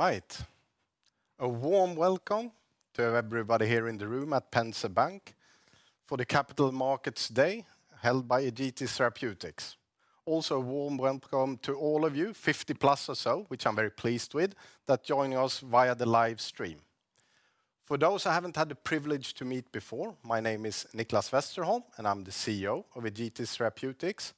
Right. A warm welcome to everybody here in the room at Penser Bank for the Capital Markets Day held by Egetis Therapeutics. Also, a warm welcome to all of you, 50+ or so, which I'm very pleased with, that joining us via the live stream. For those I haven't had the privilege to meet before, my name is Nicklas Westerholm, and I'm the CEO of Egetis Therapeutics.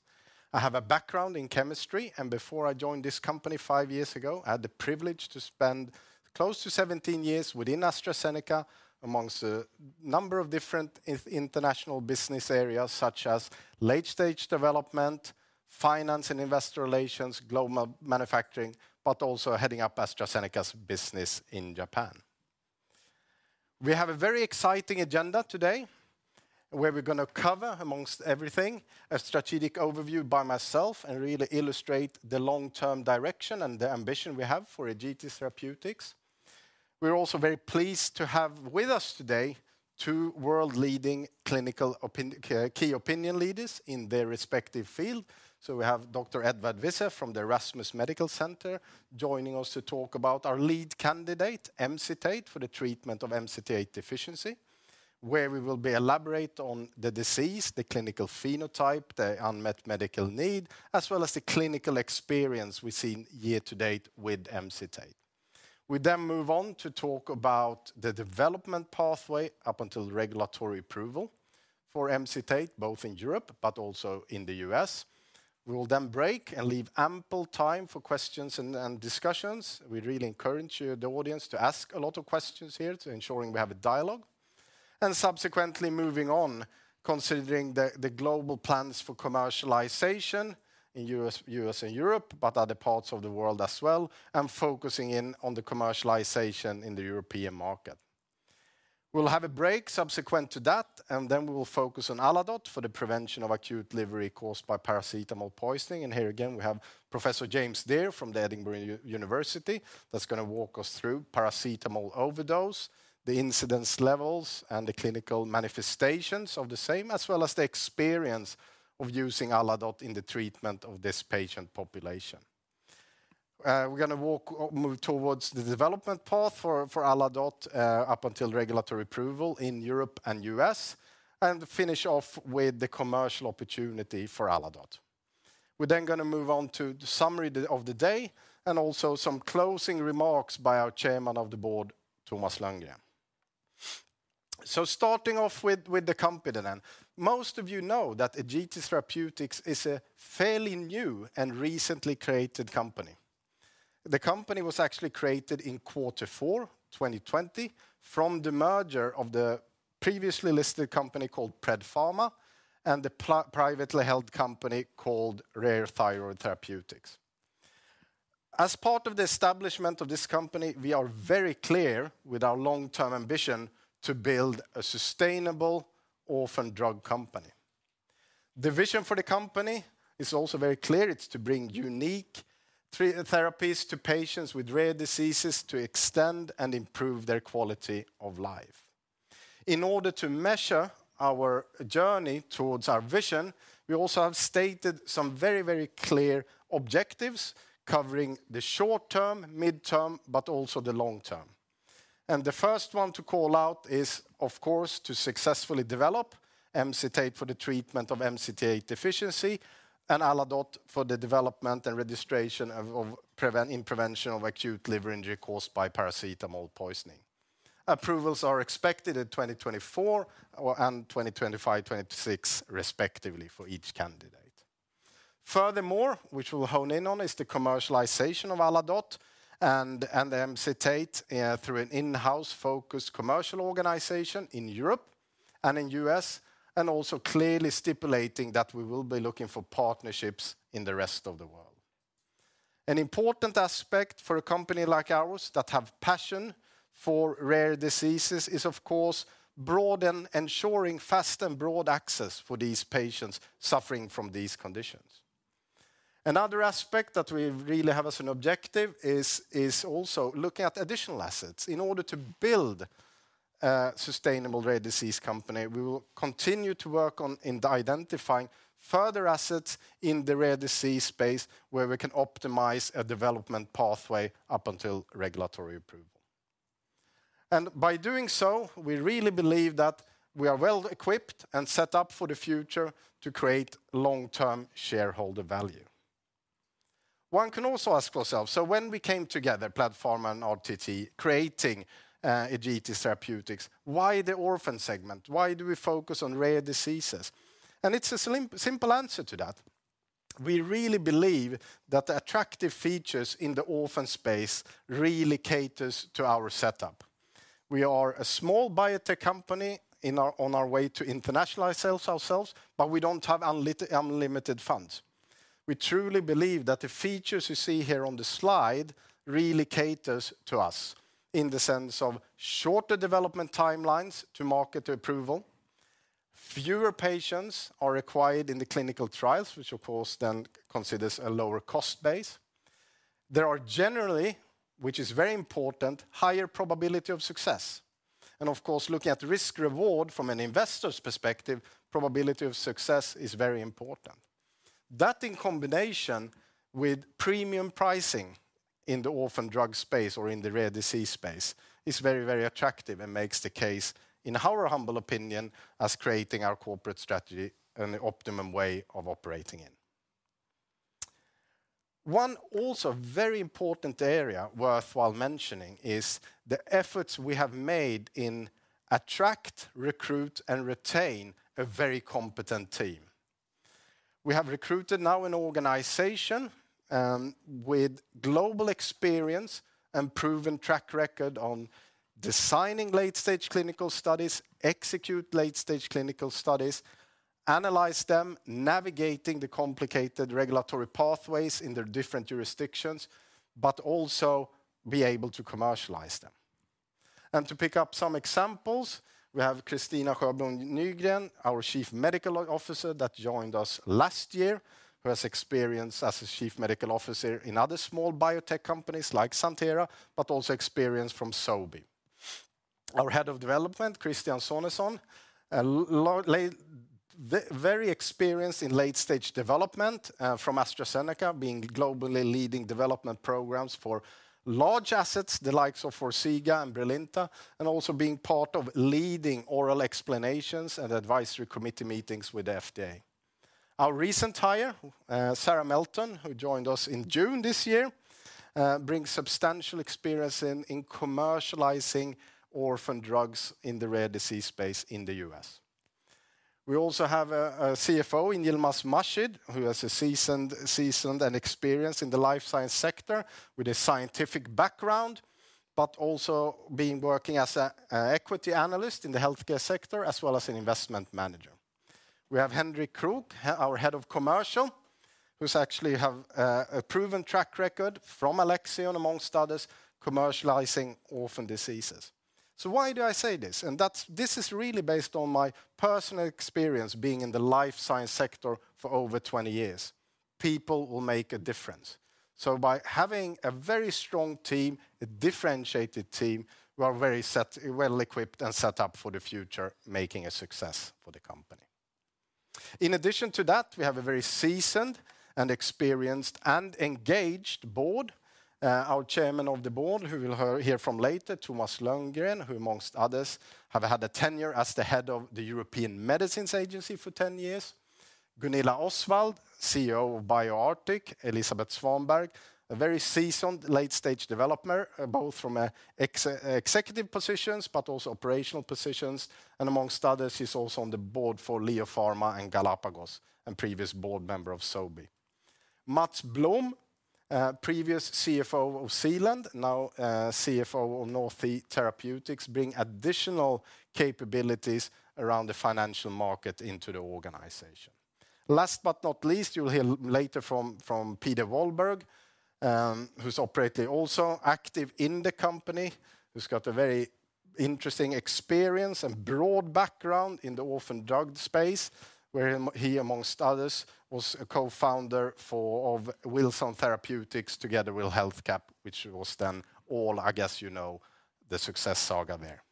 I have a background in chemistry, and before I joined this company five years ago, I had the privilege to spend close to 17 years within AstraZeneca amongst a number of different international business areas, such as late-stage development, finance and Investor Relations, global manufacturing, but also heading up AstraZeneca's business in Japan. We have a very exciting agenda today, where we're gonna cover, amongst everything, a strategic overview by myself and really illustrate the long-term direction and the ambition we have for Egetis Therapeutics. We're also very pleased to have with us today two world-leading clinical key opinion leaders in their respective field. We have Dr. Edward Visser from the Erasmus Medical Center joining us to talk about our lead candidate, Emcitate, for the treatment of MCT8 deficiency, where we will be elaborate on the disease, the clinical phenotype, the unmet medical need, as well as the clinical experience we've seen year-to-date with Emcitate. We then move on to talk about the development pathway up until regulatory approval for Emcitate, both in Europe but also in the U.S. We will then break and leave ample time for questions and discussions. We'd really encourage the audience to ask a lot of questions here to ensure we have a dialogue. Subsequently moving on, considering the global plans for commercialization in U.S. and Europe, but other parts of the world as well, and focusing in on the commercialization in the European market. We'll have a break subsequent to that, and then we will focus on Aladote for the prevention of acute liver injury caused by paracetamol poisoning. Here again, we have Professor James Dear from the Edinburgh University that's gonna walk us through paracetamol overdose, the incidence levels, and the clinical manifestations of the same, as well as the experience of using Aladote in the treatment of this patient population. We're gonna move towards the development path for Aladote, up until regulatory approval in Europe and U.S., and finish off with the commercial opportunity for Aladote. We're then gonna move on to the summary of the day and also some closing remarks by our Chairman of the Board, Thomas Lönngren. Starting off with the company then. Most of you know that Egetis Therapeutics is a fairly new and recently created company. The company was actually created in quarter four 2020 from the merger of the previously listed company called PledPharma and the privately-held company called Rare Thyroid Therapeutics. As part of the establishment of this company, we are very clear with our long-term ambition to build a sustainable orphan drug company. The vision for the company is also very clear. It's to bring unique treated therapies to patients with rare diseases to extend and improve their quality of life. In order to measure our journey towards our vision, we also have stated some very clear objectives covering the short term, midterm, but also the long term. The first one to call out is, of course, to successfully develop Emcitate for the treatment of MCT8 deficiency and Aladote for the development and registration in prevention of acute liver injury caused by paracetamol poisoning. Approvals are expected in 2024 and 2025, 2026 respectively for each candidate. Furthermore, which we'll hone in on, is the commercialization of Aladote and Emcitate through an in-house focused commercial organization in Europe and in U.S., and also clearly stipulating that we will be looking for partnerships in the rest of the world. An important aspect for a company like ours that have passion for rare diseases is, of course, ensuring fast and broad access for these patients suffering from these conditions. Another aspect that we really have as an objective is also looking at additional assets. In order to build a sustainable rare disease company, we will continue in identifying further assets in the rare disease space where we can optimize a development pathway up until regulatory approval. By doing so, we really believe that we are well-equipped and set up for the future to create long-term shareholder value. One can also ask ourselves, so when we came together, PledPharma and RTT, creating Egetis Therapeutics, why the orphan segment? Why do we focus on rare diseases? It's a simple answer to that. We really believe that the attractive features in the orphan space really cater to our setup. We are a small biotech company on our way to internationalize ourselves, but we don't have unlimited funds. We truly believe that the features you see here on the slide really cater to us in the sense of shorter development timelines to market approval. Fewer patients are required in the clinical trials, which of course then considers a lower cost base. There are generally, which is very important, higher probability of success. Of course, looking at risk-reward from an investor's perspective, probability of success is very important. That in combination with premium pricing in the orphan drug space or in the rare disease space is very, very attractive and makes the case, in our humble opinion, as creating our corporate strategy and the optimum way of operating in. One also very important area worth mentioning is the efforts we have made in attract, recruit, and retain a very competent team. We have recruited now an organization with global experience and proven track record on designing late-stage clinical studies, executing late-stage clinical studies, analyzing them, navigating the complicated regulatory pathways in their different jurisdictions, but also be able to commercialize them. To pick up some examples, we have Kristina Sjöblom Nygren, our Chief Medical Officer that joined us last year, who has experience as a chief medical officer in other small biotech companies like Santhera, but also experience from Sobi. Our Head of Development, Christian Sonesson, very experienced in late-stage development from AstraZeneca, being globally leading development programs for large assets, the likes of Forxiga and Brilinta, and also being part of leading oral explanations and advisory committee meetings with FDA. Our recent hire, Sara Melton, who joined us in June this year, brings substantial experience in commercializing orphan drugs in the rare disease space in the U.S. We also have a CFO in Yilmaz Mahshid, who has a seasoned and experienced in the life science sector with a scientific background, but also been working as a equity analyst in the healthcare sector, as well as an investment manager. We have Henrik Krook, our Head of Commercial, who's actually have a proven track record from Alexion, amongst others, commercializing orphan diseases. Why do I say this? This is really based on my personal experience being in the life science sector for over 20 years. People will make a difference. By having a very strong team, a differentiated team, we are very well-equipped and set up for the future, making a success for the company. In addition to that, we have a very seasoned and experienced and engaged board. Our Chairman of the Board, who we'll hear from later, Thomas Lönngren, who amongst others, have had a tenure as the Head of the European Medicines Agency for 10 years. Gunilla Osswald, CEO of BioArctic. Elisabeth Svanberg, a very seasoned late-stage developer, both from executive positions, but also operational positions. And amongst others, she's also on the board for LEO Pharma and Galapagos, and previous board member of Sobi. Mats Blom, previous CFO of [Zealand], now, CFO of NorthSea Therapeutics, bring additional capabilities around the financial market into the organization. Last but not least, you'll hear later from Peder Walberg, who's operating also active in the company, who's got a very interesting experience and broad background in the orphan drug space, where he amongst others, was a co-founder of Wilson Therapeutics together with HealthCap, which was then all, I guess, you know the success saga there.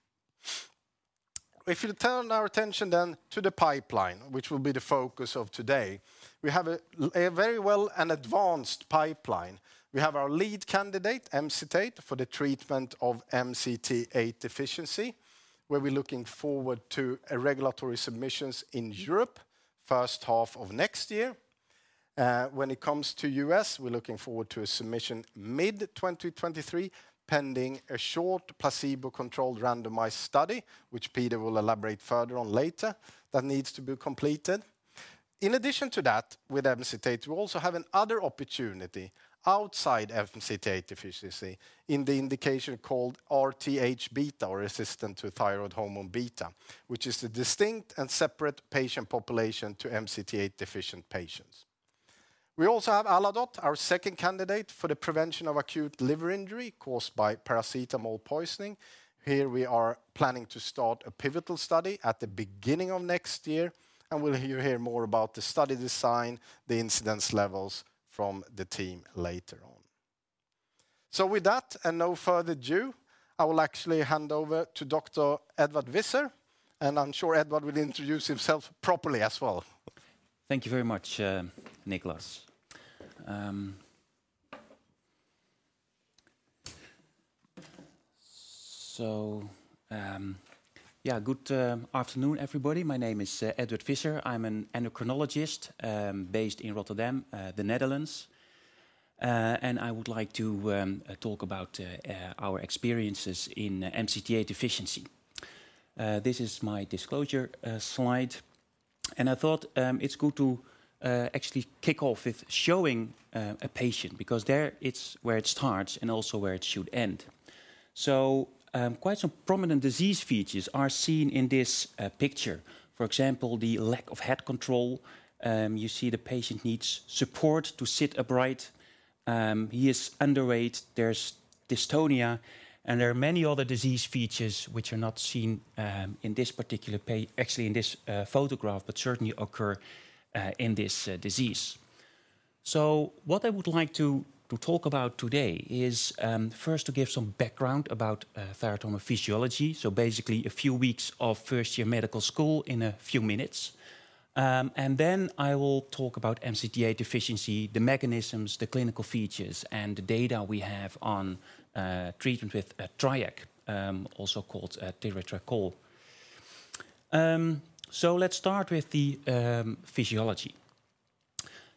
If you turn our attention then to the pipeline, which will be the focus of today, we have a very well and advanced pipeline. We have our lead candidate, Emcitate, for the treatment of MCT8 deficiency, where we're looking forward to a regulatory submissions in Europe first half of next year. When it comes to U.S., we're looking forward to a submission mid-2023, pending a short placebo-controlled randomized study, which Peder will elaborate further on later that needs to be completed. In addition to that, with Emcitate, we also have another opportunity outside MCT8 deficiency in the indication called RTH-beta, or resistance to thyroid hormone beta, which is a distinct and separate patient population to MCT8-deficient patients. We also have Aladote, our second candidate for the prevention of acute liver injury caused by paracetamol poisoning. Here we are planning to start a pivotal study at the beginning of next year, and we'll hear more about the study design, the incidence levels from the team later on. With that, and no further ado, I will actually hand over to Dr. Edward Visser, and I'm sure Edward will introduce himself properly as well. Thank you very much, Niklas. Good afternoon, everybody. My name is Edward Visser. I'm an endocrinologist based in Rotterdam, the Netherlands. I would like to talk about our experiences in MCT8 deficiency. This is my disclosure slide, and I thought it's good to actually kick off with showing a patient because there it's where it starts and also where it should end. Quite some prominent disease features are seen in this picture. For example, the lack of head control. You see the patient needs support to sit upright. He is underweight. There's dystonia, and there are many other disease features which are not seen in this particular photograph, but certainly occur in this disease. What I would like to talk about today is first to give some background about thyroid hormone physiology. Basically a few weeks of first year medical school in a few minutes. Then I will talk about MCT8 deficiency, the mechanisms, the clinical features, and the data we have on treatment with TRIAC, also called tiratricol. Let's start with the physiology.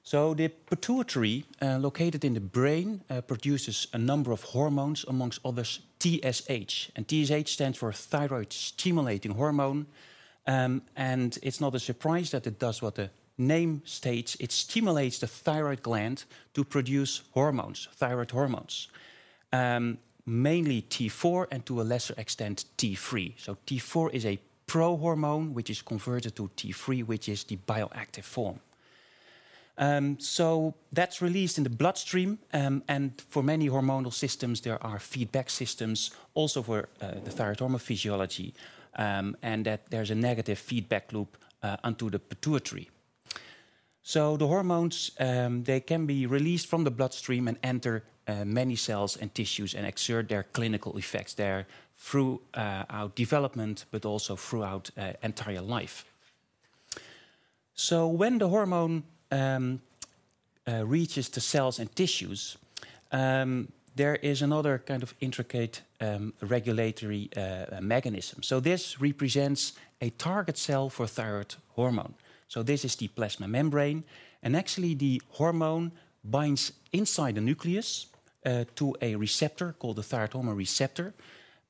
The pituitary located in the brain produces a number of hormones, among others, TSH, and TSH stands for thyroid-stimulating hormone. It's not a surprise that it does what the name states. It stimulates the thyroid gland to produce hormones, thyroid hormones, mainly T4 and to a lesser extent T3. T4 is a prohormone which is converted to T3, which is the bioactive form. That's released in the bloodstream, and for many hormonal systems there are feedback systems also for the thyroid hormone physiology, and that there's a negative feedback loop onto the pituitary. The hormones, they can be released from the bloodstream and enter many cells and tissues and exert their clinical effects there throughout development, but also throughout entire life. When the hormone reaches the cells and tissues, there is another kind of intricate regulatory mechanism. This represents a target cell for thyroid hormone. This is the plasma membrane, and actually the hormone binds inside the nucleus, to a receptor called the thyroid hormone receptor.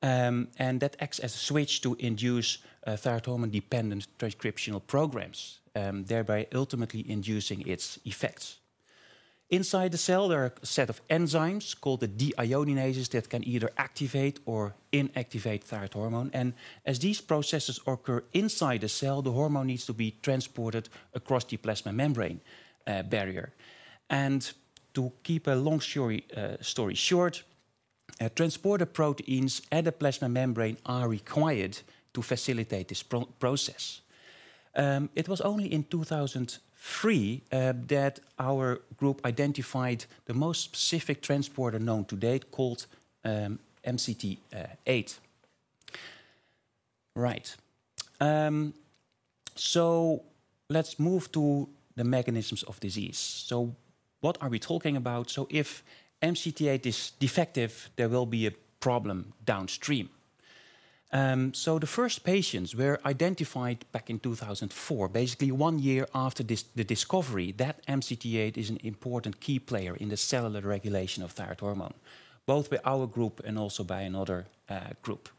That acts as a switch to induce thyroid hormone dependent transcriptional programs, thereby ultimately inducing its effects. Inside the cell, there are a set of enzymes called the deiodinases that can either activate or inactivate thyroid hormone. As these processes occur inside the cell, the hormone needs to be transported across the plasma membrane barrier. To keep a long story short, transporter proteins at the plasma membrane are required to facilitate this process. It was only in 2003 that our group identified the most specific transporter known to date, called MCT8. Let's move to the mechanisms of disease. What are we talking about? If MCT8 is defective, there will be a problem downstream. The first patients were identified back in 2004, basically one year after the discovery that MCT8 is an important key player in the cellular regulation of thyroid hormone, both by our group and also by another group.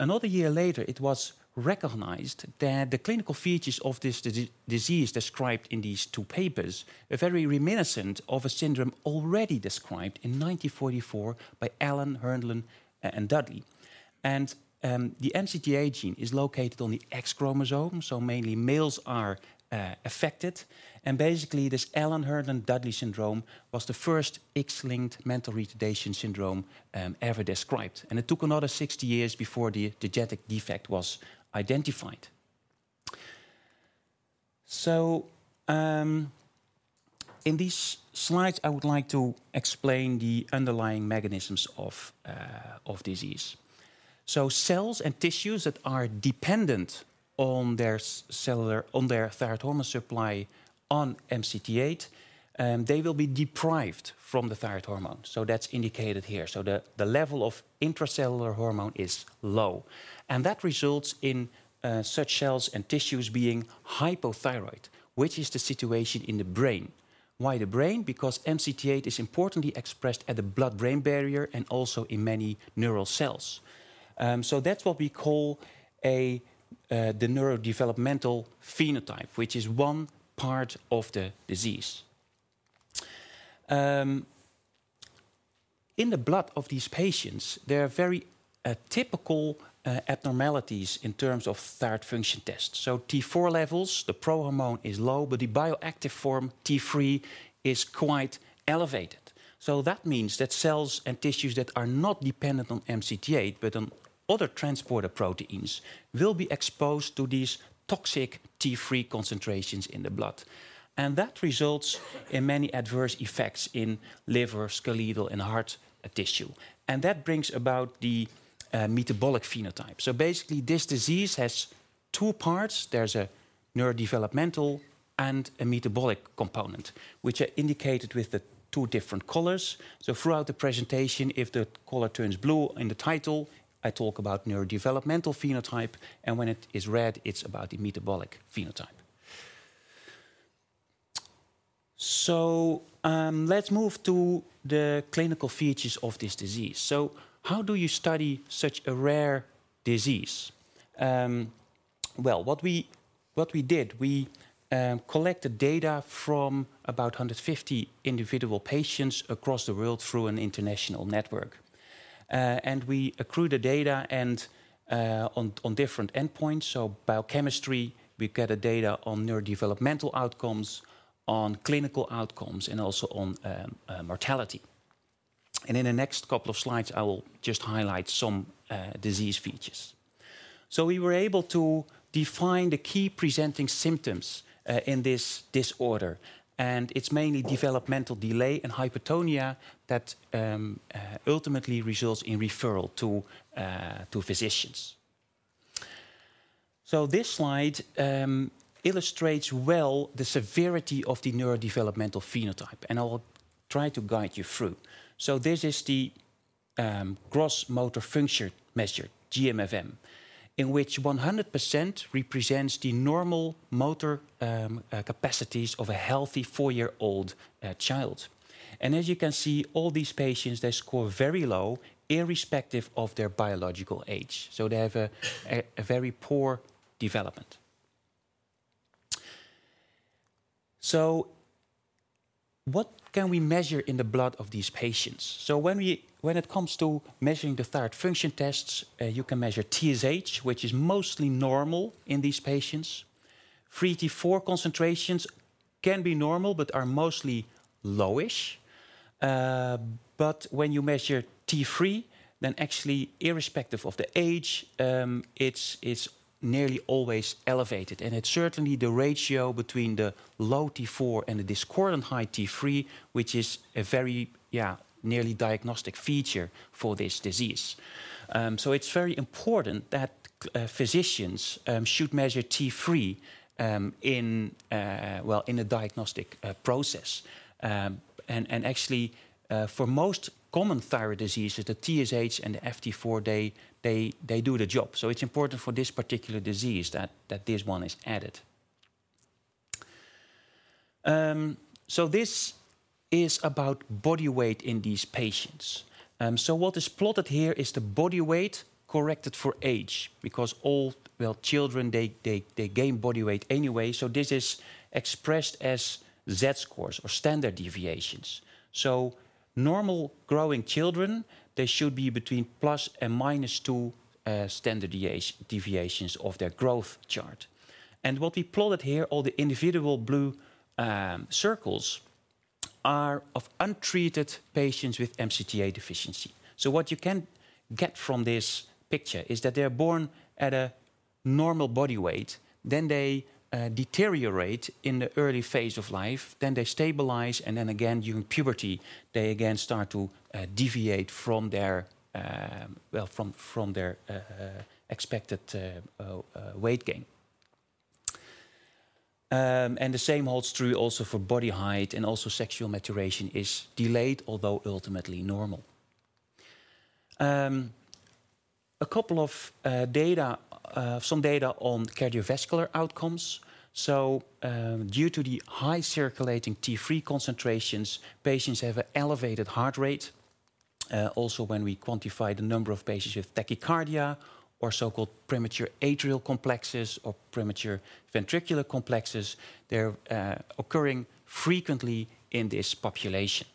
Another year later, it was recognized that the clinical features of this disease described in these two papers are very reminiscent of a syndrome already described in 1944 by Allan-Herndon and Dudley. The MCT8 gene is located on the X chromosome, so mainly males are affected. Basically this Allan-Herndon and Dudley syndrome was the first X-linked mental retardation syndrome ever described, and it took another 60 years before the genetic defect was identified. In these slides, I would like to explain the underlying mechanisms of disease. Cells and tissues that are dependent on their thyroid hormone supply on MCT8, they will be deprived from the thyroid hormone. That's indicated here. The level of intracellular hormone is low, and that results in such cells and tissues being hypothyroid, which is the situation in the brain. Why the brain? Because MCT8 is importantly expressed at the blood-brain barrier and also in many neural cells. That's what we call the neurodevelopmental phenotype, which is one part of the disease. In the blood of these patients, there are very typical abnormalities in terms of thyroid function tests. T4 levels, the prohormone is low, but the bioactive form T3 is quite elevated. That means that cells and tissues that are not dependent on MCT8, but on other transporter proteins, will be exposed to these toxic T3 concentrations in the blood. That results in many adverse effects in liver, skeletal, and heart tissue. That brings about the metabolic phenotype. Basically this disease has two parts. There's a neurodevelopmental and a metabolic component, which are indicated with the two different colors. Throughout the presentation, if the color turns blue in the title, I talk about neurodevelopmental phenotype, and when it is red, it's about the metabolic phenotype. Let's move to the clinical features of this disease. How do you study such a rare disease? What we did, we collected data from about 150 individual patients across the world through an international network. We accrued the data on different endpoints. Biochemistry, we gathered data on neurodevelopmental outcomes, on clinical outcomes, and also on mortality. In the next couple of slides, I will just highlight some disease features. We were able to define the key presenting symptoms in this disorder, and it's mainly developmental delay and hypotonia that ultimately results in referral to physicians. This slide illustrates well the severity of the neurodevelopmental phenotype, and I will try to guide you through. This is the Gross Motor Function Measure, GMFM, in which 100% represents the normal motor capacities of a healthy four-year-old child. As you can see, all these patients, they score very low irrespective of their biological age. They have a very poor development. What can we measure in the blood of these patients? When it comes to measuring the thyroid function tests, you can measure TSH, which is mostly normal in these patients. Free T4 concentrations can be normal but are mostly lowish. But when you measure T3, then actually irrespective of the age, it's nearly always elevated. It's certainly the ratio between the low T4 and the discordant high T3, which is a very nearly diagnostic feature for this disease. It's very important that physicians should measure T3, well, in a diagnostic process. Actually, for most common thyroid diseases, the TSH and the FT4, they do the job. It's important for this particular disease that this one is added. This is about body weight in these patients. What is plotted here is the body weight corrected for age because all, well, children, they gain body weight anyway, so this is expressed as Z-scores or standard deviations. Normal growing children, they should be between plus and minus two standard deviations of their growth chart. What we plotted here, all the individual blue circles are of untreated patients with MCT8 deficiency. What you can get from this picture is that they are born at a normal body weight, then they deteriorate in the early phase of life, then they stabilize, and then again during puberty, they again start to deviate from their expected weight gain. The same holds true also for body height and also sexual maturation is delayed, although ultimately normal. Some data on cardiovascular outcomes. Due to the high circulating T3 concentrations, patients have an elevated heart rate. Also, when we quantify the number of patients with tachycardia or so-called premature atrial complexes or premature ventricular complexes, they're occurring frequently in this population.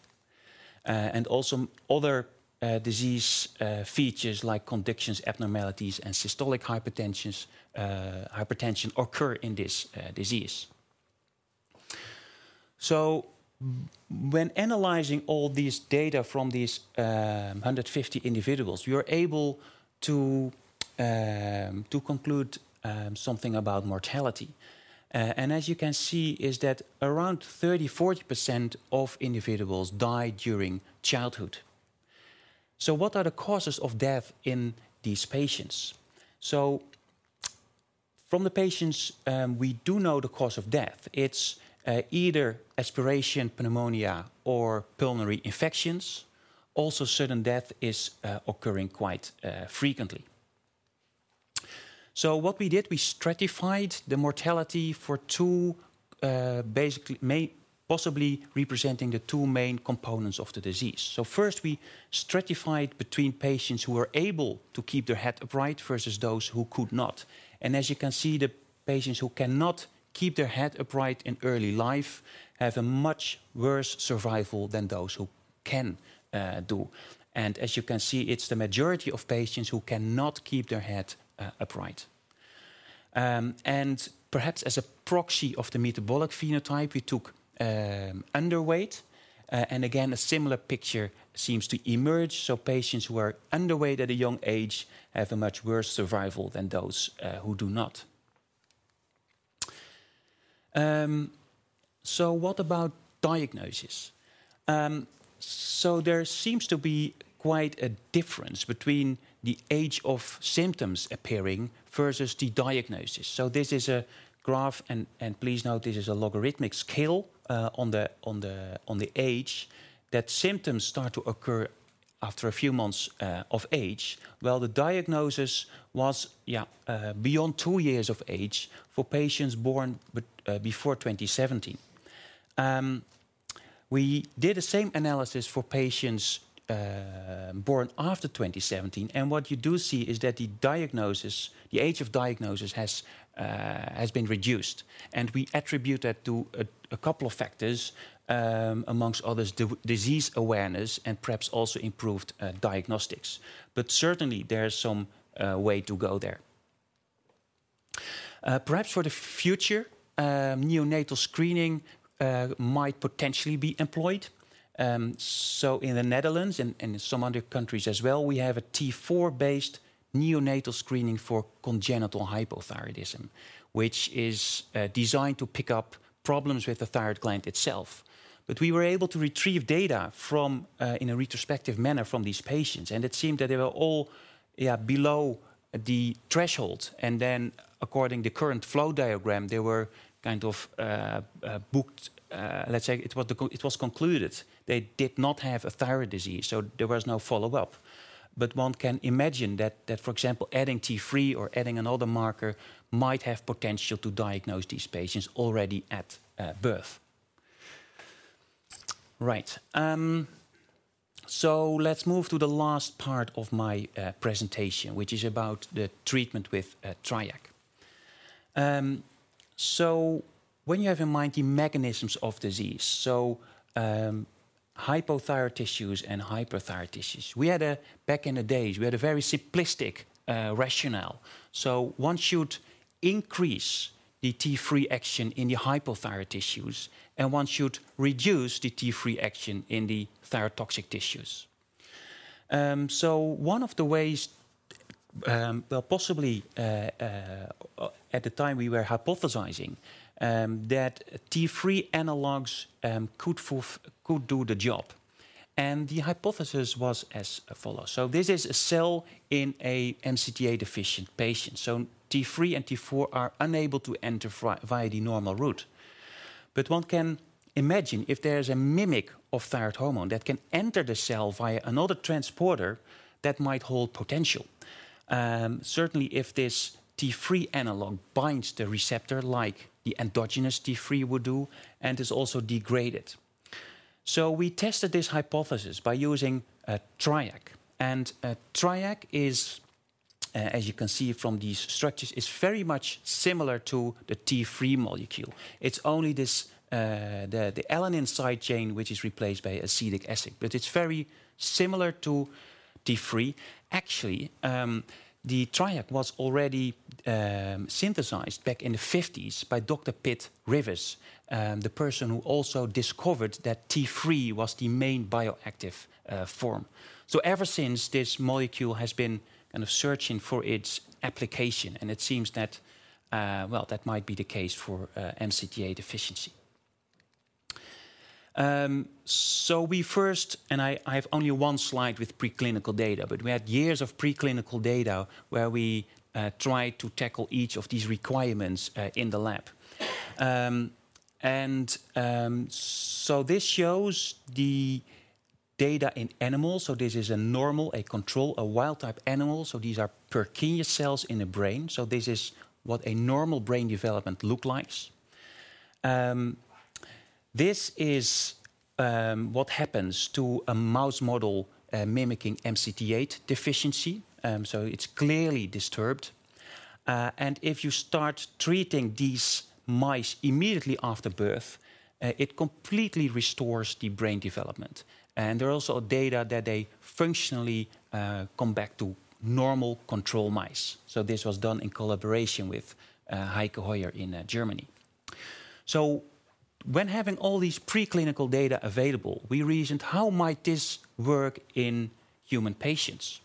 Other disease features like conduction abnormalities and systolic hypertension occur in this disease. When analyzing all these data from these 150 individuals, we are able to conclude something about mortality. As you can see is that around 30%, 40% of individuals die during childhood. What are the causes of death in these patients? From the patients, we do know the cause of death. It's either aspiration pneumonia or pulmonary infections. Also, sudden death is occurring quite frequently. What we did, we stratified the mortality for two, basically possibly representing the two main components of the disease. First, we stratified between patients who were able to keep their head upright versus those who could not. As you can see, the patients who cannot keep their head upright in early life have a much worse survival than those who can do. As you can see, it's the majority of patients who cannot keep their head upright. Perhaps as a proxy of the metabolic phenotype, we took underweight, and again, a similar picture seems to emerge. Patients who are underweight at a young age have a much worse survival than those who do not. What about diagnosis? There seems to be quite a difference between the age of symptoms appearing versus the diagnosis. This is a graph, and please note this is a logarithmic scale on the age that symptoms start to occur after a few months of age, while the diagnosis was beyond two years of age for patients born before 2017. We did the same analysis for patients born after 2017, and what you do see is that the diagnosis, the age of diagnosis has been reduced, and we attribute that to a couple of factors, amongst others, disease awareness and perhaps also improved diagnostics. Certainly, there is some way to go there. Perhaps for the future, neonatal screening might potentially be employed. In the Netherlands and some other countries as well, we have a T4-based neonatal screening for congenital hypothyroidism, which is designed to pick up problems with the thyroid gland itself. We were able to retrieve data in a retrospective manner from these patients, and it seemed that they were all below the threshold. Then according to the current flow diagram, it was concluded they did not have a thyroid disease, so there was no follow-up. One can imagine that, for example, adding T3 or adding another marker might have potential to diagnose these patients already at birth. Right. Let's move to the last part of my presentation, which is about the treatment with TRIAC. When you have in mind the mechanisms of disease, hypothyroid tissues and hyperthyroid tissues. Back in the days, we had a very simplistic rationale. One should increase the T3 action in the hypothyroid tissues, and one should reduce the T3 action in the thyrotoxic tissues. One of the ways, well, possibly, at the time we were hypothesizing, that T3 analogs could do the job. The hypothesis was as follows. This is a cell in a MCT8-deficient patient. T3 and T4 are unable to enter via the normal route. One can imagine if there is a mimic of thyroid hormone that can enter the cell via another transporter that might hold potential. Certainly if this T3 analog binds the receptor like the endogenous T3 would do and is also degraded. We tested this hypothesis by using TRIAC. TRIAC is, as you can see from these structures, very much similar to the T3 molecule. It's only this, the alanine side chain, which is replaced by acetic acid. It's very similar to T3. Actually, the TRIAC was already synthesized back in the 1950s by Dr. Pitt-Rivers, the person who also discovered that T3 was the main bioactive form. Ever since, this molecule has been kind of searching for its application, and it seems that, well, that might be the case for MCT8 deficiency. I have only one slide with preclinical data, but we had years of preclinical data where we tried to tackle each of these requirements in the lab. This shows the data in animals. This is a normal, a control, a wild-type animal. These are Purkinje cells in the brain. This is what a normal brain development looks like. This is what happens to a mouse model mimicking MCT8 deficiency. It's clearly disturbed. If you start treating these mice immediately after birth, it completely restores the brain development. There are also data that they functionally come back to normal control mice. This was done in collaboration with Heike Heuer in Germany. When having all these preclinical data available, we reasoned how might this work in human patients.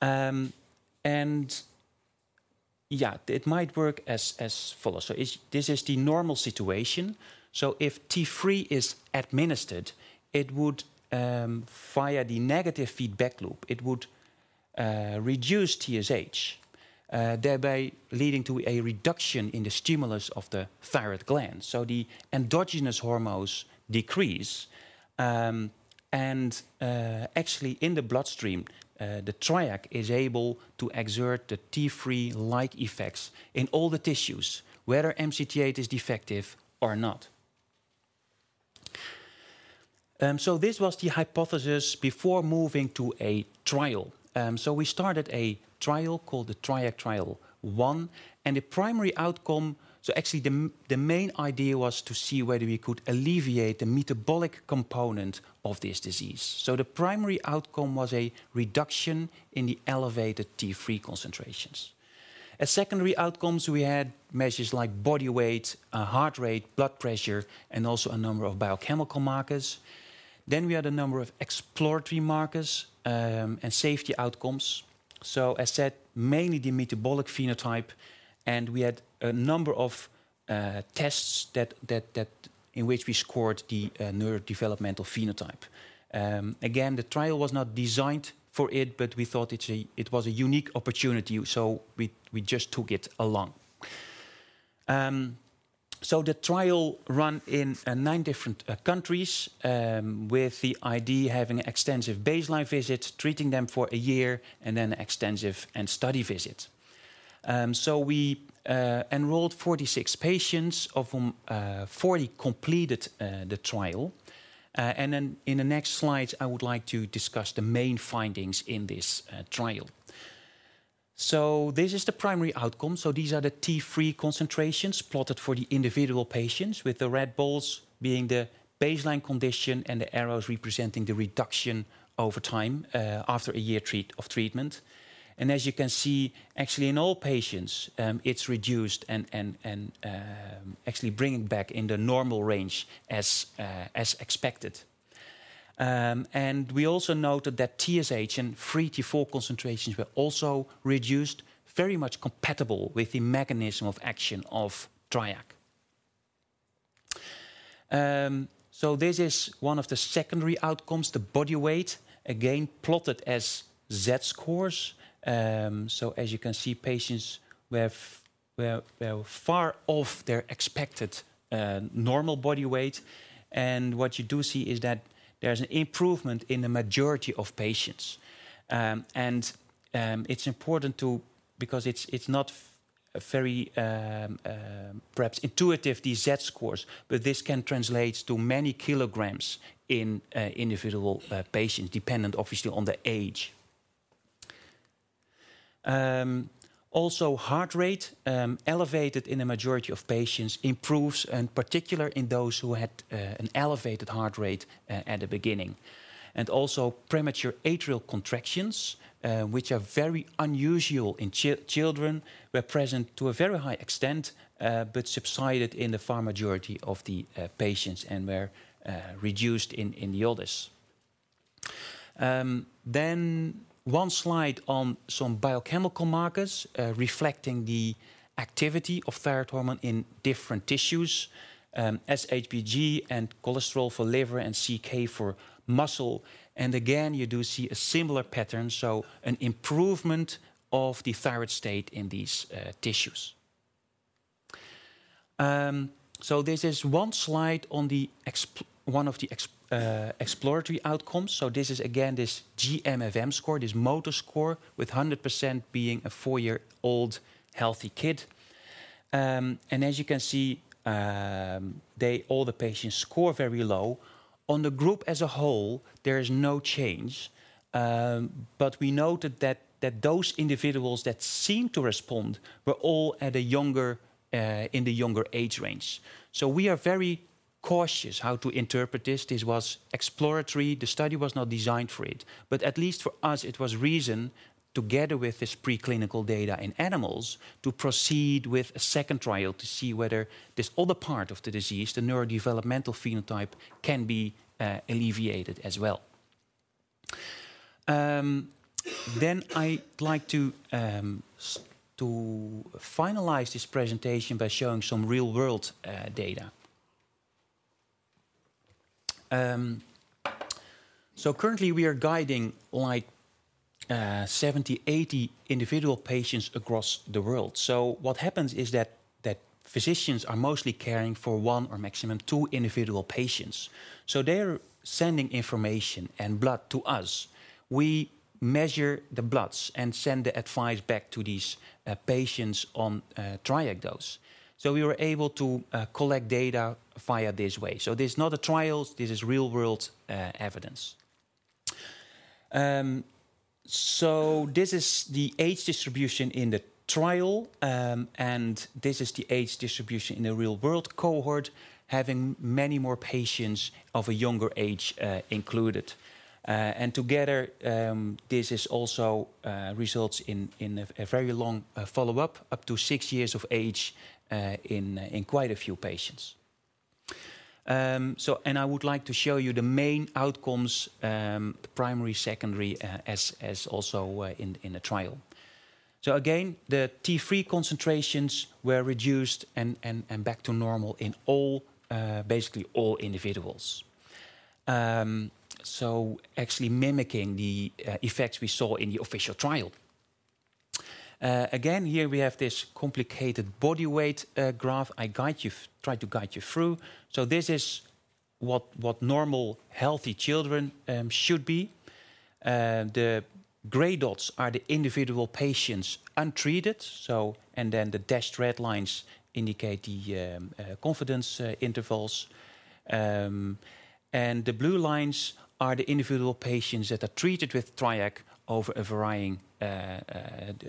It might work as follows. This is the normal situation. If T3 is administered, it would via the negative feedback loop reduce TSH, thereby leading to a reduction in the stimulus of the thyroid gland. The endogenous hormones decrease. Actually in the bloodstream, the TRIAC is able to exert the T3-like effects in all the tissues, whether MCT8 is defective or not. This was the hypothesis before moving to a trial. We started a trial called the TRIAC Trial I, and the primary outcome, actually, the main idea was to see whether we could alleviate the metabolic component of this disease. The primary outcome was a reduction in the elevated T3 concentrations. As secondary outcomes, we had measures like body weight, heart rate, blood pressure, and also a number of biochemical markers. We had a number of exploratory markers and safety outcomes. As said, mainly the metabolic phenotype, and we had a number of tests that in which we scored the neurodevelopmental phenotype. Again, the trial was not designed for it, but we thought it was a unique opportunity, we just took it along. The trial ran in nine different countries, with the idea having extensive baseline visits, treating them for a year, and then extensive end-study visit. We enrolled 46 patients, of whom 40 completed the trial. In the next slide, I would like to discuss the main findings in this trial. This is the primary outcome. These are the T3 concentrations plotted for the individual patients, with the red balls being the baseline condition and the arrows representing the reduction over time, after a year of treatment. As you can see, actually in all patients, it's reduced and actually bringing back in the normal range as expected. We also noted that TSH and free T4 concentrations were also reduced, very much compatible with the mechanism of action of TRIAC. This is one of the secondary outcomes, the body weight, again plotted as Z-scores. As you can see, patients were far off their expected normal body weight. What you do see is that there's an improvement in the majority of patients. It's important because it's not very intuitive, perhaps, these Z-scores, but this can translate to many kilograms in individual patients, dependent obviously on their age. Also heart rate elevated in the majority of patients improves, in particular in those who had an elevated heart rate at the beginning. Also premature atrial contractions, which are very unusual in children, were present to a very high extent, but subsided in the far majority of the patients and were reduced in the others. One slide on some biochemical markers, reflecting the activity of thyroid hormone in different tissues, SHBG and cholesterol for liver and CK for muscle. Again, you do see a similar pattern, so an improvement of the thyroid state in these tissues. This is one slide on one of the exploratory outcomes. This is again this GMFM score, this motor score, with 100% being a four-year-old healthy kid. As you can see, all the patients score very low. On the group as a whole, there is no change, but we noted that those individuals that seem to respond were all at a younger, in the younger age range. We are very cautious how to interpret this. This was exploratory. The study was not designed for it. At least for us, it was reason, together with this preclinical data in animals, to proceed with a second trial to see whether this other part of the disease, the neurodevelopmental phenotype, can be alleviated as well. I'd like to finalize this presentation by showing some real-world data. Currently we are guiding like 70, 80 individual patients across the world. What happens is that physicians are mostly caring for one or maximum two individual patients. They're sending information and blood to us. We measure the bloods and send the advice back to these patients on TRIAC dose. We were able to collect data via this way. This is not a trial, this is real-world evidence. This is the age distribution in the trial, and this is the age distribution in the real-world cohort, having many more patients of a younger age included. Together, this also results in a very long follow-up, up to six years of age, in quite a few patients. I would like to show you the main outcomes, primary, secondary, as also in a trial. Again, the T3 concentrations were reduced and back to normal in all, basically all individuals. Actually mimicking the effects we saw in the initial trial. Again, here we have this complicated body weight graph. I try to guide you through. This is what normal healthy children should be. The gray dots are the individual patients untreated, and then the dashed red lines indicate the confidence intervals. The blue lines are the individual patients that are treated with TRIAC over a varying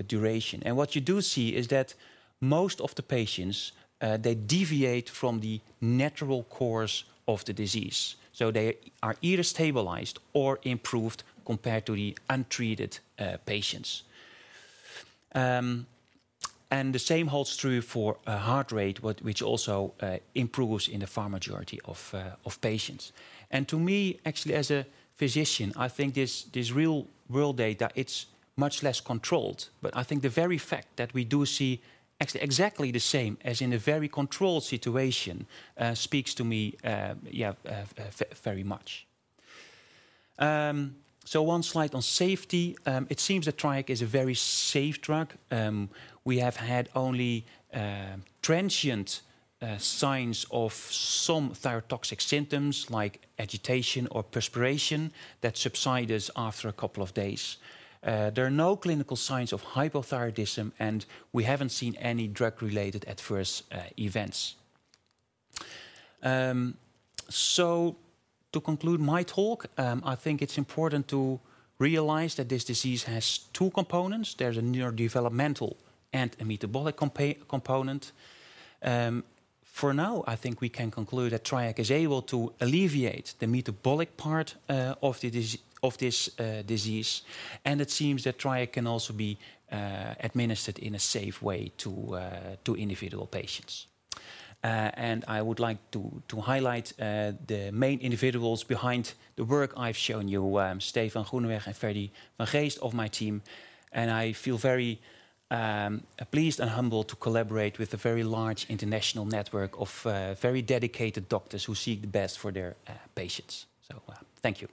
duration. What you do see is that most of the patients, they deviate from the natural course of the disease, so they are either stabilized or improved compared to the untreated patients. The same holds true for heart rate, which also improves in the far majority of patients. To me, actually as a physician, I think this real-world data, it's much less controlled, but I think the very fact that we do see actually exactly the same as in a very controlled situation, speaks to me, very much. One slide on safety. It seems that TRIAC is a very safe drug. We have had only transient signs of some thyrotoxic symptoms like agitation or perspiration that subsides after a couple of days. There are no clinical signs of hypothyroidism, and we haven't seen any drug-related adverse events. To conclude my talk, I think it's important to realize that this disease has two components. There's a neurodevelopmental and a metabolic component. For now, I think we can conclude that TRIAC is able to alleviate the metabolic part of this disease, and it seems that TRIAC can also be administered in a safe way to individual patients. I would like to highlight the main individuals behind the work I've shown you, Stefan Groeneweg and Ferdy van Geest of my team, and I feel very pleased and humbled to collaborate with a very large international network of very dedicated doctors who seek the best for their patients. Thank you.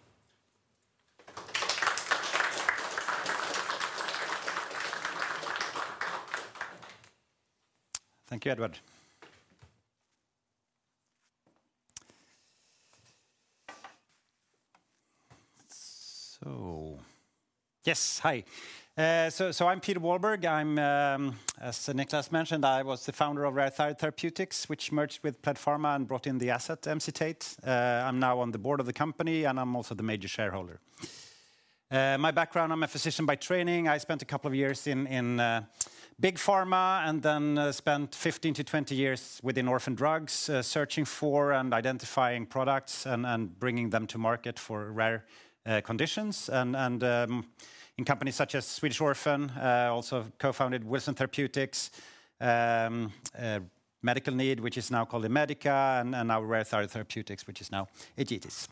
Thank you, Edward. Yes. Hi. I'm Peder Walberg. As Nicklas mentioned, I was the founder of Rare Thyroid Therapeutics, which merged with PledPharma and brought in the asset, Emcitate. I'm now on the board of the company, and I'm also the major shareholder. My background, I'm a physician by training. I spent a couple of years in big pharma, and then spent 15-20 years within orphan drugs, searching for and identifying products and bringing them to market for rare conditions and in companies such as Swedish Orphan, also co-founded Wilson Therapeutics, Medical Need, which is now called Immedica, and now Rare Thyroid Therapeutics, which is now Egetis.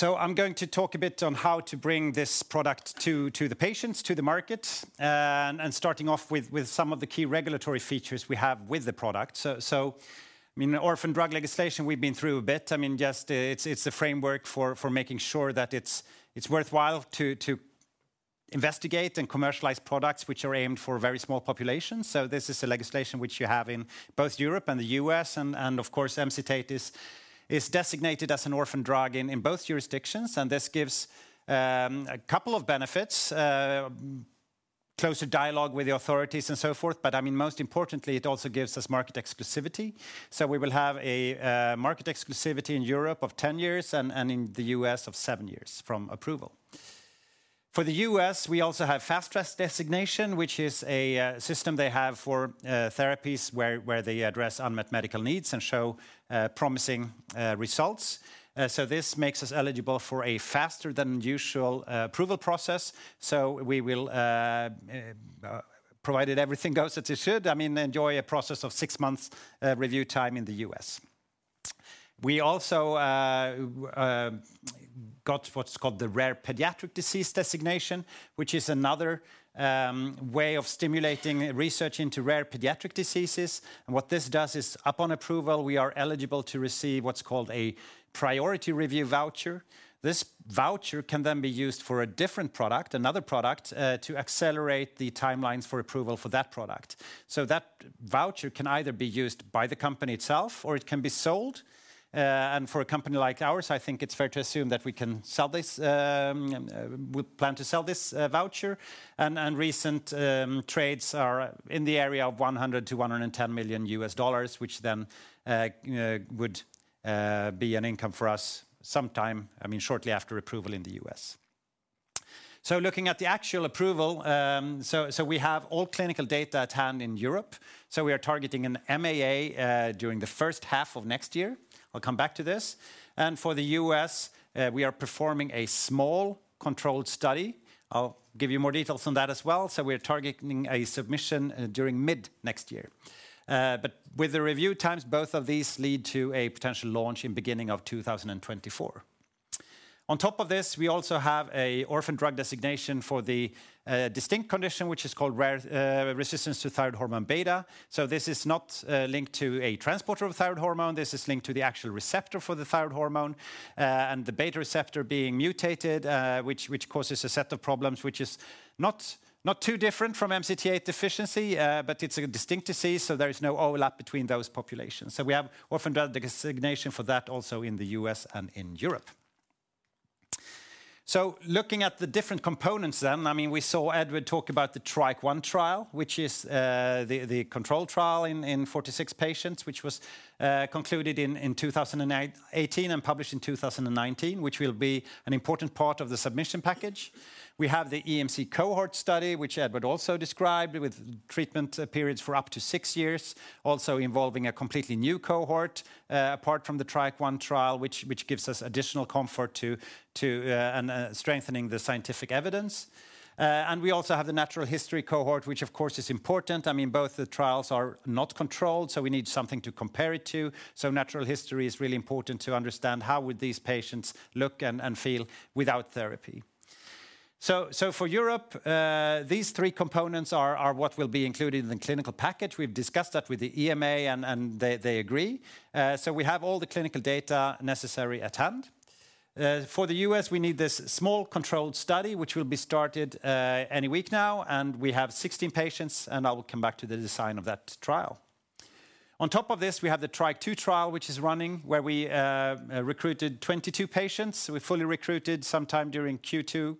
I'm going to talk a bit on how to bring this product to the patients, to the market, and starting off with some of the key regulatory features we have with the product. I mean, orphan drug legislation, we've been through a bit. I mean, just it's a framework for making sure that it's worthwhile to investigate and commercialize products which are aimed for very small populations. This is a legislation which you have in both Europe and the U.S., and of course, Emcitate is designated as an orphan drug in both jurisdictions, and this gives a couple of benefits, closer dialogue with the authorities and so forth. I mean, most importantly, it also gives us market exclusivity. We will have a market exclusivity in Europe of 10 years and in the U.S. of seven years from approval. For the U.S., we also have Fast Track designation, which is a system they have for therapies where they address unmet medical needs and show promising results. This makes us eligible for a faster than usual approval process. We will, provided everything goes as it should, I mean, enjoy a process of six months review time in the U.S. We also got what's called the Rare Pediatric Disease Designation, which is another way of stimulating research into rare pediatric diseases. What this does is, upon approval, we are eligible to receive what's called a priority review voucher. This voucher can then be used for a different product, another product, to accelerate the timelines for approval for that product. That voucher can either be used by the company itself or it can be sold. For a company like ours, I think it's fair to assume that we can sell this, we plan to sell this voucher. Recent trades are in the area of $100 million-$110 million, which then would be an income for us sometime, I mean, shortly after approval in the U..S. Looking at the actual approval, we have all clinical data at hand in Europe, so we are targeting an MAA during the first half of next year. I'll come back to this. For the U.S., we are performing a small controlled study. I'll give you more details on that as well. We are targeting a submission during mid next year. But with the review times, both of these lead to a potential launch in beginning of 2024. On top of this, we also have an orphan drug designation for the distinct condition, which is called resistance to thyroid hormone beta. This is not linked to a transporter of thyroid hormone. This is linked to the actual receptor for the thyroid hormone, and the beta receptor being mutated, which causes a set of problems which is not too different from MCT8 deficiency, but it's a distinct disease, so there is no overlap between those populations. We have orphan drug designation for that also in the U.S. and in Europe. Looking at the different components then, I mean, we saw Edward talk about the TRIAC Trial I, which is the controlled trial in 46 patients, which was concluded in 2018 and published in 2019, which will be an important part of the submission package. We have the EMC Cohort Study, which Edward also described, with treatment periods for up to six years, also involving a completely new cohort apart from the TRIAC Trial I, which gives us additional comfort and strengthening the scientific evidence. We also have the natural history cohort, which of course is important. I mean, both the trials are not controlled, so we need something to compare it to. Natural history is really important to understand how these patients would look and feel without therapy. For Europe, these three components are what will be included in the clinical package. We've discussed that with the EMA and they agree. We have all the clinical data necessary at hand. For the U.S., we need this small controlled study, which will be started any week now, and we have 16 patients, and I will come back to the design of that trial. On top of this, we have the TRIAC Trial II, which is running, where we recruited 22 patients. We fully recruited sometime during Q2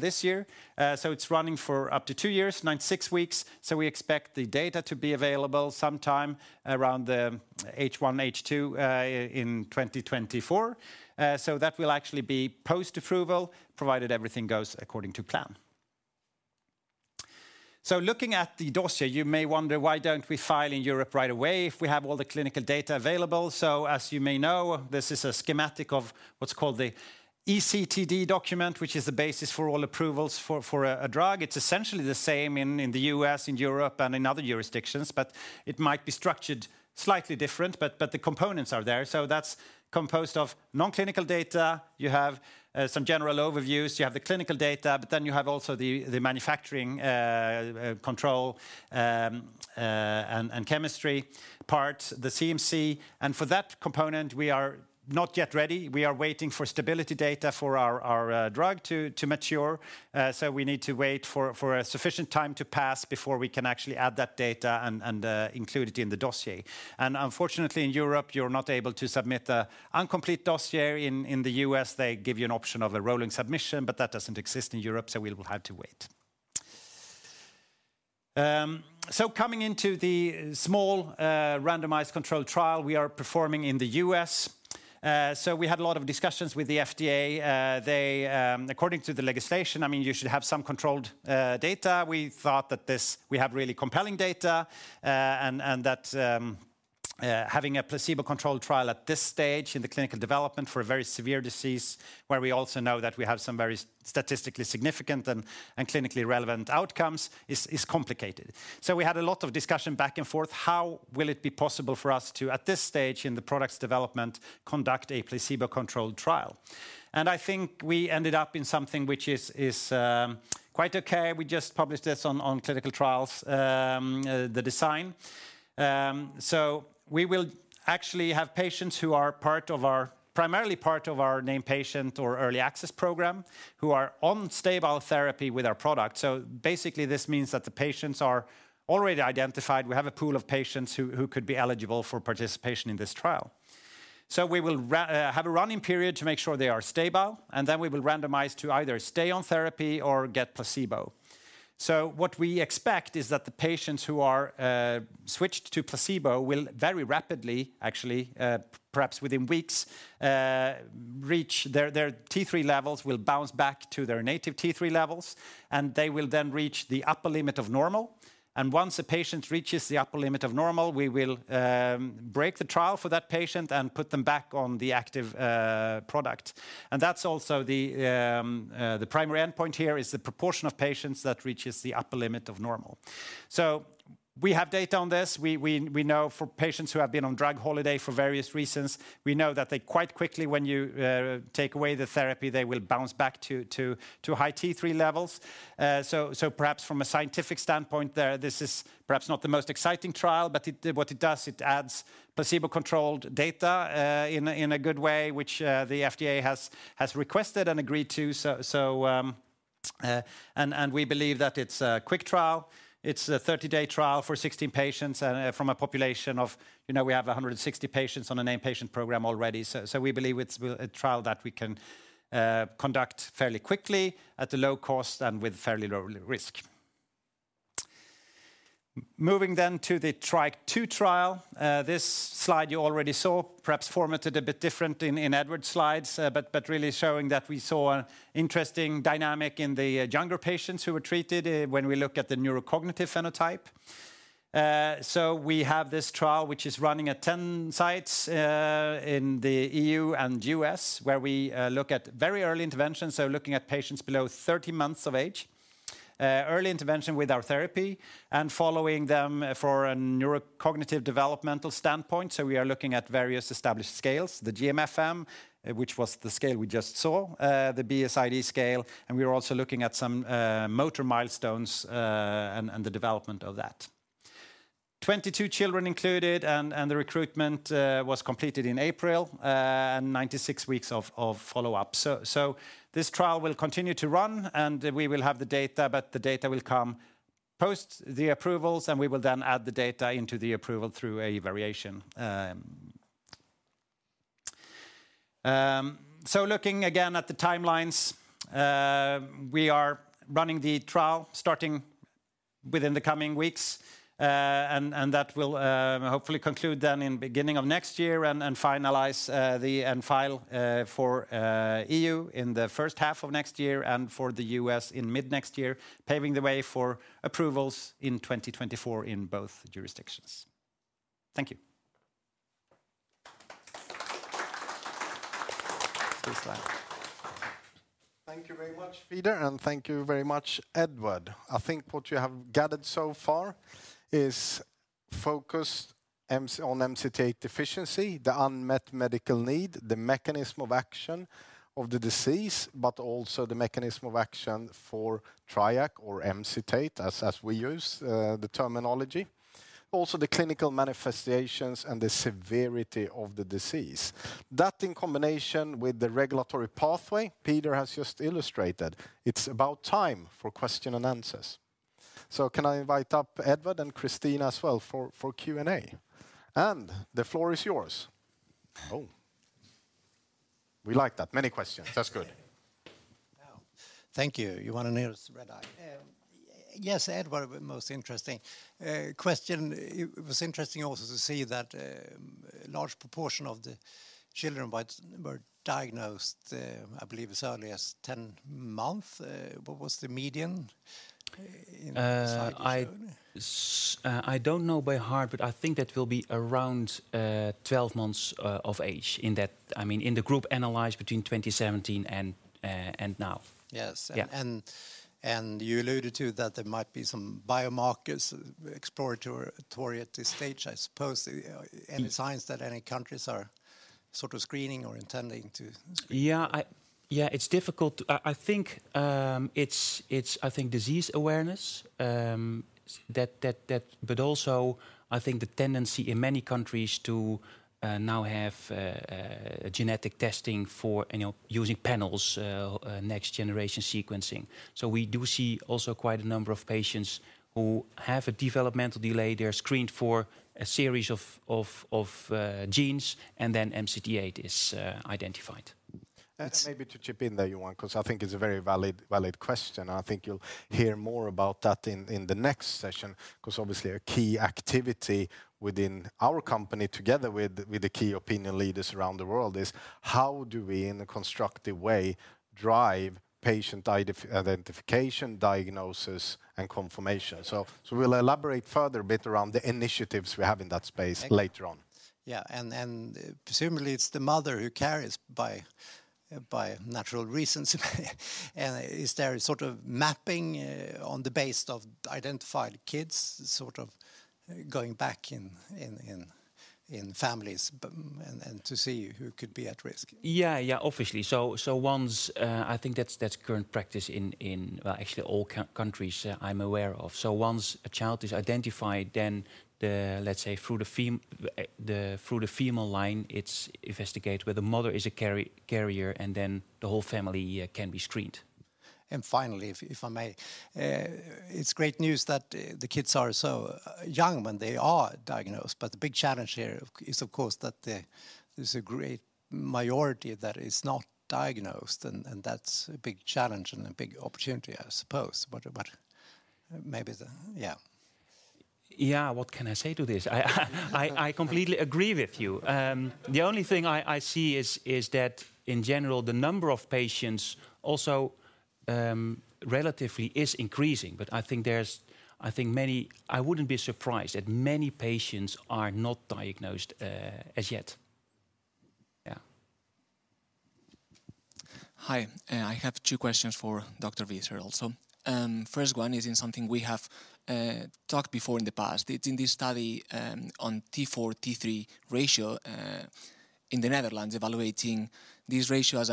this year. It's running for up to two years, 96 weeks. We expect the data to be available sometime around the H1, H2 in 2024. That will actually be post-approval, provided everything goes according to plan. Looking at the dossier, you may wonder, why don't we file in Europe right away if we have all the clinical data available? As you may know, this is a schematic of what's called the eCTD document, which is the basis for all approvals for a drug. It's essentially the same in the U.S., in Europe, and in other jurisdictions. It might be structured slightly different, but the components are there. That's composed of non-clinical data. You have some general overviews. You have the clinical data, but then you have also the manufacturing control and chemistry part, the CMC. For that component, we are not yet ready. We are waiting for stability data for our drug to mature. We need to wait for a sufficient time to pass before we can actually add that data and include it in the dossier. Unfortunately in Europe, you're not able to submit an incomplete dossier. In the U.S., they give you an option of a rolling submission, but that doesn't exist in Europe, so we will have to wait. Coming into the small randomized controlled trial we are performing in the U.S. We had a lot of discussions with the FDA. They, according to the legislation, I mean, you should have some controlled data. We thought that we have really compelling data, and that having a placebo-controlled trial at this stage in the clinical development for a very severe disease, where we also know that we have some very statistically significant and clinically relevant outcomes, is complicated. We had a lot of discussion back and forth, how will it be possible for us to, at this stage in the product's development, conduct a placebo-controlled trial? I think we ended up in something which is quite okay. We just published this on clinical trials, the design. We will actually have patients who are primarily part of our named patient or early access program, who are on stable therapy with our product. Basically, this means that the patients are already identified. We have a pool of patients who could be eligible for participation in this trial. We will have a running period to make sure they are stable, and then we will randomize to either stay on therapy or get placebo. What we expect is that the patients who are switched to placebo will very rapidly, actually, perhaps within weeks, reach their T3 levels will bounce back to their native T3 levels, and they will then reach the upper limit of normal. Once a patient reaches the upper limit of normal, we will break the trial for that patient and put them back on the active product. That's also the primary endpoint here, is the proportion of patients that reaches the upper limit of normal. We have data on this. We know for patients who have been on drug holiday for various reasons, we know that they quite quickly, when you take away the therapy, they will bounce back to high T3 levels. Perhaps from a scientific standpoint there, this is perhaps not the most exciting trial, but what it does, it adds placebo-controlled data in a good way, which the FDA has requested and agreed to. We believe that it's a quick trial. It's a 30-day trial for 16 patients and from a population of, we have 160 patients on a named patient program already. We believe it's a trial that we can conduct fairly quickly at a low cost and with fairly low risk. Moving to the TRIAC Trial II. This slide you already saw, perhaps formatted a bit different in Edward's slides, but really showing that we saw an interesting dynamic in the younger patients who were treated, when we look at the neurocognitive phenotype. We have this trial which is running at 10 sites in the EU and U.S., where we look at very early intervention, looking at patients below 30 months of age. Early intervention with our therapy and following them for a neurocognitive developmental standpoint, we are looking at various established scales, the GMFM, which was the scale we just saw, the BSID scale, and we are also looking at some motor milestones, and the development of that. 22 children included, and the recruitment was completed in April, and 96 weeks of follow-up. This trial will continue to run, and we will have the data, but the data will come post the approvals, and we will then add the data into the approval through a variation. Looking again at the timelines, we are running the trial starting within the coming weeks, and that will hopefully conclude then in beginning of next year and finalize the end file for EU in the first half of next year and for the U.S. in mid-next year, paving the way for approvals in 2024 in both jurisdictions. Thank you. Thank you very much, Peder, and thank you very much, Edward. I think what you have gathered so far is focus on MCT8 deficiency, the unmet medical need, the mechanism of action of the disease, but also the mechanism of action for TRIAC or Emcitate, as we use the terminology. Also, the clinical manifestations and the severity of the disease. That in combination with the regulatory pathway Peder has just illustrated, it's about time for question and answers. Can I invite up Edward and Kristina as well for Q&A? The floor is yours. We like that. Many questions. That's good. Thank you. You want to know the [ReTRIACt]. Yes, Edward, most interesting question, it was interesting also to see that a large proportion of the children were diagnosed, I believe as early as 10 months. What was the median in the study shown? I don't know by heart, but I think that will be around 12 months of age in that. I mean, in the group analyzed between 2017 and now. Yes. You alluded to that there might be some biomarkers exploratory at this stage, I suppose. Any signs that any countries are sort of screening or intending to screen? Yeah, it's difficult. I think it's disease awareness that. Also I think the tendency in many countries to now have genetic testing for, you know, using panels, next-generation sequencing. We do see also quite a number of patients who have a developmental delay. They're screened for a series of genes, and then MCT8 is identified. Maybe to chip in there, Johan, 'cause I think it's a very valid question. I think you'll hear more about that in the next session, 'cause obviously a key activity within our company, together with the key opinion leaders around the world, is how do we, in a constructive way, drive patient identification, diagnosis, and confirmation? So we'll elaborate further a bit around the initiatives we have in that space later on. Yeah. Presumably it's the mother who carries by natural reasons. Is there sort of mapping on the basis of identified kids sort of going back in families, but and to see who could be at risk? Yeah. Obviously. Once, I think that's current practice in, well, actually all countries I'm aware of. Once a child is identified, then let's say through the female line, it's investigated whether the mother is a carrier, and then the whole family can be screened. Finally, if I may, it's great news that the kids are so young when they are diagnosed, but the big challenge here is of course that there's a great minority that is not diagnosed, and that's a big challenge and a big opportunity, I suppose. Yeah. What can I say to this? I completely agree with you. The only thing I see is that in general, the number of patients also relatively is increasing. I wouldn't be surprised that many patients are not diagnosed as yet. Yeah. Hi. I have two questions for Dr. Visser also. First one is in something we have talked before in the past. It's in this study on T4:T3 ratio in the Netherlands, evaluating this ratio as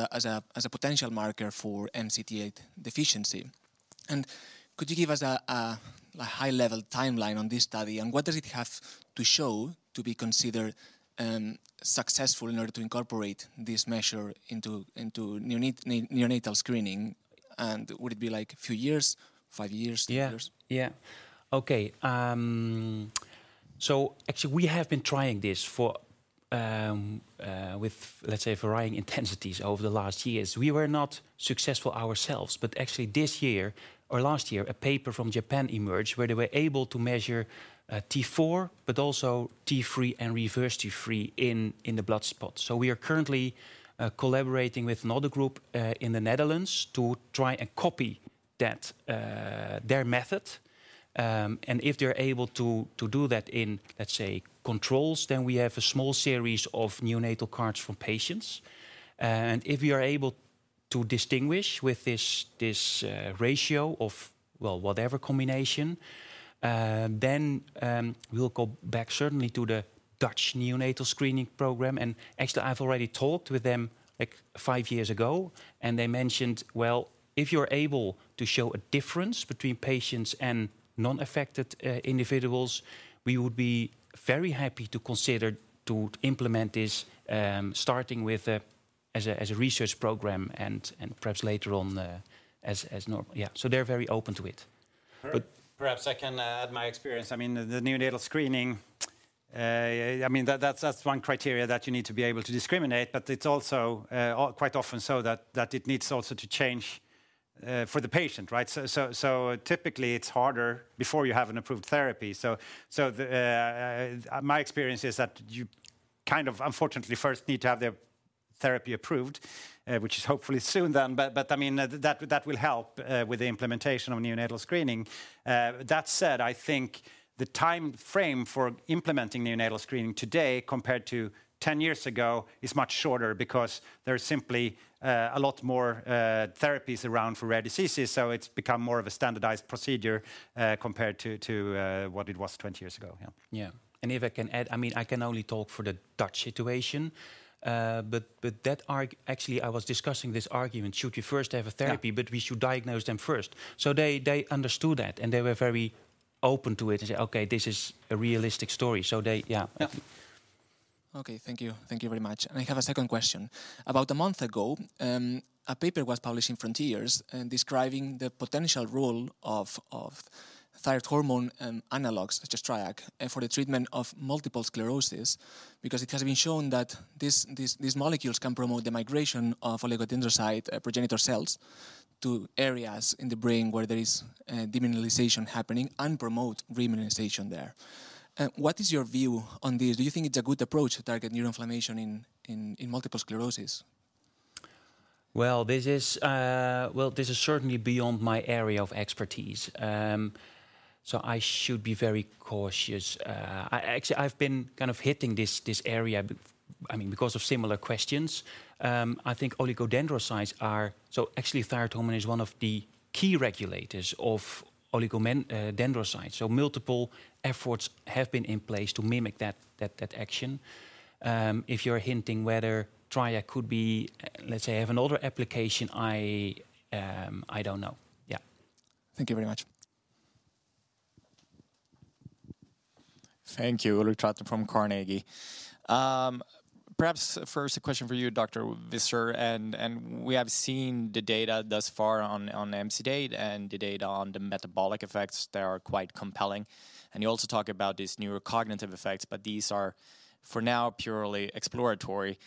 a potential marker for MCT8 deficiency. Could you give us a high-level timeline on this study, and what does it have to show to be considered successful in order to incorporate this measure into neonatal screening? Would it be like a few years, five years, 10 years? Yeah. Yeah. Okay. Actually we have been trying this for with, let's say, varying intensities over the last years. We were not successful ourselves, but actually this year, or last year, a paper from Japan emerged where they were able to measure T4, but also T3 and reverse T3 in the blood spot. We are currently collaborating with another group in the Netherlands to try and copy that, their method. And if they're able to do that in, let's say, controls, then we have a small series of neonatal cards from patients. And if we are able to distinguish with this ratio of, well, whatever combination, then we'll go back certainly to the Dutch neonatal screening program. Actually, I've already talked with them like five years ago, and they mentioned, "Well, if you're able to show a difference between patients and non-affected individuals, we would be very happy to consider to implement this, starting with as a research program and perhaps later on as normal." Yeah. They're very open to it. Perhaps I can add my experience. I mean, the neonatal screening, I mean, that's one criteria that you need to be able to discriminate, but it's also quite often so that it needs also to change for the patient, right? Typically it's harder before you have an approved therapy. My experience is that you kind of unfortunately first need to have the therapy approved, which is hopefully soon then. I mean, that will help with the implementation of neonatal screening. That said, I think the timeframe for implementing neonatal screening today compared to 10 years ago is much shorter because there are simply a lot more therapies around for rare diseases. It's become more of a standardized procedure compared to what it was 20 years ago. Yeah. If I can add, I mean, I can only talk for the Dutch situation, but actually, I was discussing this argument, should we first have a therapy but we should diagnose them first. They understood that, and they were very open to it and say, "Okay, this is a realistic story." Okay, thank you. Thank you very much. I have a second question. About a month ago, a paper was published in Frontiers, describing the potential role of thyroid hormone and analogs such as TRIAC for the treatment of multiple sclerosis, because it has been shown that these molecules can promote the migration of oligodendrocyte progenitor cells to areas in the brain where there is demyelination happening and promote remyelination there. What is your view on this? Do you think it's a good approach to target neuroinflammation in multiple sclerosis? This is certainly beyond my area of expertise. I should be very cautious. I've been kind of hitting this area. I mean, because of similar questions. I think oligodendrocytes. Actually, thyroid hormone is one of the key regulators of oligodendrocytes. Multiple efforts have been in place to mimic that action. If you're hinting whether TRIAC could be, let's say, have another application, I don't know. Yeah. Thank you very much. Thank you. Ulrik Trattner from Carnegie. Perhaps first a question for you, Dr. Visser. We have seen the data thus far on the Emcitate and the data on the metabolic effects. They are quite compelling. You also talk about these neurocognitive effects, but these are, for now, purely exploratory.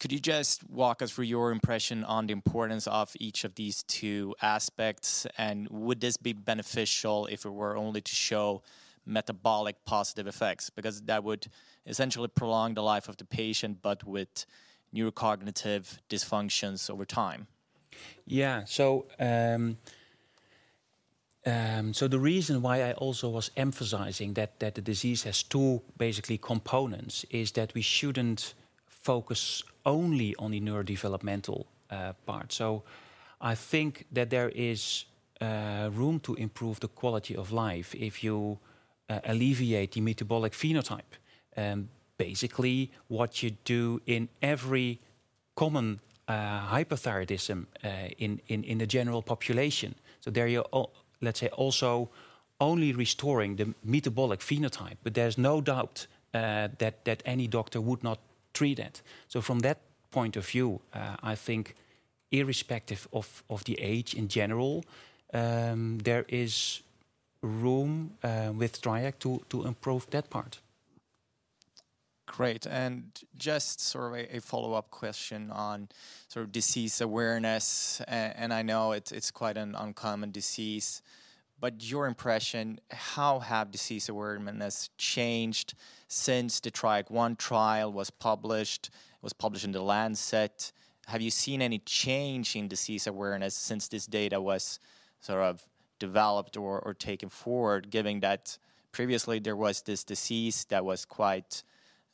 Could you just walk us through your impression on the importance of each of these two aspects? Would this be beneficial if it were only to show metabolic-positive effects? Because that would essentially prolong the life of the patient, but with neurocognitive dysfunctions over time. The reason why I also was emphasizing that the disease has two basically components is that we shouldn't focus only on the neurodevelopmental part. I think that there is room to improve the quality of life if you alleviate the metabolic phenotype. Basically what you do in every common hypothyroidism in the general population. There you're let's say also only restoring the metabolic phenotype, but there's no doubt that any doctor would not treat it. From that point of view, I think irrespective of the age in general, there is room with TRIAC to improve that part. Great. Just sort of a follow-up question on sort of disease awareness, and I know it's quite an uncommon disease. Your impression, how have disease awareness changed since the TRIAC Trial I was published in The Lancet? Have you seen any change in disease awareness since this data was sort of developed or taken forward, given that previously there was this disease that was quite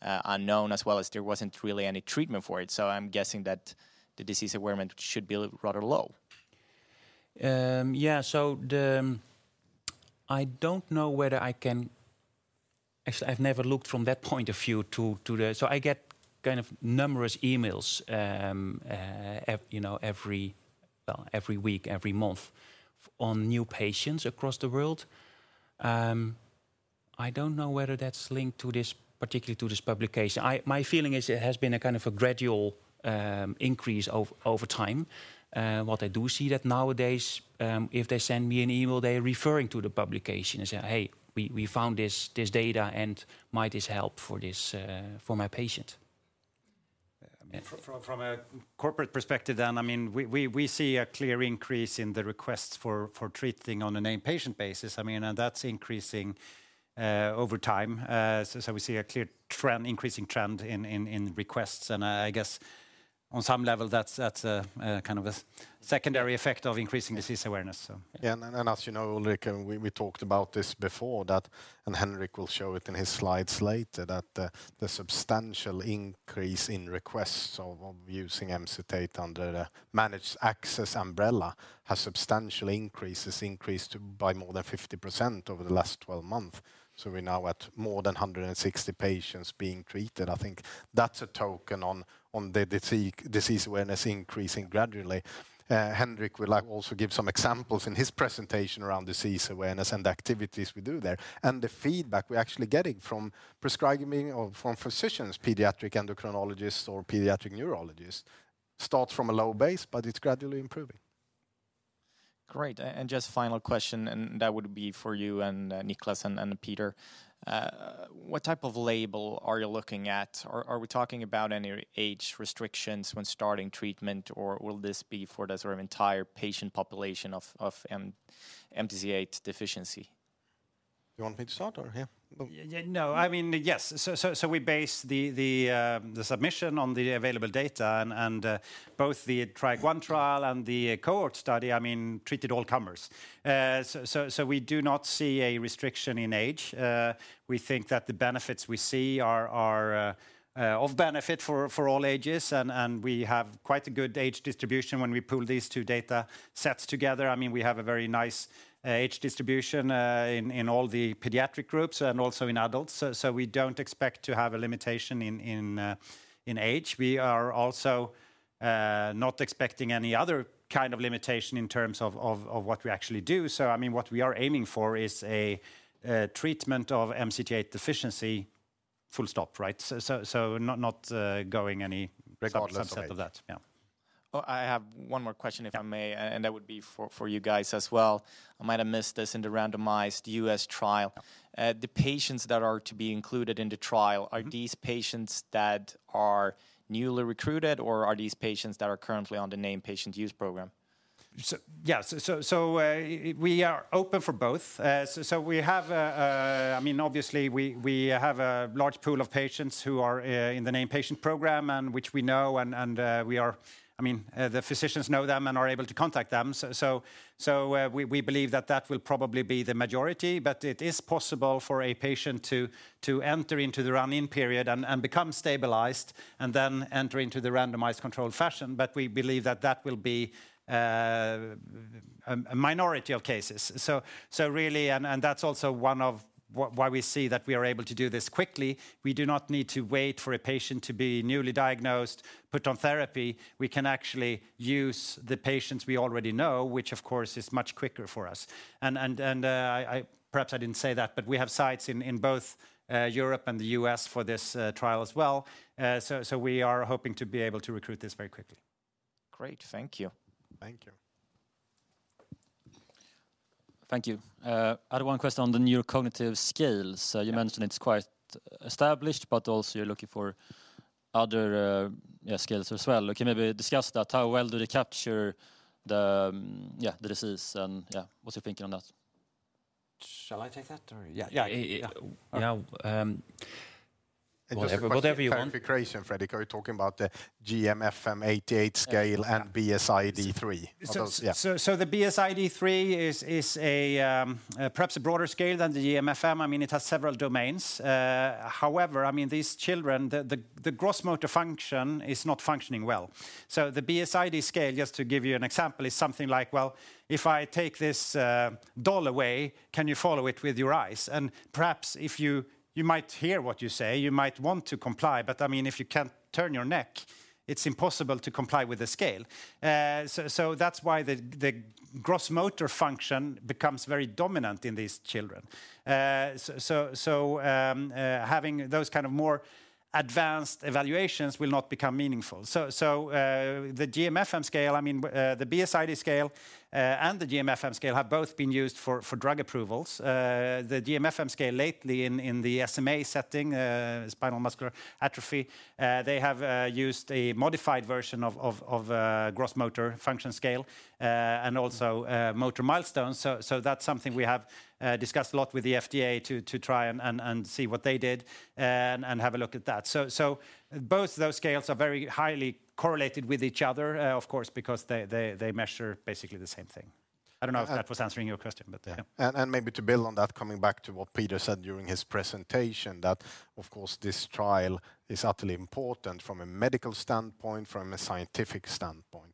unknown as well as there wasn't really any treatment for it? I'm guessing that the disease awareness should be rather low. Actually, I've never looked from that point of view to that. I get kind of numerous emails, you know, every, well, every week, every month on new patients across the world. I don't know whether that's linked to this particularly to this publication. My feeling is it has been a kind of a gradual increase over time. What I do see that nowadays, if they send me an email, they're referring to the publication and say, "Hey, we found this data, and might this help for my patient?" From a corporate perspective then, I mean, we see a clear increase in the requests for treating on an inpatient basis. I mean, that's increasing over time. We see a clear trend, increasing trend in requests. I guess on some level that's a kind of a secondary effect of increasing disease awareness, so. Yeah. As you know, Ulrik, we talked about this before, Henrik will show it in his slides later, that the substantial increase in requests of using Emcitate under the managed access umbrella has increased by more than 50% over the last 12 months. We're now at more than 160 patients being treated. I think that's a token of the disease awareness increasing gradually. Henrik will, like, also give some examples in his presentation around disease awareness and the activities we do there. The feedback we're actually getting from prescribing physicians, pediatric endocrinologists, or pediatric neurologists starts from a low base, but it's gradually improving. Great. Just final question, and that would be for you and Nicklas and Peder. What type of label are you looking at? Are we talking about any age restrictions when starting treatment, or will this be for the sort of entire patient population of MCT8 deficiency? You want me to start or yeah? Yeah. No, I mean, yes. We base the submission on the available data and both the TRIAC Trial I and the cohort study, I mean, treated all comers. We do not see a restriction in age. We think that the benefits we see are of benefit for all ages. We have quite a good age distribution when we pool these two data sets together. I mean, we have a very nice age distribution in all the pediatric groups and also in adults. We don't expect to have a limitation in age. We are also not expecting any other kind of limitation in terms of what we actually do. I mean, what we are aiming for is a treatment of MCT8 deficiency. Full stop, right? Not going any— regardless of that. Yeah. Oh, I have one more question. If I may, that would be for you guys as well. I might have missed this in the randomized U.S. trial. The patients that are to be included in the trial. Are these patients that are newly recruited, or are these patients that are currently on the named patient use program? We are open for both. I mean, obviously, we have a large pool of patients who are in the named patient program and which we know and the physicians know them and are able to contact them. We believe that that will probably be the majority, but it is possible for a patient to enter into the run-in period and become stabilized and then enter into the randomized controlled fashion. We believe that that will be a minority of cases. That's also one of why we see that we are able to do this quickly. We do not need to wait for a patient to be newly diagnosed, put on therapy. We can actually use the patients we already know, which of course is much quicker for us. Perhaps I didn't say that, but we have sites in both Europe and the U.S. for this trial as well. We are hoping to be able to recruit this very quickly. Great. Thank you. Thank you. Thank you. I had one question on the neurocognitive scales. You mentioned it's quite established, but also you're looking for other scales as well. Can you maybe discuss that? How well do they capture the disease and what's your thinking on that? Whatever you want. For clarification, Fredrik, are you talking about the GMFM88 scale and BSID-III? The BSID-III is perhaps a broader scale than the GMFM. I mean, it has several domains. However, I mean, these children, the gross motor function is not functioning well. The BSID scale, just to give you an example, is something like, well, if I take this doll away, can you follow it with your eyes? You might hear what you say, you might want to comply, but I mean, if you can't turn your neck, it's impossible to comply with the scale. That's why the gross motor function becomes very dominant in these children. Having those kind of more advanced evaluations will not become meaningful. The GMFM scale, I mean, the BSID scale, and the GMFM scale have both been used for drug approvals. The GMFM scale lately in the SMA setting, spinal muscular atrophy, they have used a modified version of gross motor function scale, and also motor milestones. That's something we have discussed a lot with the FDA to try and see what they did and have a look at that. Both those scales are very highly correlated with each other, of course, because they measure basically the same thing. I don't know if that was answering your question, but yeah. Maybe to build on that, coming back to what Peder said during his presentation, that of course this trial is utterly important from a medical standpoint, from a scientific standpoint.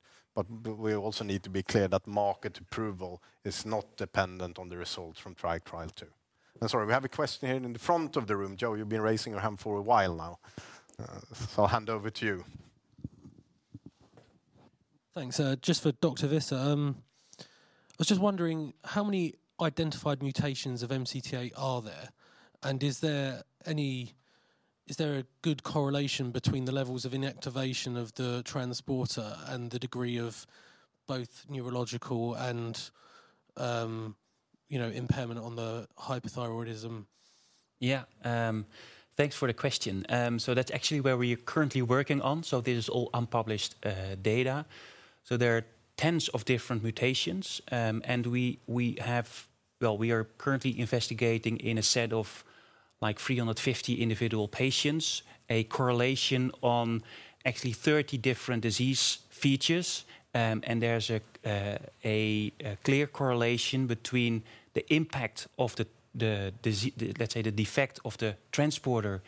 We also need to be clear that market approval is not dependent on the results from TRIAC Trial II. Sorry, we have a question here in the front of the room. Joe, you've been raising your hand for a while now, so I'll hand over to you. Thanks. Just for Dr. Visser. I was just wondering how many identified mutations of MCT8 are there? Is there a good correlation between the levels of inactivation of the transporter and the degree of both neurological and impairment on the hypothyroidism? Yeah. Thanks for the question. That's actually where we are currently working on. This is all unpublished data. There are tens of different mutations. We are currently investigating in a set of, like, 350 individual patients, a correlation on actually 30 different disease features. There's a clear correlation between the impact of the, let's say, the defect of the transporter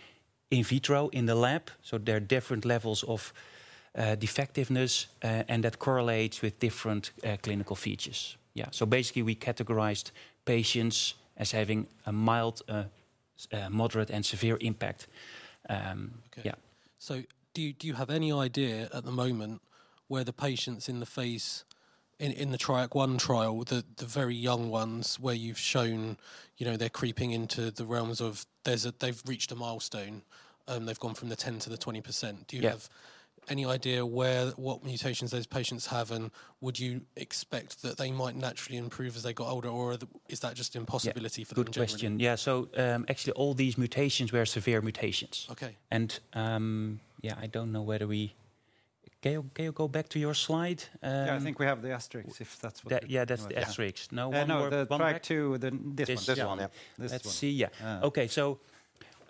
in-vitro in the lab. There are different levels of defectiveness, and that correlates with different clinical features. Yeah. Basically, we categorized patients as having a mild, moderate, and severe impact. Yeah. Do you have any idea at the moment where the patients in the phase— in the TRIAC Trial I, the very young ones where you've shown, you know, they're creeping into the realms of there's a— They've reached a milestone, they've gone from the 10% to the 20%. Do you have any idea what mutations those patients have, and would you expect that they might naturally improve as they got older, or is that just impossibility for them generally? Yeah. Good question. Yeah. Actually, all these mutations were severe mutations. Can you go back to your slide? I think we have the asterisk, if that's what- Yeah, that's the asterisk.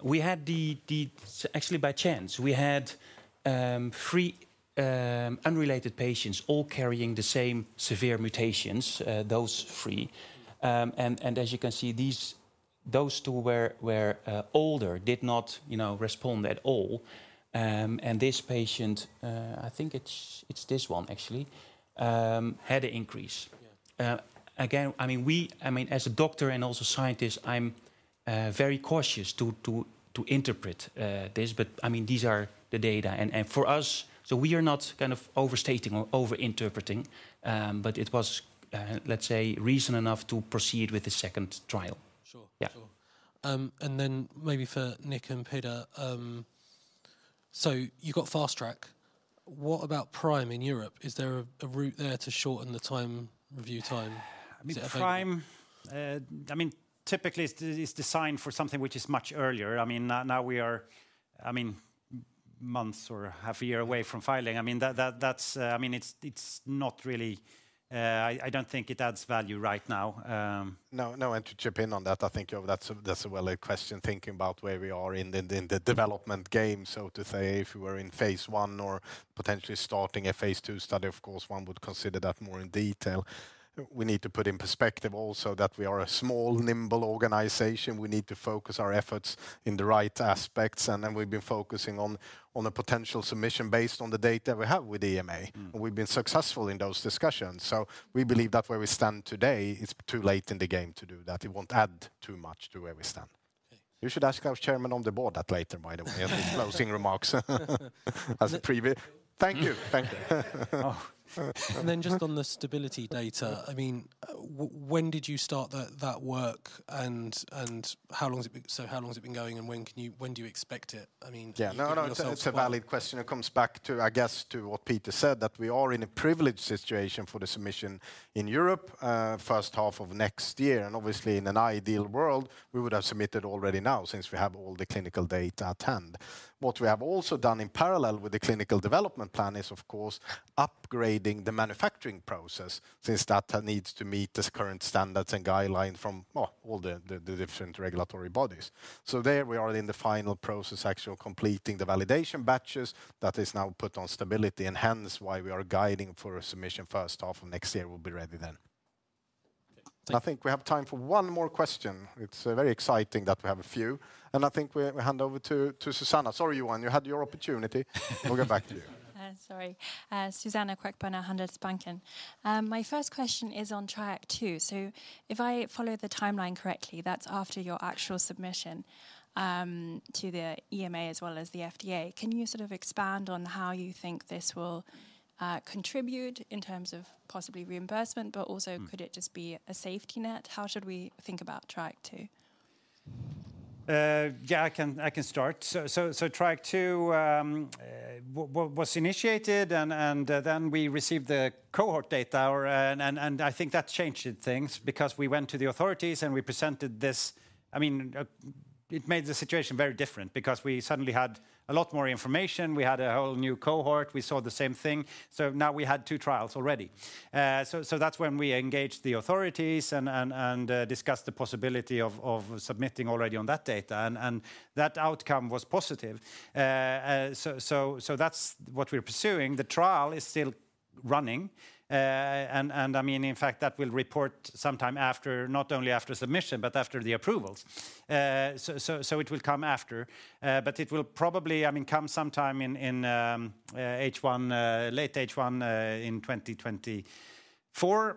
Okay. Actually, by chance, we had three unrelated patients all carrying the same severe mutations, those three. As you can see, those two were older, did not, you know, respond at all. This patient, I think it's this one actually, had an increase. Again, I mean, as a doctor and also scientist, I'm very cautious to interpret this, but I mean, these are the data. We are not kind of overstating or overinterpreting, but it was, let's say, reason enough to proceed with the second trial. Maybe for Nick and Peder, you got Fast Track. What about PRIME in Europe? Is there a route there to shorten the review time? I mean, PRIME, I mean, typically it's designed for something which is much earlier. I mean, now we are months or half a year away from filing. I mean, that's... I mean, it's not really... I don't think it adds value right now. No, no, to chip in on that, I think that's a well-laid question, thinking about where we are in the development game, so to say. If we were in phase I or potentially starting a phase II study, of course one would consider that more in detail. We need to put in perspective also that we are a small, nimble organization. We need to focus our efforts in the right aspects, and then we've been focusing on a potential submission based on the data we have with EMA. We've been successful in those discussions. We believe that where we stand today, it's too late in the game to do that. It won't add too much to where we stand. You should ask our Chairman of the Board that later, by the way, in the closing remarks as a preview. Thank you. Thank you. Just on the stability data, I mean, when did you start that work and how long has it been going, and when do you expect it? I mean, do you give yourself about- Yeah. No, no, it's a valid question. It comes back to, I guess, to what Peder said, that we are in a privileged situation for the submission in Europe, first half of next year. Obviously in an ideal world, we would have submitted already now since we have all the clinical data at hand. What we have also done in parallel with the clinical development plan is of course upgrading the manufacturing process since that needs to meet the current standards and guideline from, well, all the different regulatory bodies. There we are in the final process, actually completing the validation batches that is now put on stability and hence why we are guiding for a submission first half of next year. We'll be ready then. I think we have time for one more question. It's very exciting that we have a few. I think we hand over to Susanna. Sorry, Johan. You had your opportunity. We'll get back to you. Sorry. Suzanna Queckbörner, Handelsbanken. My first question is on TRIAC II. If I follow the timeline correctly, that's after your actual submission to the EMA as well as the FDA. Can you sort of expand on how you think this will contribute in terms of possibly reimbursement? But also could it just be a safety net? How should we think about TRIAC II? Yeah, I can start. TRIAC II was initiated and then we received the cohort data. I think that changed things because we went to the authorities and we presented this. I mean, it made the situation very different because we suddenly had a lot more information. We had a whole new cohort. We saw the same thing. Now we had two trials already. That's when we engaged the authorities and discussed the possibility of submitting already on that data and that outcome was positive. That's what we're pursuing. The trial is still running. I mean, in fact, that will report sometime after, not only after submission, but after the approvals. It will come after, but it will probably, I mean, come sometime in H1, late H1, in 2024.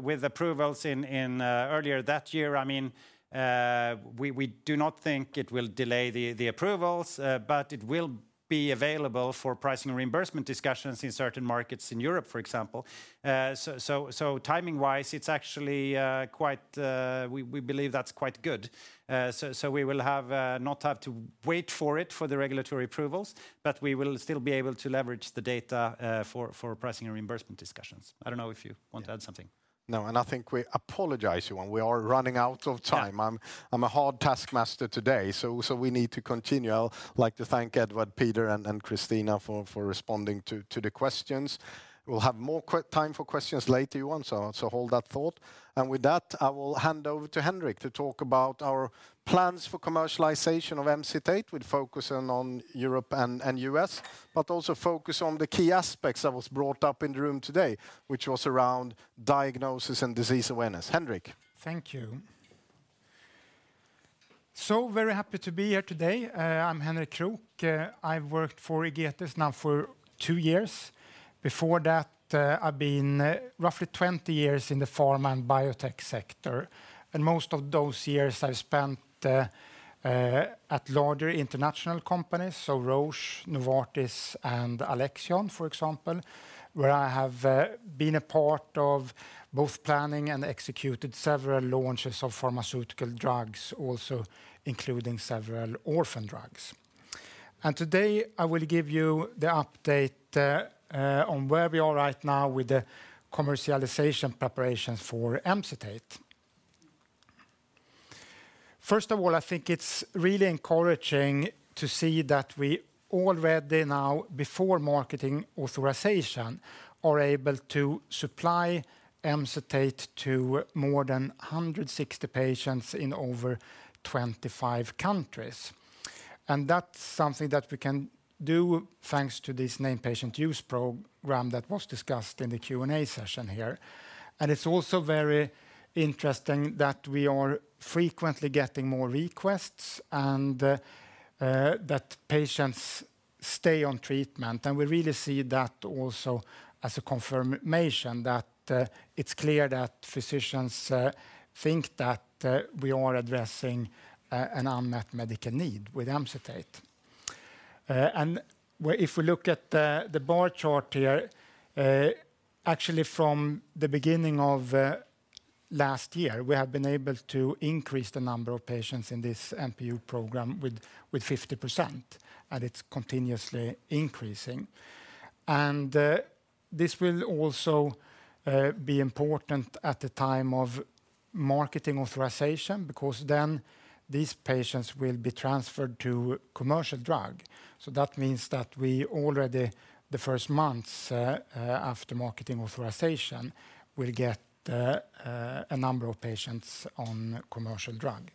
With approvals in earlier that year, I mean, we do not think it will delay the approvals, but it will be available for pricing reimbursement discussions in certain markets in Europe, for example. Timing-wise, it's actually quite— We believe that's quite good. We will not have to wait for it for the regulatory approvals, but we will still be able to leverage the data for pricing and reimbursement discussions. I don't know if you want to add something. No. I think we apologize, Johan. We are running out of time. I'm a hard taskmaster today, so we need to continue. I'd like to thank Edward, Peder, and Kristina for responding to the questions. We'll have more time for questions later, Johan, so hold that thought. With that, I will hand over to Henrik to talk about our plans for commercialization of Emcitate with focus on Europe and U.S., but also focus on the key aspects that was brought up in the room today, which was around diagnosis and disease awareness. Henrik. Thank you. Very happy to be here today. I'm Henrik Krook. I've worked for Egetis now for two years. Before that, I've been roughly 20 years in the pharma and biotech sector. Most of those years I've spent at larger international companies, so Roche, Novartis, and Alexion, for example, where I have been a part of both planning and executed several launches of pharmaceutical drugs, also including several orphan drugs. Today, I will give you the update on where we are right now with the commercialization preparations for Emcitate. First of all, I think it's really encouraging to see that we already now before marketing authorization are able to supply Emcitate to more than 160 patients in over 25 countries. That's something that we can do thanks to this named patient use program that was discussed in the Q&A session here. It's also very interesting that we are frequently getting more requests and that patients stay on treatment. We really see that also as a confirmation that it's clear that physicians think that we are addressing an unmet medical need with Emcitate. If we look at the bar chart here, actually from the beginning of last year, we have been able to increase the number of patients in this NPU program with 50%, and it's continuously increasing. This will also be important at the time of marketing authorization because then these patients will be transferred to commercial drug. That means that we already, the first months, after marketing authorization will get a number of patients on commercial drug.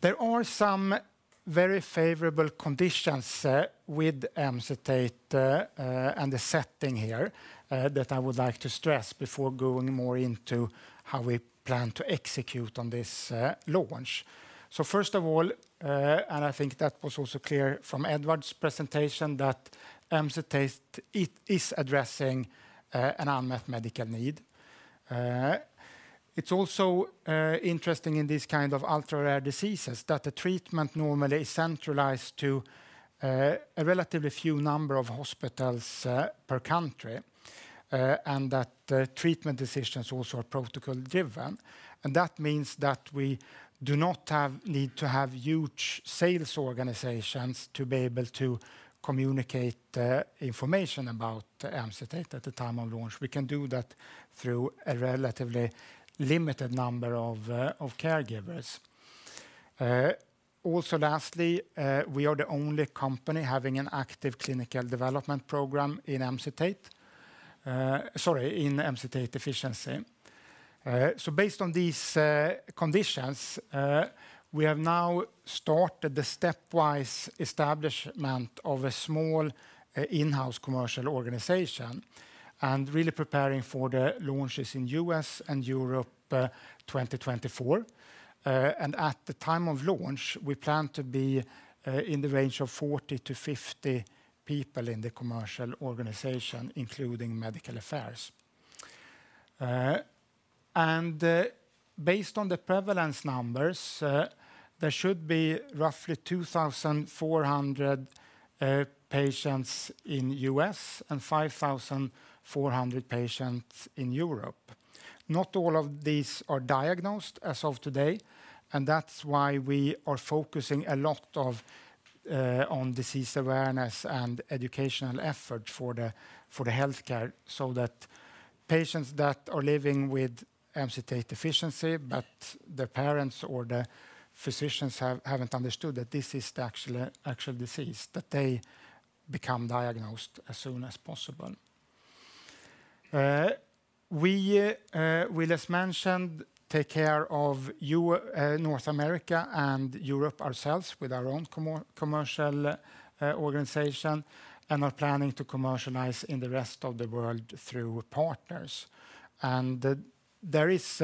There are some very favorable conditions with Emcitate and the setting here that I would like to stress before going more into how we plan to execute on this launch. First of all, and I think that was also clear from Edward's presentation that Emcitate it is addressing an unmet medical need. It's also interesting in this kind of ultra-rare diseases that the treatment normally is centralized to a relatively few number of hospitals per country and that treatment decisions also are protocol driven. That means that we do not need to have huge sales organizations to be able to communicate information about Emcitate at the time of launch. We can do that through a relatively limited number of caregivers. Also lastly, we are the only company having an active clinical development program in Emcitate. Sorry, in MCT8 deficiency. Based on these conditions, we have now started the stepwise establishment of a small in-house commercial organization and really preparing for the launches in U.S. and Europe, 2024. At the time of launch, we plan to be in the range of 40-50 people in the commercial organization, including medical affairs. Based on the prevalence numbers, there should be roughly 2,400 patients in U.S. and 5,400 patients in Europe. Not all of these are diagnosed as of today, and that's why we are focusing a lot on disease awareness and educational effort for the healthcare so that patients that are living with MCT8 deficiency but their parents or the physicians haven't understood that this is the actual disease, that they become diagnosed as soon as possible. We just mentioned take care of North America and Europe ourselves with our own commercial organization and are planning to commercialize in the rest of the world through partners. There is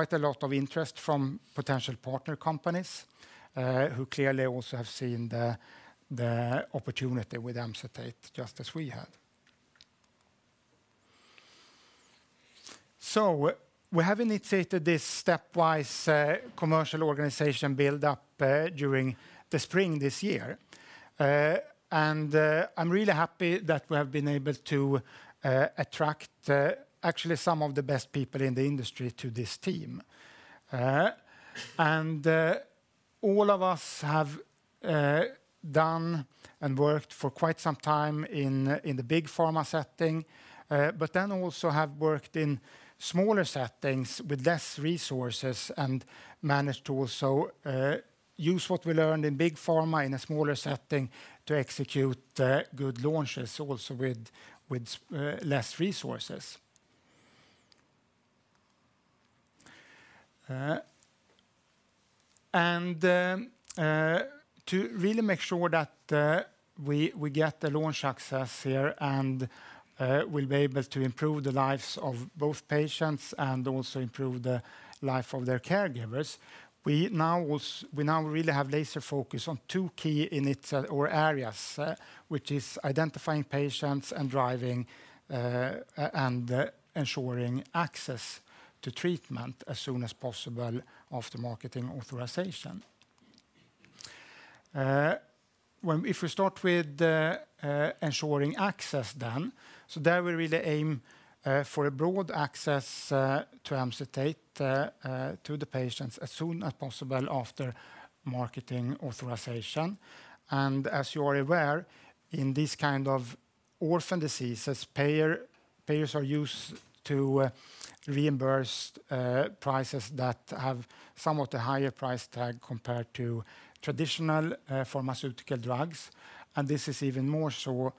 quite a lot of interest from potential partner companies who clearly also have seen the opportunity with Emcitate just as we have. We have initiated this stepwise commercial organization build up during the spring this year. I'm really happy that we have been able to attract actually some of the best people in the industry to this team. All of us have done and worked for quite some time in the big pharma setting, but then also have worked in smaller settings with less resources and managed to also use what we learned in big pharma in a smaller setting to execute good launches also with less resources. To really make sure that we get the launch success here and we'll be able to improve the lives of both patients and also improve the life of their caregivers, we now really have laser focus on two key areas, which is identifying patients and driving and ensuring access to treatment as soon as possible after marketing authorization. If we start with ensuring access then, there we really aim for a broad access to Emcitate to the patients as soon as possible after marketing authorization. As you are aware, in this kind of orphan diseases, payers are used to reimburse prices that have somewhat a higher price tag compared to traditional pharmaceutical drugs. This is even more so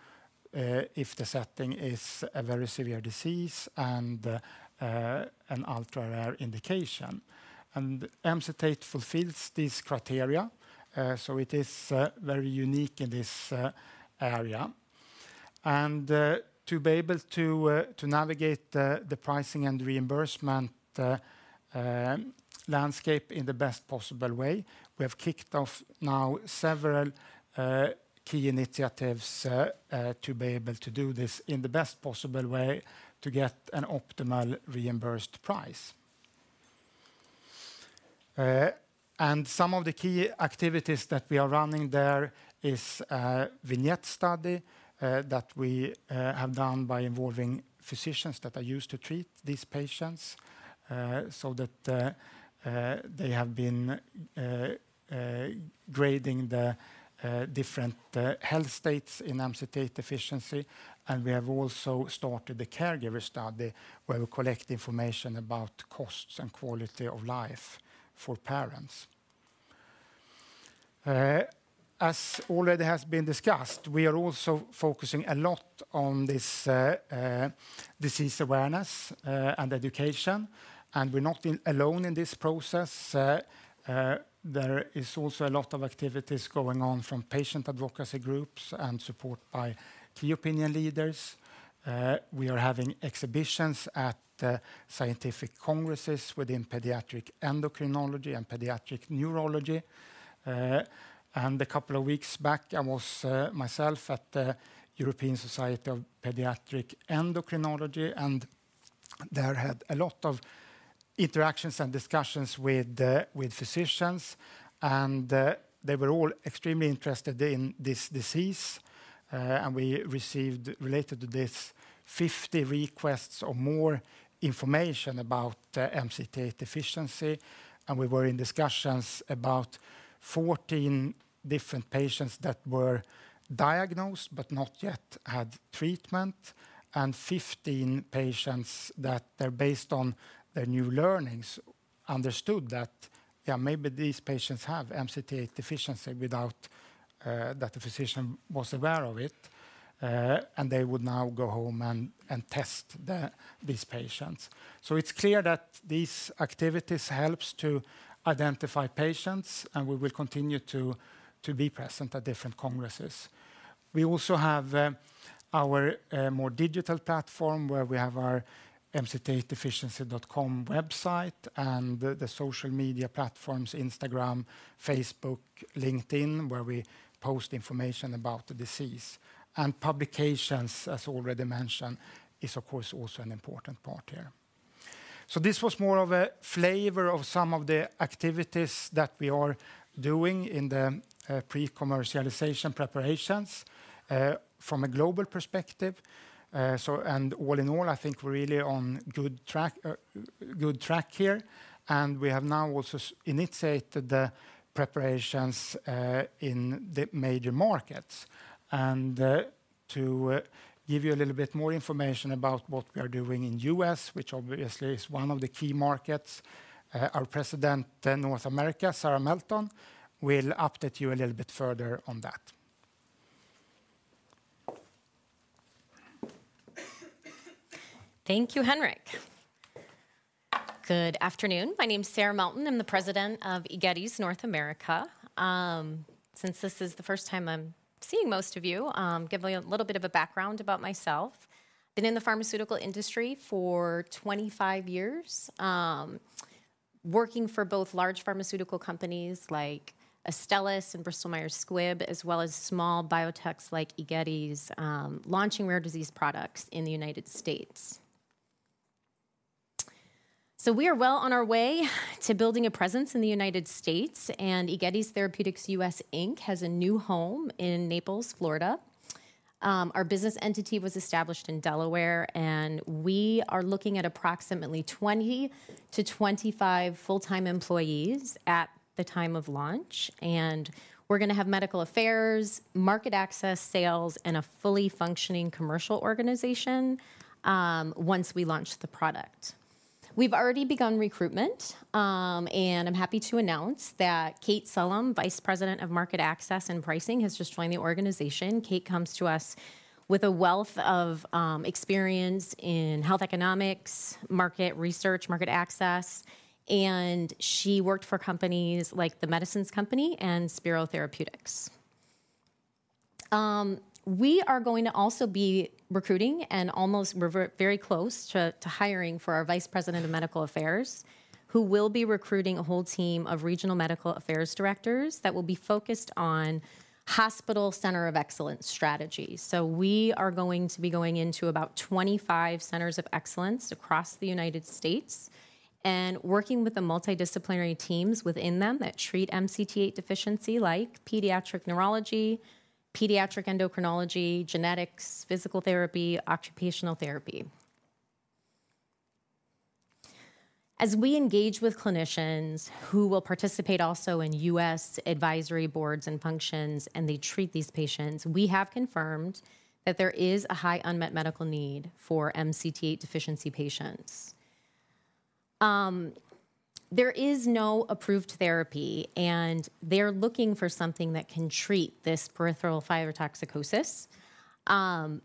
if the setting is a very severe disease and an ultra-rare indication. Emcitate fulfills this criteria, so it is very unique in this area. To be able to navigate the pricing and reimbursement landscape in the best possible way, we have kicked off now several key initiatives to be able to do this in the best possible way to get an optimal reimbursed price. Some of the key activities that we are running there is a Vignette study that we have done by involving physicians that are used to treat these patients, so that they have been grading the different health states in MCT8 deficiency. We have also started the caregiver study where we collect information about costs and quality of life for parents. As already has been discussed, we are also focusing a lot on this disease awareness and education, and we're not alone in this process. There is also a lot of activities going on from patient advocacy groups and support by key opinion leaders. We are having exhibitions at scientific congresses within pediatric endocrinology and pediatric neurology. A couple of weeks back, I was myself at the European Society for Paediatric Endocrinology, and there had a lot of interactions and discussions with physicians. They were all extremely interested in this disease, and we received, related to this, 50 requests or more information about MCT8 deficiency. We were in discussions about 14 different patients that were diagnosed but not yet had treatment, and 15 patients that they're based on their new learnings understood that, yeah, maybe these patients have MCT8 deficiency without that the physician was aware of it, and they would now go home and test these patients. It's clear that these activities helps to identify patients, and we will continue to be present at different congresses. We also have our more digital platform where we have our mct8deficiency.com website and the social media platforms, Instagram, Facebook, LinkedIn, where we post information about the disease. Publications, as already mentioned, is of course also an important part here. This was more of a flavor of some of the activities that we are doing in the pre-commercialization preparations from a global perspective. All in all, I think we're really on good track here, and we have now also initiated the preparations in the major markets. To give you a little bit more information about what we are doing in the U.S., which obviously is one of the key markets, our President in North America, Sara Melton, will update you a little bit further on that. Thank you, Henrik. Good afternoon. My name's Sara Melton. I'm the President of Egetis North America. Since this is the first time I'm seeing most of you, give a little bit of a background about myself. Been in the pharmaceutical industry for 25 years, working for both large pharmaceutical companies like Astellas and Bristol Myers Squibb, as well as small biotechs like Egetis, launching rare disease products in the United States. We are well on our way to building a presence in the United States, and Egetis Therapeutics U.S. Inc. has a new home in Naples, Florida. Our business entity was established in Delaware, and we are looking at approximately 20 to 25 full-time employees at the time of launch. We're gonna have medical affairs, market access, sales, and a fully functioning commercial organization, once we launch the product. We've already begun recruitment, and I'm happy to announce that Kate Sulham, Vice President of Market Access and Pricing, has just joined the organization. Kate comes to us with a wealth of experience in health economics, market research, market access, and she worked for companies like The Medicines Company and Spero Therapeutics. We are going to also be recruiting and very close to hiring for our Vice President of Medical Affairs, who will be recruiting a whole team of regional medical affairs directors that will be focused on hospital center of excellence strategies. We are going to be going into about 25 centers of excellence across the United States and working with the multidisciplinary teams within them that treat MCT8 deficiency, like pediatric neurology, pediatric endocrinology, genetics, physical therapy, occupational therapy. As we engage with clinicians who will participate also in U.S. advisory boards and functions, and they treat these patients, we have confirmed that there is a high unmet medical need for MCT8 deficiency patients. There is no approved therapy, and they're looking for something that can treat this peripheral thyrotoxicosis.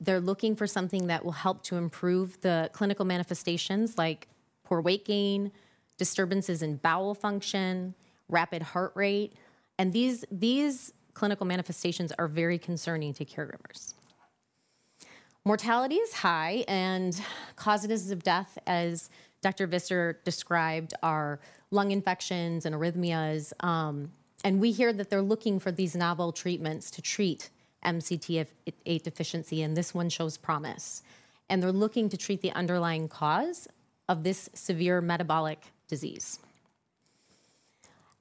They're looking for something that will help to improve the clinical manifestations like poor weight gain, disturbances in bowel function, rapid heart rate, and these clinical manifestations are very concerning to caregivers. Mortality is high, and causes of death, as Dr. Visser described, are lung infections and arrhythmias. We hear that they're looking for these novel treatments to treat MCT8 deficiency, and this one shows promise. They're looking to treat the underlying cause of this severe metabolic disease.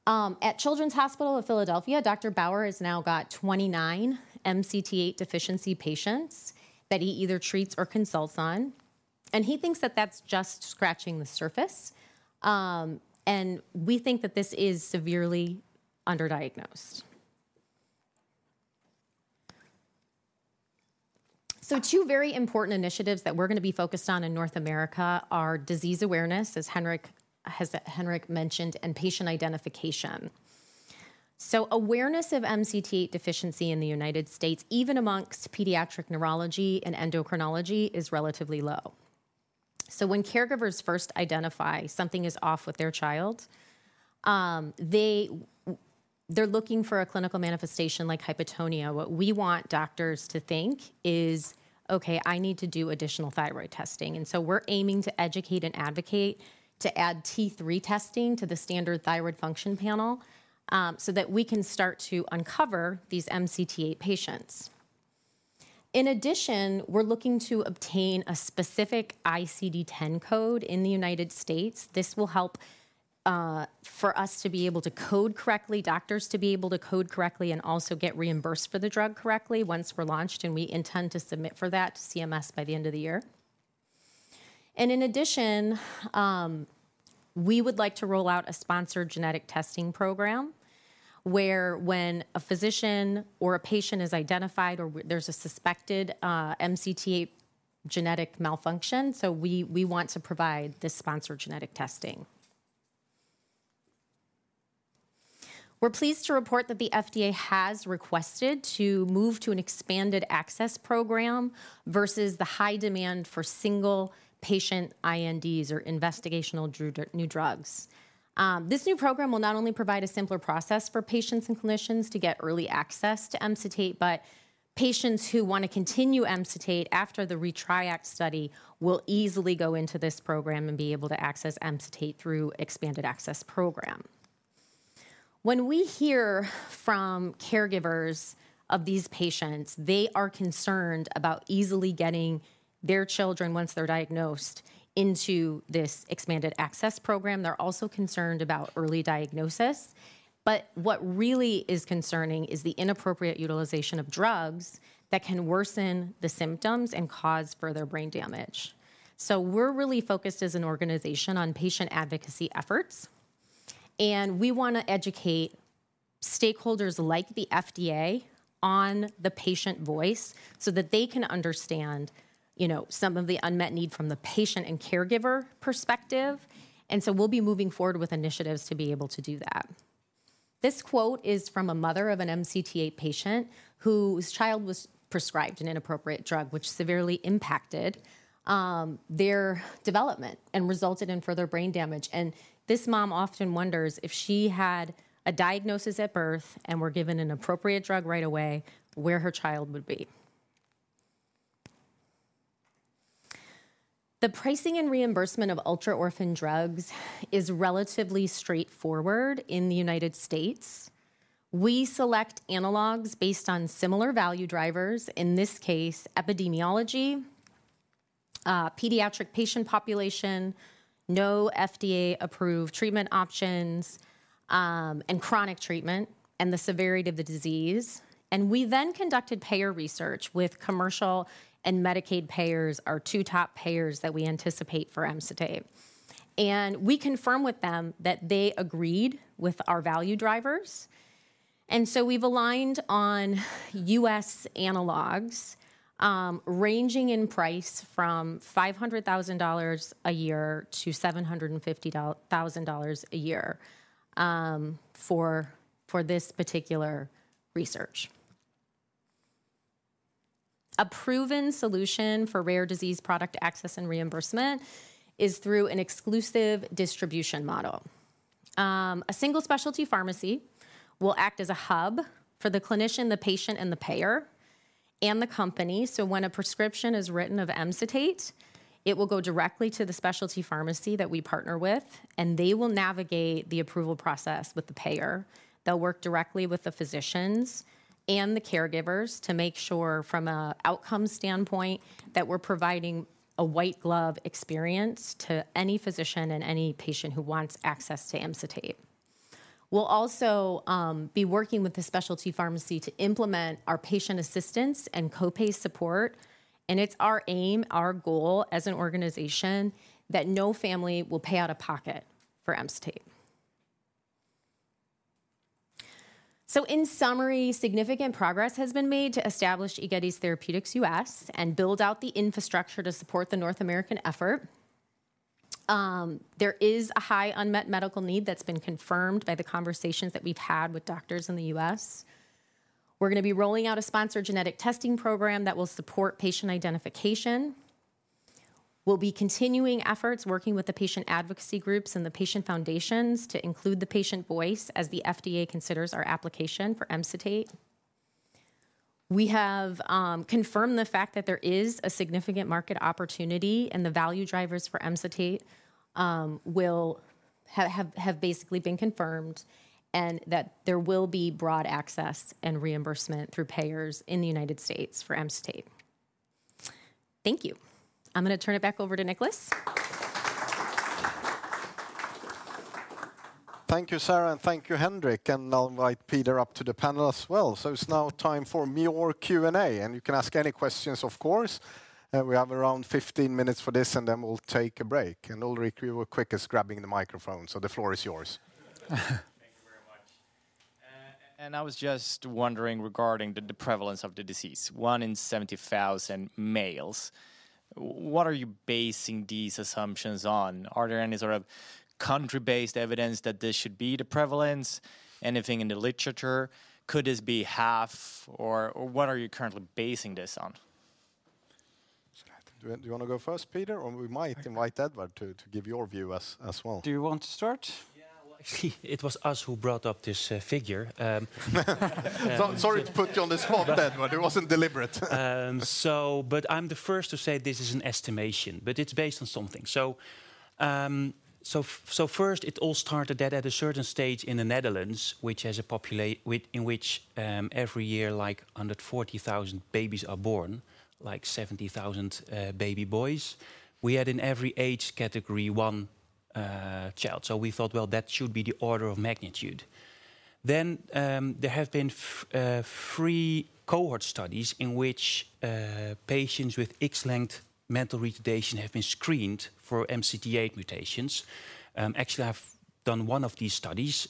At Children's Hospital of Philadelphia, Dr. Bauer has now got 29 MCT8 deficiency patients that he either treats or consults on, and he thinks that that's just scratching the surface. We think that this is severely underdiagnosed. Two very important initiatives that we're gonna be focused on in North America are disease awareness, as Henrik mentioned, and patient identification. Awareness of MCT8 deficiency in the United States, even amongst pediatric neurology and endocrinology, is relatively low. When caregivers first identify something is off with their child, they're looking for a clinical manifestation like hypotonia. What we want doctors to think is, "Okay, I need to do additional thyroid testing." We're aiming to educate and advocate to add T3 testing to the standard thyroid function panel, so that we can start to uncover these MCT8 patients. In addition, we're looking to obtain a specific ICD-10 code in the United States. This will help for us to be able to code correctly, doctors to be able to code correctly, and also get reimbursed for the drug correctly once we're launched, and we intend to submit for that to CMS by the end of the year. In addition, we would like to roll out a sponsored genetic testing program where when a physician or a patient is identified or there's a suspected MCT8 genetic malfunction, so we want to provide this sponsored genetic testing. We're pleased to report that the FDA has requested to move to an expanded access program versus the high demand for single-patient INDs, or investigational new drugs. This new program will not only provide a simpler process for patients and clinicians to get early access to Emcitate, but patients who wanna continue Emcitate after the ReTRIACt study will easily go into this program and be able to access Emcitate through expanded access program. When we hear from caregivers of these patients, they are concerned about easily getting their children, once they're diagnosed, into this expanded access program. They're also concerned about early diagnosis. What really is concerning is the inappropriate utilization of drugs that can worsen the symptoms and cause further brain damage. We're really focused as an organization on patient advocacy efforts, and we wanna educate stakeholders like the FDA on the patient voice so that they can understand, you know, some of the unmet need from the patient and caregiver perspective. We'll be moving forward with initiatives to be able to do that. This quote is from a mother of an MCT8 patient whose child was prescribed an inappropriate drug which severely impacted their development and resulted in further brain damage. This mom often wonders if she had a diagnosis at birth and were given an appropriate drug right away, where her child would be. The pricing and reimbursement of ultra-orphan drugs is relatively straightforward in the United States. We select analogs based on similar value drivers, in this case, epidemiology, pediatric patient population, no FDA-approved treatment options, and chronic treatment and the severity of the disease. We then conducted payer research with commercial and Medicaid payers, our two top payers that we anticipate for Emcitate. We confirmed with them that they agreed with our value drivers. We've aligned on U.S. analogs, ranging in price from $500,000 a year to $750,000 a year, for this particular research. A proven solution for rare disease product access and reimbursement is through an exclusive distribution model. A single specialty pharmacy will act as a hub for the clinician, the patient, and the payer, and the company. When a prescription is written of Emcitate, it will go directly to the specialty pharmacy that we partner with, and they will navigate the approval process with the payer. They'll work directly with the physicians and the caregivers to make sure from a outcome standpoint that we're providing a white glove experience to any physician and any patient who wants access to Emcitate. We'll also be working with the specialty pharmacy to implement our patient assistance and co-pay support, and it's our aim, our goal as an organization, that no family will pay out of pocket for Emcitate. In summary, significant progress has been made to establish Egetis Therapeutics U.S. and build out the infrastructure to support the North American effort. There is a high unmet medical need that's been confirmed by the conversations that we've had with doctors in the U.S. We're gonna be rolling out a sponsored genetic testing program that will support patient identification. We'll be continuing efforts working with the patient advocacy groups and the patient foundations to include the patient voice as the FDA considers our application for Emcitate. We have confirmed the fact that there is a significant market opportunity, and the value drivers for Emcitate will have basically been confirmed and that there will be broad access and reimbursement through payers in the United States for Emcitate. Thank you. I'm gonna turn it back over to Nicklas. Thank you, Sara, and thank you, Henrik, and I'll invite Peder up to the panel as well. It's now time for more Q&A, and you can ask any questions, of course. We have around 15 minutes for this, and then we'll take a break. Ulrik, you were quickest grabbing the microphone, so the floor is yours. Thank you very much. I was just wondering regarding the prevalence of the disease, one in 70,000 males. What are you basing these assumptions on? Are there any sort of country-based evidence that this should be the prevalence? Anything in the literature, could this be half or what are you currently basing this on? Do you wanna go first, Peder, or we might invite Edward to give your view as well? Do you want to start? Yeah. Well, actually, it was us who brought up this figure. Sorry to put you on the spot, Edward. It wasn't deliberate. I'm the first to say this is an estimation, but it's based on something. First it all started that at a certain stage in the Netherlands, which has a population— in which every year, like, 140,000 babies are born, like 70,000 baby boys. We had in every age category one child. We thought, well, that should be the order of magnitude. There have been three cohort studies in which patients with X-linked mental retardation have been screened for MCT8 mutations. Actually, I've done one of these studies,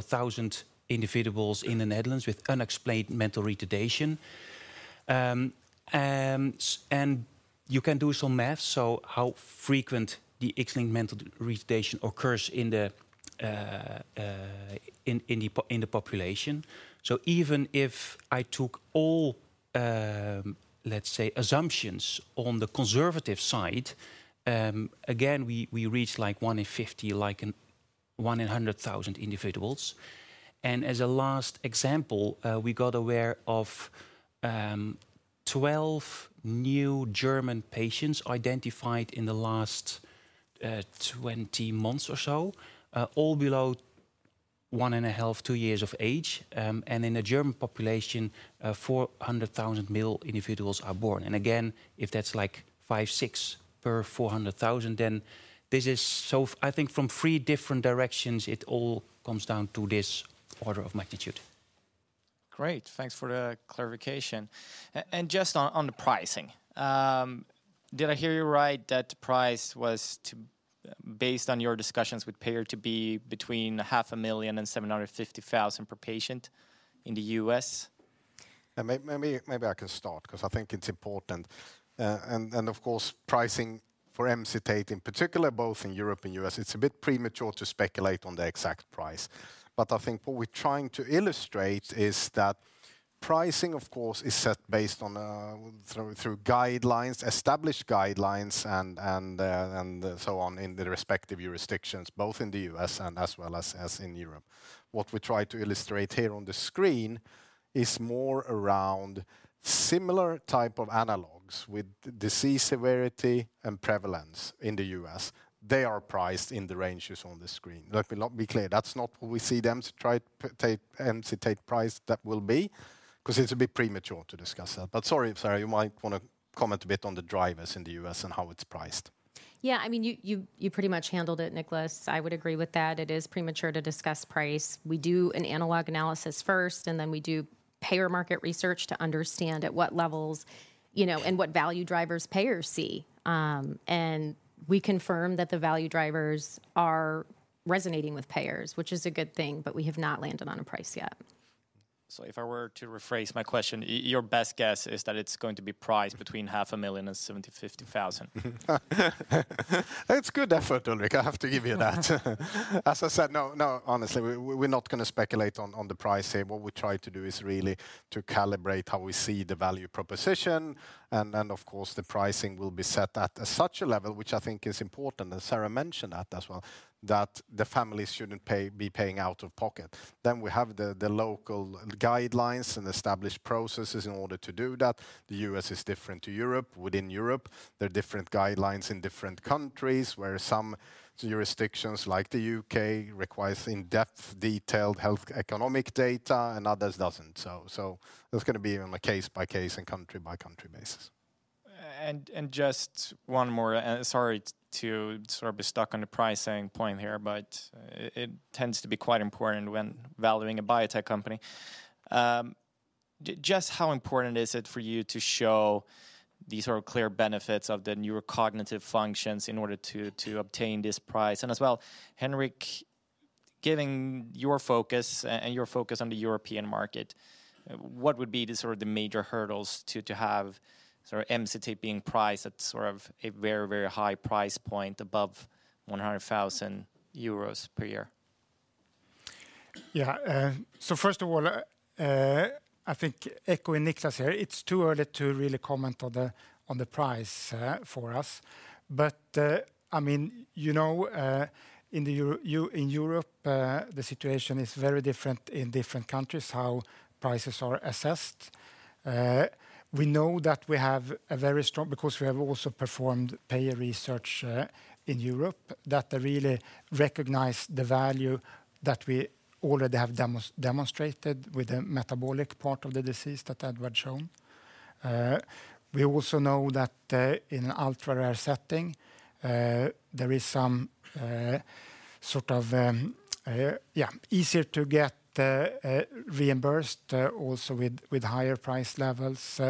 thousand individuals in the Netherlands with unexplained mental retardation. You can do some math, so how frequent the X-linked mental retardation occurs in the population. Even if I took all, let's say, assumptions on the conservative side, again, we reach, like, one in 50, like one in 100,000 individuals. As a last example, we got aware of 12 new German patients identified in the last 20 months or so, all below one and a half, two years of age. In the German population, 400,000 male individuals are born. Again, if that's, like, five, six per 400,000, then this is so—I think from three different directions, it all comes down to this order of magnitude. Great. Thanks for the clarification. Just on the pricing, did I hear you right that the price was to be based on your discussions with payers to be between $500,00 and $750,000 per patient in the U.S.? Maybe I can start 'cause I think it's important. Of course, pricing for Emcitate in particular, both in Europe and U.S., it's a bit premature to speculate on the exact price. I think what we're trying to illustrate is that pricing, of course, is set based on through established guidelines and so on in the respective jurisdictions, both in the U.S. and as well as in Europe. What we try to illustrate here on the screen is more around similar type of analogs with disease severity and prevalence in the U.S. They are priced in the ranges on the screen. Let me be clear, that's not what we see them to try to put Emcitate price that will be 'cause it's a bit premature to discuss that. Sorry, Sara, you might wanna comment a bit on the drivers in the U.S. and how it's priced. Yeah. I mean, you pretty much handled it, Nicklas. I would agree with that. It is premature to discuss price. We do an analog analysis first, and then we do payer market research to understand at what levels, you know, and what value drivers payers see. We confirm that the value drivers are resonating with payers, which is a good thing, but we have not landed on a price yet. If I were to rephrase my question, your best guess is that it's going to be priced between $500,000 and $750,000. It's good effort, Ulrik, I have to give you that. As I said, no, honestly, we're not gonna speculate on the price here. What we try to do is really to calibrate how we see the value proposition, and then, of course, the pricing will be set at such a level, which I think is important, and Sara mentioned that as well, that the families shouldn't be paying out of pocket. We have the local guidelines and established processes in order to do that. The U.S. is different to Europe. Within Europe, there are different guidelines in different countries where some jurisdictions, like the U.K., requires in-depth, detailed health economic data, and others doesn't. It's gonna be on a case-by-case and country-by-country basis. Just one more. Sorry to sort of be stuck on the pricing point here, but it tends to be quite important when valuing a biotech company. Just how important is it for you to show these are clear benefits of the neurocognitive functions in order to obtain this price? As well, Henrik, given your focus, and your focus on the European market, what would be the sort of major hurdles to have sort of Emcitate being priced at sort of a very, very high price point above 100,000 euros per year? Yeah. First of all, I think echoing Niklas here, it's too early to really comment on the price for us. I mean, you know, in Europe, the situation is very different in different countries how prices are assessed. We know that we have a very strong— because we have also performed payer research in Europe, that they really recognize the value that we already have demonstrated with the metabolic part of the disease that Edward shown. We also know that in an ultra-rare setting, easier to get reimbursed, also with higher price levels.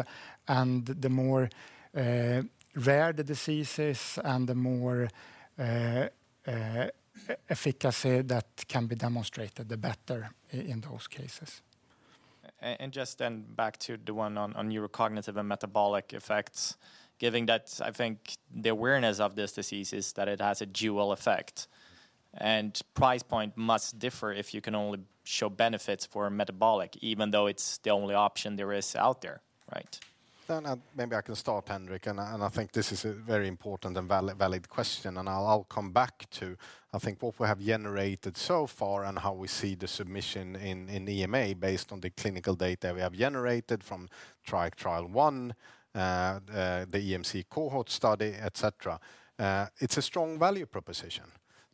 The more rare the disease is and the more efficacy that can be demonstrated, the better in those cases. Just then back to the one on neurocognitive and metabolic effects. Given that, I think, the awareness of this disease is that it has a dual effect, and price point must differ if you can only show benefits for metabolic even though it's the only option there is out there, right? Maybe I can start, Henrik, and I think this is a very important and valid question. I'll come back to, I think, what we have generated so far and how we see the submission in EMA based on the clinical data we have generated from TRIAC Trial I, the EMC Cohort Study, et cetera. It's a strong value proposition.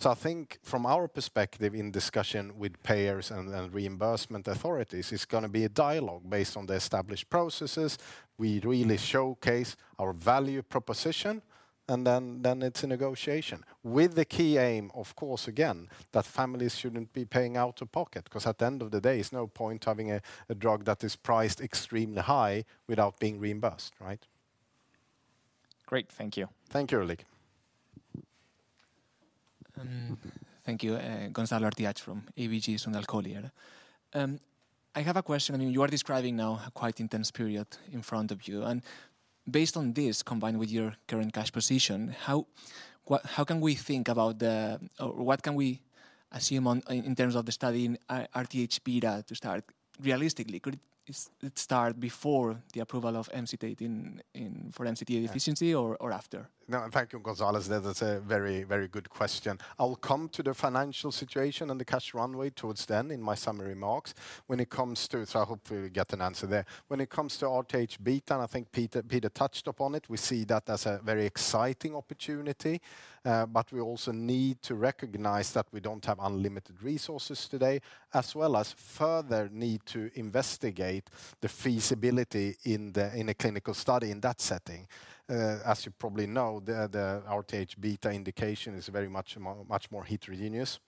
I think from our perspective in discussion with payers and then reimbursement authorities, it's gonna be a dialogue based on the established processes. We really showcase our value proposition, and then it's a negotiation. With the key aim, of course, again, that families shouldn't be paying out of pocket. 'Cause at the end of the day, there's no point having a drug that is priced extremely high without being reimbursed, right? Great. Thank you. Thank you, Ulrik. Thank you. Gonzalo Artiach from ABG Sundal Collier. I have a question. I mean, you are describing now a quite intense period in front of you. Based on this, combined with your current cash position, how can we think about or what can we assume in terms of the study in RTH-beta to start realistically? Could it start before the approval of Emcitate for MCT8 deficiency or after? Thank you, Gonzalo. That's a very, very good question. I will come to the financial situation and the cash runway towards the end in my summary remarks. When it comes to, I hope we will get an answer there. When it comes to RTH-beta, I think Peder touched upon it, we see that as a very exciting opportunity. But we also need to recognize that we don't have unlimited resources today, as well as further need to investigate the feasibility in a clinical study in that setting. As you probably know, the RTH-beta indication is much more heterogeneous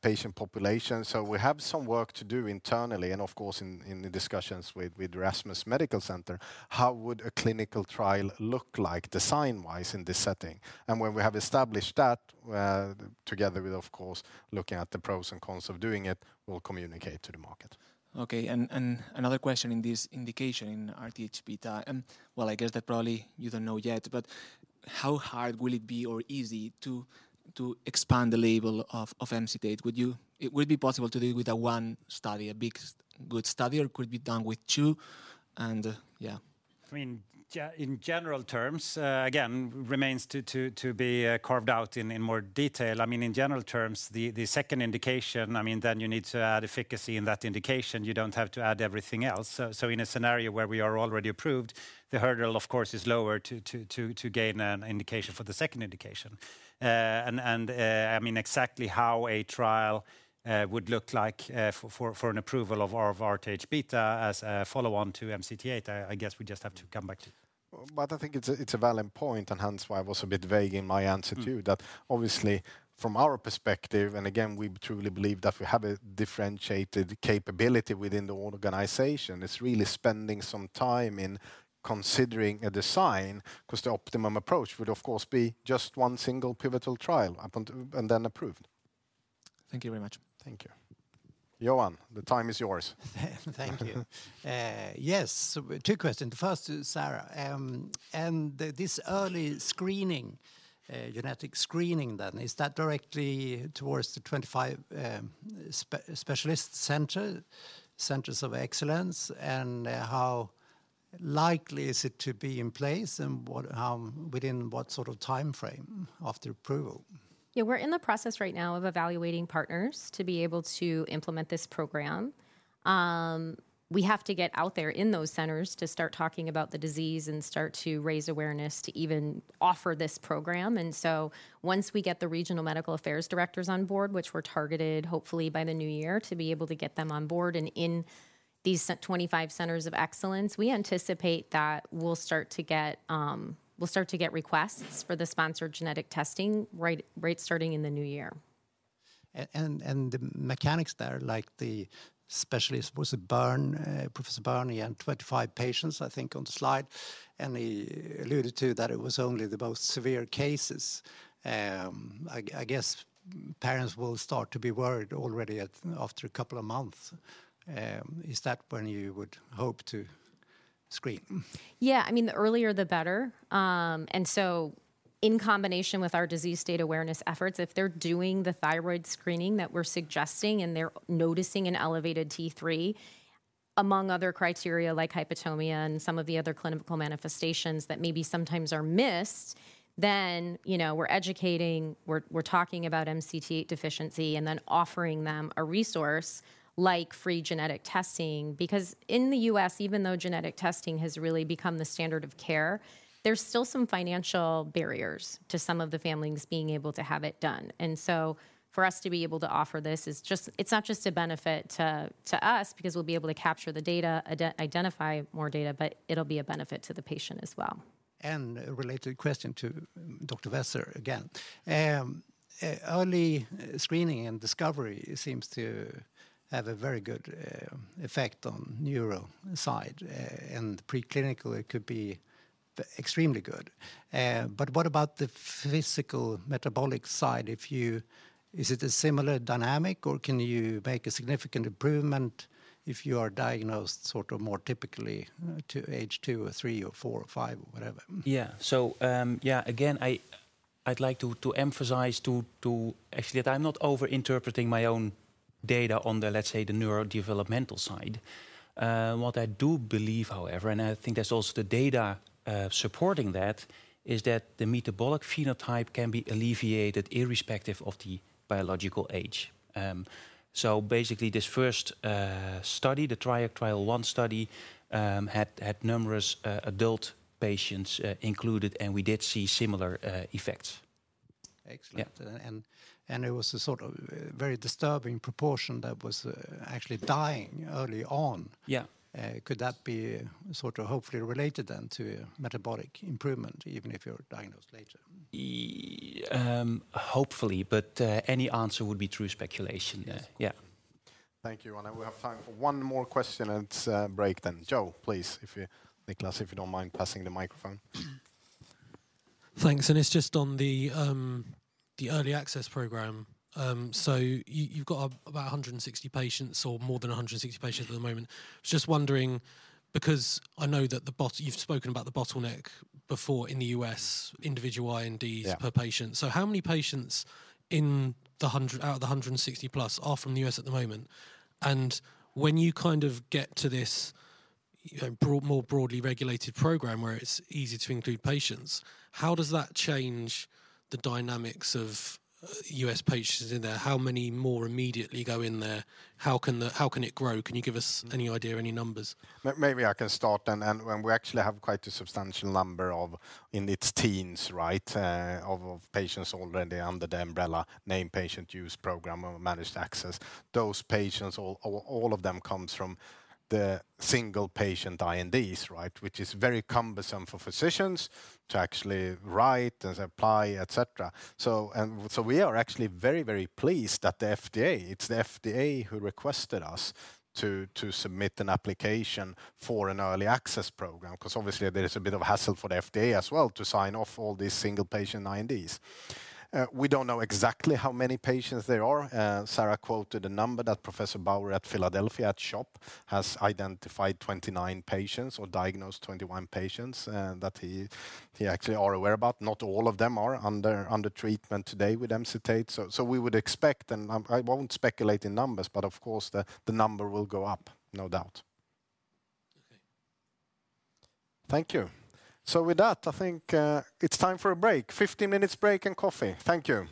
patient population. We have some work to do internally, and of course, in the discussions with Erasmus Medical Center, how would a clinical trial look like design-wise in this setting? When we have established that, together with, of course, looking at the pros and cons of doing it, we'll communicate to the market. Okay. Another question in this indication in RTH-beta. Well, I guess that probably you don't know yet, but how hard will it be or easy to expand the label of Emcitate? It would be possible to do with one study, a big, good study, or it could be done with two? Yeah. I mean, in general terms, again, remains to be carved out in more detail. I mean, in general terms, the second indication, I mean, then you need to add efficacy in that indication. You don't have to add everything else. In a scenario where we are already approved, the hurdle, of course, is lower to gain an indication for the second indication. I mean, exactly how a trial would look like for an approval of RTH-beta as a follow-on to MCT8, I guess we just have to come back to you. I think it's a valid point, and hence why I was a bit vague in my answer to you. That obviously from our perspective, and again, we truly believe that we have a differentiated capability within the whole organization. It's really spending some time in considering a design, because the optimum approach would of course be just one single pivotal trial up until and then approved. Thank you very much. Thank you. Johan, the time is yours. Thank you. Yes. Two questions. The first to Sara. This early screening, genetic screening then, is that directly towards the 25 specialist centers of excellence? And how likely is it to be in place, and what within what sort of timeframe after approval? Yeah. We're in the process right now of evaluating partners to be able to implement this program. We have to get out there in those centers to start talking about the disease and start to raise awareness to even offer this program. Once we get the regional medical affairs directors on board, which we're targeted hopefully by the new year to be able to get them on board and in these 25 centers of excellence, we anticipate that we'll start to get requests for the sponsored genetic testing right starting in the new year. The mechanics there, like the specialist, was it [Bern]? Professor [Bern] and 25 patients, I think, on the slide. He alluded to that it was only the most severe cases. I guess parents will start to be worried already after a couple of months. Is that when you would hope to screen? Yeah. I mean, the earlier the better. In combination with our disease state awareness efforts, if they're doing the thyroid screening that we're suggesting and they're noticing an elevated T3, among other criteria like hypotonia and some of the other clinical manifestations that maybe sometimes are missed, then, you know, we're educating, we're talking about MCT8 deficiency and then offering them a resource like free genetic testing. Because in the U.S., even though genetic testing has really become the standard of care, there's still some financial barriers to some of the families being able to have it done. For us to be able to offer this is just. It's not just a benefit to us because we'll be able to capture the data, identify more data, but it'll be a benefit to the patient as well. A related question to Dr. Visser again. Early screening and discovery seems to have a very good effect on neuro side, and preclinical, it could be extremely good. But what about the physical metabolic side? Is it a similar dynamic, or can you make a significant improvement if you are diagnosed sort of more typically to age two or three or four or five or whatever? I'd like to emphasize that I'm not over-interpreting my own data on the, let's say, the neurodevelopmental side. Actually, what I do believe, however, and I think there's also the data supporting that, is that the metabolic phenotype can be alleviated irrespective of the biological age. Basically this first study, the TRIAC Trial I study, had numerous adult patients included, and we did see similar effects. Excellent. It was a sort of very disturbing proportion that was actually dying early on. Could that be sort of hopefully related then to metabolic improvement, even if you're diagnosed later? Hopefully, but any answer would be true speculation. Yeah. Thank you. We have time for one more question, and it's break then. Johan, please. Niklas, if you don't mind passing the microphone. Thanks. It's just on the early access program. So you've got about 160 patients or more than 160 patients at the moment. Just wondering, because I know that the bottleneck you've spoken about before in the U.S., individual INDs per patient. How many patients out of the 160 plus are from the U.S. at the moment? When you kind of get to this, you know, more broadly regulated program where it's easy to include patients, how does that change the dynamics of U.S. patients in there? How many more immediately go in there? How can it grow? Can you give us any idea, any numbers? Maybe I can start. We actually have quite a substantial number in its teens of patients already under the umbrella Named Patient Use program or managed access. Those patients, all of them comes from the single patient INDs, which is very cumbersome for physicians to actually write and apply, et cetera. We are actually very pleased that the FDA, it's the FDA who requested us to submit an application for an early access program, because obviously there is a bit of a hassle for the FDA as well to sign off all these single patient INDs. We don't know exactly how many patients there are. Sara quoted a number that Professor Bauer at Philadelphia at CHOP has identified 29 patients or diagnosed 21 patients, that he actually are aware about. Not all of them are under treatment today with Emcitate. We would expect, and I won't speculate in numbers, but of course the number will go up, no doubt. Thank you. With that, I think, it's time for a break. 15 minutes break and coffee. Thank you.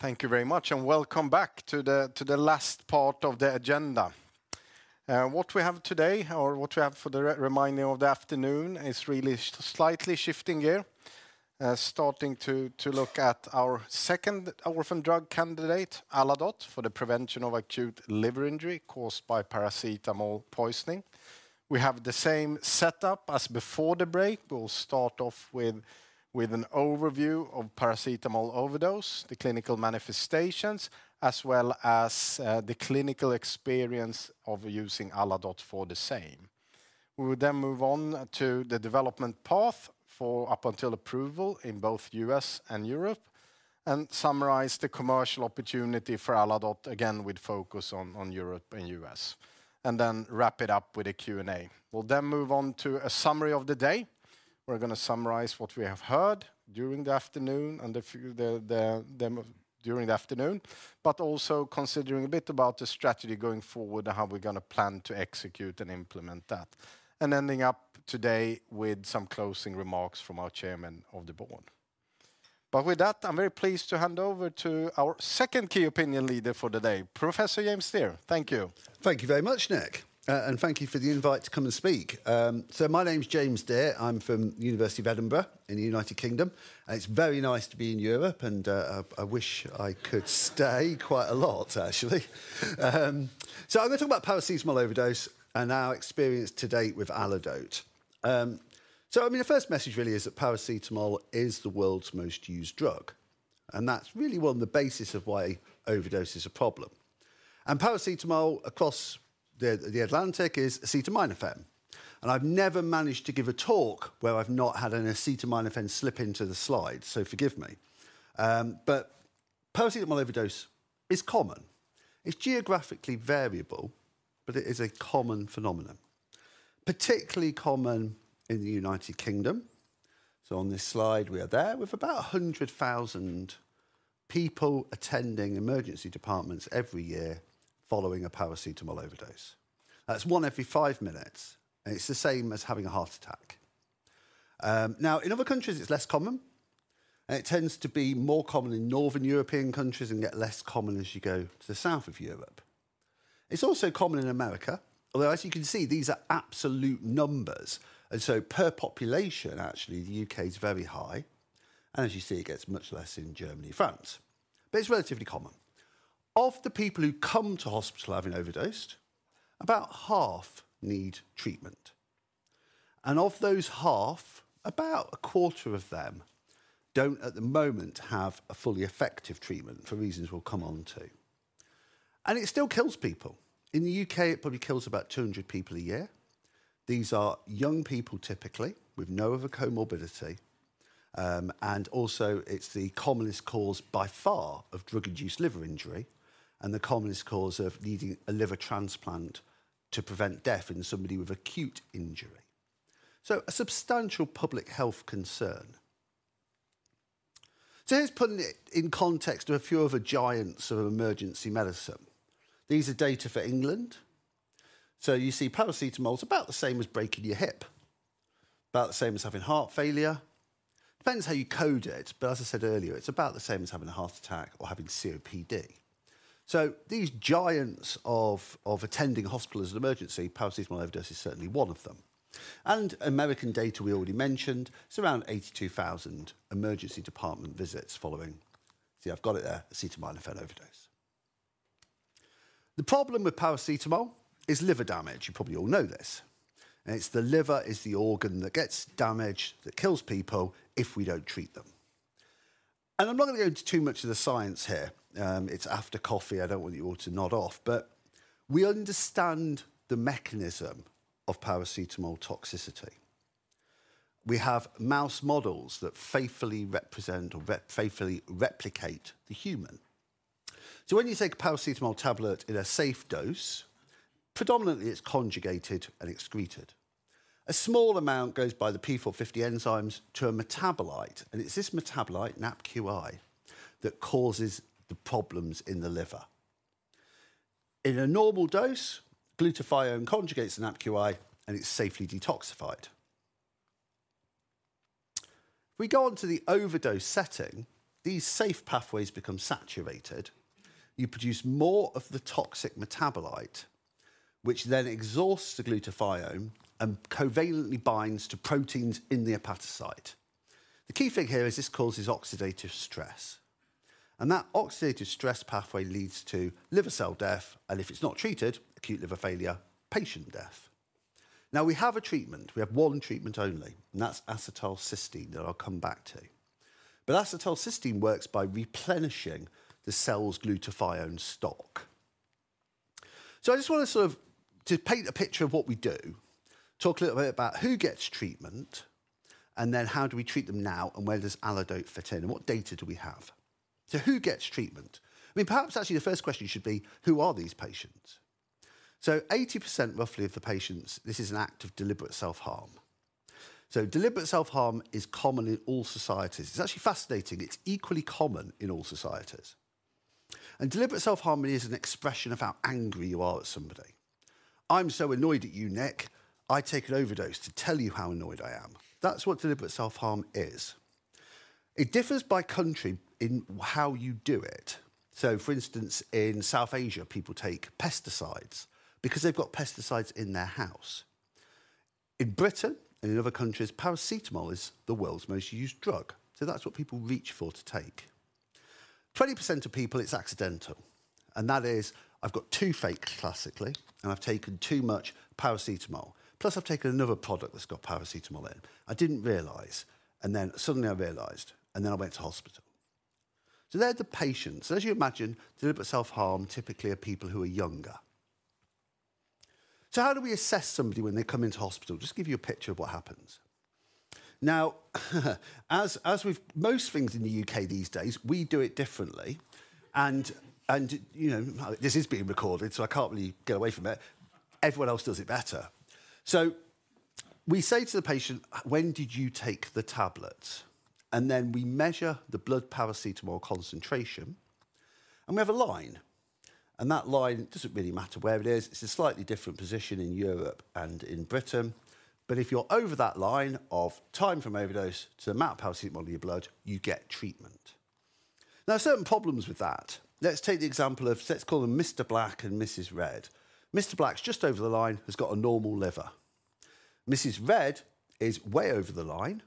Thank you very much, and welcome back to the last part of the agenda. What we have today or what we have for the remaining of the afternoon is really slightly shifting gear. Starting to look at our second orphan drug candidate, Aladote, for the prevention of acute liver injury caused by paracetamol poisoning. We have the same setup as before the break. We'll start off with an overview of paracetamol overdose, the clinical manifestations, as well as the clinical experience of using Aladote for the same. We will then move on to the development path for up until approval in both U.S. and Europe, and summarize the commercial opportunity for Aladote, again, with focus on Europe and U.S., and then wrap it up with a Q&A. We'll then move on to a summary of the day. We're gonna summarize what we have heard during the afternoon, but also considering a bit about the strategy going forward and how we're gonna plan to execute and implement that. Ending up today with some closing remarks from our Chairman of the Board. With that, I'm very pleased to hand over to our second key opinion leader for the day, Professor James Dear. Thank you. Thank you very much, Nick. Thank you for the invite to come and speak. My name's James Dear. I'm from University of Edinburgh in the United Kingdom. It's very nice to be in Europe, and I wish I could stay quite a lot, actually. I'm gonna talk about paracetamol overdose and our experience to date with Aladote. I mean, the first message really is that paracetamol is the world's most used drug, and that's really one of the basis of why overdose is a problem. Paracetamol across the Atlantic is acetaminophen. I've never managed to give a talk where I've not had an acetaminophen slip into the slide, so forgive me. Paracetamol overdose is common. It's geographically variable, but it is a common phenomenon. Particularly common in the United Kingdom. On this slide, we are there with about 100,000 people attending emergency departments every year following a paracetamol overdose. That's one every five minutes, and it's the same as having a heart attack. Now in other countries it's less common, and it tends to be more common in Northern European countries and get less common as you go to the south of Europe. It's also common in America, although, as you can see, these are absolute numbers, and so per population, actually, the U.K. is very high. As you see, it gets much less in Germany, France. It's relatively common. Of the people who come to hospital having overdosed, about half need treatment, and of those half, about 1/4 of them don't, at the moment, have a fully effective treatment for reasons we'll come on to. It still kills people. In the U.K., it probably kills about 200 people a year. These are young people, typically, with no other comorbidity. And also it's the commonest cause by far of drug-induced liver injury and the commonest cause of needing a liver transplant to prevent death in somebody with acute injury. A substantial public health concern. Let's put it in context of a few other giants of emergency medicine. These are data for England. You see paracetamol is about the same as breaking your hip. About the same as having heart failure. Depends how you code it, but as I said earlier, it's about the same as having a heart attack or having COPD. These giants of attending hospital as an emergency, paracetamol overdose is certainly one of them. American data we already mentioned, it's around 82,000 emergency department visits following... See, I've got it there, acetaminophen overdose. The problem with paracetamol is liver damage. You probably all know this. It's the liver is the organ that gets damaged, that kills people if we don't treat them. I'm not gonna go into too much of the science here. It's after coffee. I don't want you all to nod off. We understand the mechanism of paracetamol toxicity. We have mouse models that faithfully represent or faithfully replicate the human. When you take a paracetamol tablet in a safe dose, predominantly it's conjugated and excreted. A small amount goes by the P450 enzymes to a metabolite, and it's this metabolite, NAPQI, that causes the problems in the liver. In a normal dose, glutathione conjugates the NAPQI, and it's safely detoxified. If we go on to the overdose setting, these safe pathways become saturated. You produce more of the toxic metabolite, which then exhausts the glutathione and covalently binds to proteins in the hepatocyte. The key thing here is this causes oxidative stress, and that oxidative stress pathway leads to liver cell death and, if it's not treated, acute liver failure, patient death. We have a treatment. We have one treatment only, and that's acetylcysteine that I'll come back to. Acetylcysteine works by replenishing the cell's glutathione stock. I just wanna sort of to paint a picture of what we do, talk a little bit about who gets treatment and then how do we treat them now and where does Aladote fit in and what data do we have? Who gets treatment? I mean, perhaps actually the first question should be who are these patients? 80% roughly of the patients, this is an act of deliberate self-harm. Deliberate self-harm is common in all societies. It's actually fascinating. It's equally common in all societies. Deliberate self-harm is an expression of how angry you are at somebody. I'm so annoyed at you, Nick, I take an overdose to tell you how annoyed I am. That's what deliberate self-harm is. It differs by country in how you do it. For instance, in South Asia, people take pesticides because they've got pesticides in their house. In Britain and in other countries, paracetamol is the world's most used drug. That's what people reach for to take. 20% of people, it's accidental, and that is, "I've got the flu classically, and I've taken too much paracetamol, plus I've taken another product that's got paracetamol in. I didn't realize, and then suddenly I realized, and then I went to hospital." They're the patients. As you imagine, deliberate self-harm typically are people who are younger. How do we assess somebody when they come into hospital? Just give you a picture of what happens. Now, as with most things in the U.K. these days, we do it differently and, you know, this is being recorded, so I can't really get away from it. Everyone else does it better. We say to the patient, "When did you take the tablet?" Then we measure the blood paracetamol concentration, and we have a line. That line, it doesn't really matter where it is, it's a slightly different position in Europe and in Britain. If you're over that line of time from overdose to the amount of paracetamol in your blood, you get treatment. Certain problems with that. Let's take the example of, let's call them Mr. Black and Mrs. Red. Mr. Black's just over the line, has got a normal liver. Mrs. Red is way over the line,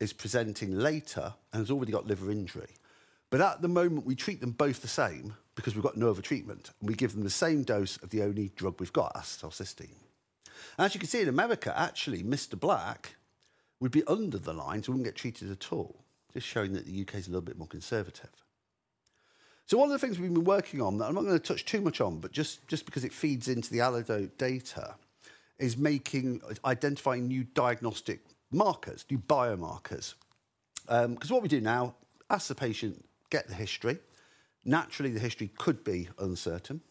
is presenting later, and has already got liver injury. At the moment, we treat them both the same because we've got no other treatment, and we give them the same dose of the only drug we've got, acetylcysteine. As you can see in America, actually, Mr. Black would be under the line, so he wouldn't get treated at all. Just showing that the U.K. is a little bit more conservative. One of the things we've been working on that I'm not gonna touch too much on, but just because it feeds into the Aladote data, is identifying new diagnostic markers, new biomarkers. 'Cause what we do now, ask the patient, get the history. Naturally, the history could be uncertain.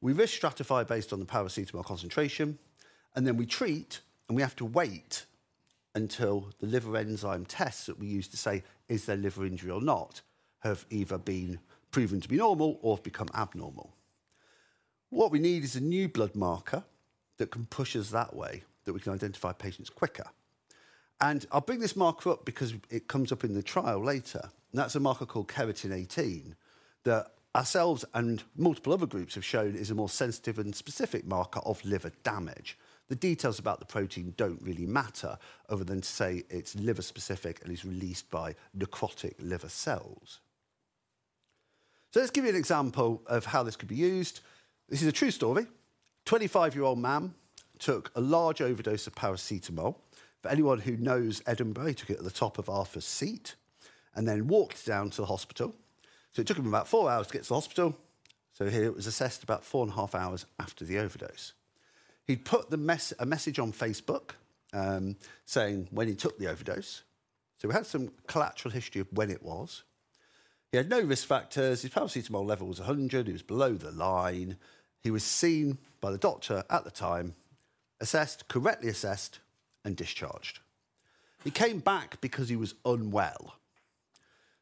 We risk stratify based on the paracetamol concentration, and then we treat, and we have to wait until the liver enzyme tests that we use to say, is there liver injury or not, have either been proven to be normal or have become abnormal. What we need is a new blood marker that can push us that way, that we can identify patients quicker. I'll bring this marker up because it comes up in the trial later. That's a marker called [cytokeratin-18] that ourselves and multiple other groups have shown is a more sensitive and specific marker of liver damage. The details about the protein don't really matter other than to say it's liver-specific and is released by necrotic liver cells. Let's give you an example of how this could be used. This is a true story. 25-year-old man took a large overdose of paracetamol. For anyone who knows Edinburgh, he took it at the top of Arthur's Seat and then walked down to the hospital. It took him about four hours to get to the hospital. Here it was assessed about 4.5 hours after the overdose. He'd put a message on Facebook, saying when he took the overdose. We had some collateral history of when it was. He had no risk factors. His paracetamol level was 100. He was below the line. He was seen by the doctor at the time, assessed, correctly assessed and discharged. He came back because he was unwell.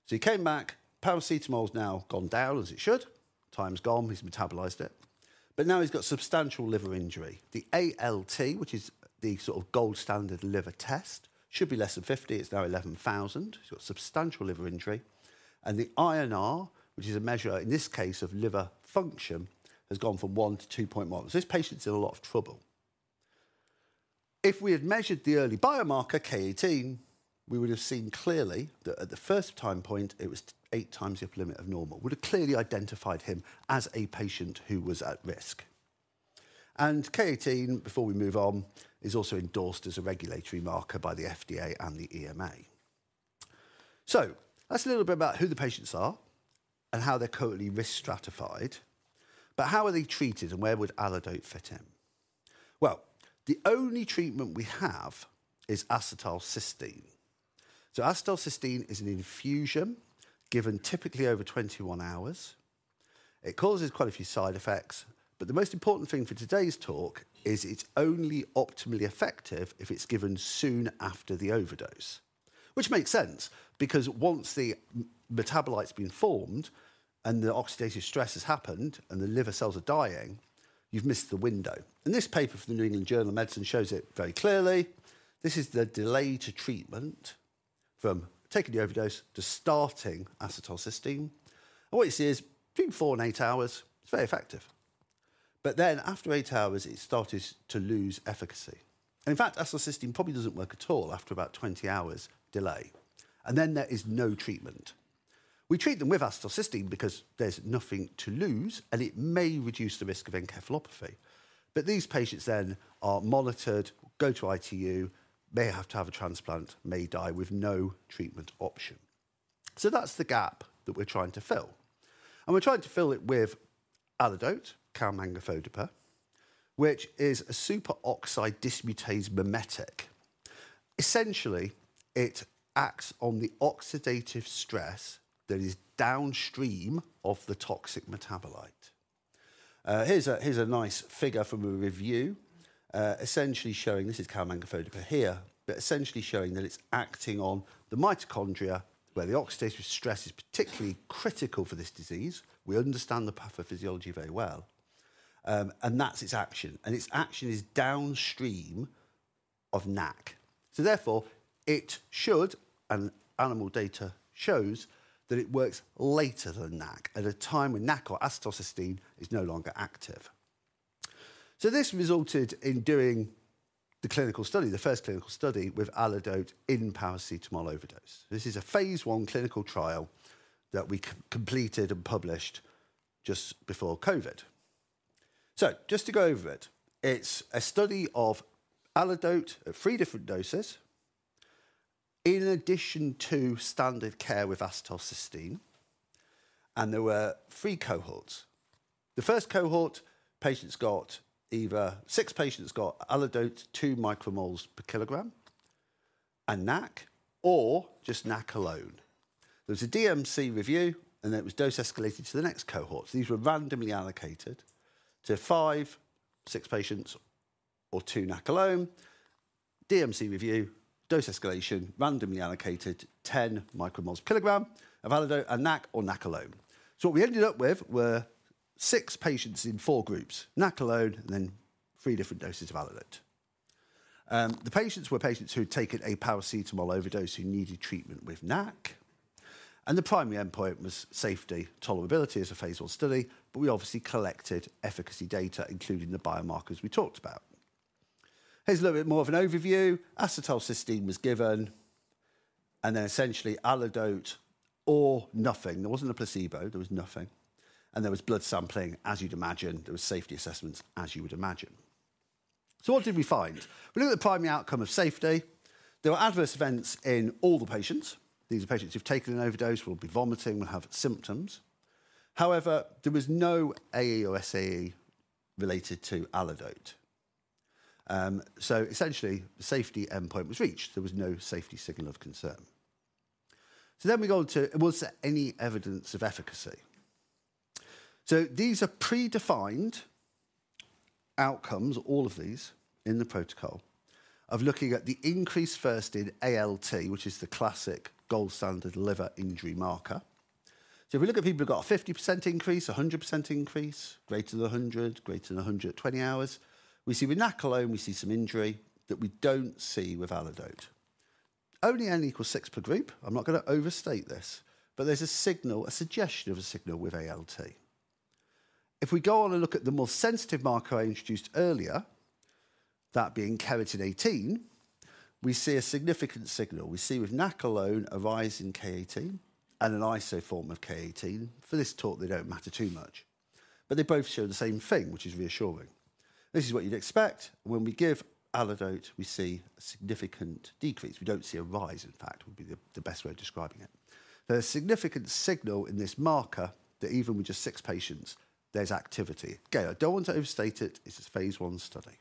He came back. Paracetamol's now gone down as it should. Time's gone. He's metabolized it. Now he's got substantial liver injury. The ALT, which is the sort of gold standard liver test, should be less than 50. It's now 11,000. He's got substantial liver injury. The INR, which is a measure in this case of liver function, has gone from 1 to 2.1. This patient's in a lot of trouble. If we had measured the early biomarker, K-18, we would have seen clearly that at the first time point, it was eight times the limit of normal. Would have clearly identified him as a patient who was at risk. K-18, before we move on, is also endorsed as a regulatory marker by the FDA and the EMA. That's a little bit about who the patients are and how they're currently risk-stratified. How are they treated and where would Aladote fit in? Well, the only treatment we have is acetylcysteine. Acetylcysteine is an infusion given typically over 21 hours. It causes quite a few side effects, but the most important thing for today's talk is it's only optimally effective if it's given soon after the overdose. Which makes sense because once the metabolite's been formed and the oxidative stress has happened and the liver cells are dying, you've missed the window. This paper from the New England Journal of Medicine shows it very clearly. This is the delay to treatment from taking the overdose to starting acetylcysteine. What you see is between four and eight hours, it's very effective. Then after eight hours, it started to lose efficacy. In fact, acetylcysteine probably doesn't work at all after about 20 hours delay. Then there is no treatment. We treat them with acetylcysteine because there's nothing to lose, and it may reduce the risk of encephalopathy. These patients then are monitored, go to ITU, may have to have a transplant, may die with no treatment option. That's the gap that we're trying to fill, and we're trying to fill it with Aladote, calmangafodipir, which is a superoxide dismutase mimetic. Essentially, it acts on the oxidative stress that is downstream of the toxic metabolite. Here's a nice figure from a review, essentially showing this is calmangafodipir here, but essentially showing that it's acting on the mitochondria where the oxidative stress is particularly critical for this disease. We understand the pathophysiology very well. That's its action. Its action is downstream of NAC. Therefore, it should, and animal data shows, that it works later than NAC at a time when NAC or acetylcysteine is no longer active. This resulted in doing the clinical study, the first clinical study with Aladote in paracetamol overdose. This is a phase I clinical trial that we completed and published just before COVID. Just to go over it, it's a study of Aladote at three different doses in addition to standard care with acetylcysteine, and there were three cohorts. The first cohort, six patients got Aladote 2 umol/kg and NAC or just NAC alone. There was a DMC review, and then it was dose escalated to the next cohort. These were randomly allocated to five, six patients or to NAC alone, DMC review, dose escalation, randomly allocated 10 umol/kg of Aladote and NAC or NAC alone. What we ended up with were six patients in four groups, NAC alone and then three different doses of Aladote. The patients were patients who had taken a paracetamol overdose who needed treatment with NAC, and the primary endpoint was safety, tolerability as a phase I study, but we obviously collected efficacy data, including the biomarkers we talked about. Here's a little bit more of an overview. Acetylcysteine was given, and then essentially Aladote or nothing. There wasn't a placebo. There was nothing. There was blood sampling, as you'd imagine. There was safety assessments, as you would imagine. What did we find? We look at the primary outcome of safety. There were adverse events in all the patients. These are patients who've taken an overdose, will be vomiting, will have symptoms. However, there was no AE or SAE related to Aladote. Essentially the safety endpoint was reached. There was no safety signal of concern. Was there any evidence of efficacy? These are predefined outcomes, all of these in the protocol, of looking at the increase first in ALT, which is the classic gold standard liver injury marker. If we look at people who've got a 50% increase, a 100% increase, greater than 100%, greater than 100% at 20 hours, we see with NAC alone, we see some injury that we don't see with Aladote. Only [N=6] per group. I'm not gonna overstate this, but there's a signal, a suggestion of a signal with ALT. If we go on and look at the more sensitive marker I introduced earlier, that being [cytokeratin-18], we see a significant signal. We see with NAC alone a rise in K18 and an isoform of K18. For this talk, they don't matter too much, but they both show the same thing, which is reassuring. This is what you'd expect. When we give Aladote, we see a significant decrease. We don't see a rise, in fact, would be the best way of describing it. There's significant signal in this marker that even with just six patients, there's activity. Okay, I don't want to overstate it. It's a phase I study.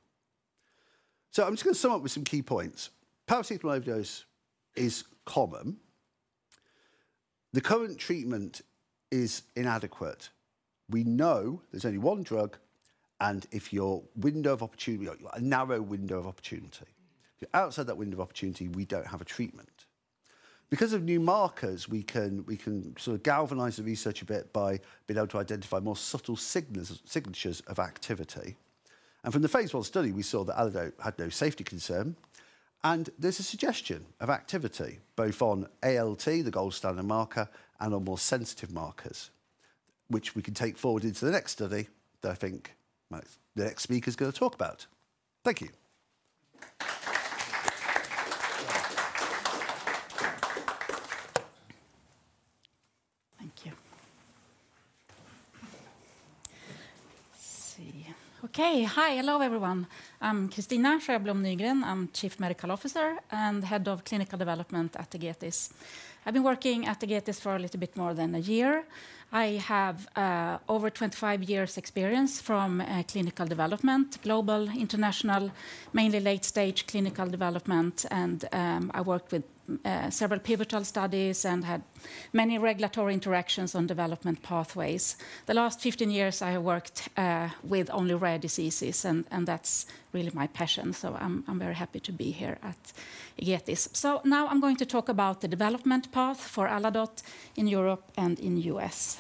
I'm just gonna sum up with some key points. Paracetamol overdose is common. The current treatment is inadequate. We know there's only one drug, and if your window of opportunity, a narrow window of opportunity. If you're outside that window of opportunity, we don't have a treatment. Because of new markers, we can sort of galvanize the research a bit by being able to identify more subtle signatures of activity. From the phase I study, we saw that Aladote had no safety concern, and there's a suggestion of activity both on ALT, the gold standard marker, and on more sensitive markers, which we can take forward into the next study that I think the next speaker's gonna talk about. Thank you. Thank you. Hi. Hello, everyone. I'm Kristina Sjöblom Nygren. I'm Chief Medical Officer and Head of Clinical Development at Egetis. I've been working at Egetis for a little bit more than a year. I have over 25 years' experience from clinical development, global, international, mainly late-stage clinical development, and I worked with several pivotal studies and had many regulatory interactions on development pathways. The last 15 years, I have worked with only rare diseases and that's really my passion, so I'm very happy to be here at Egetis. Now I'm going to talk about the development path for Aladote in Europe and in the U.S.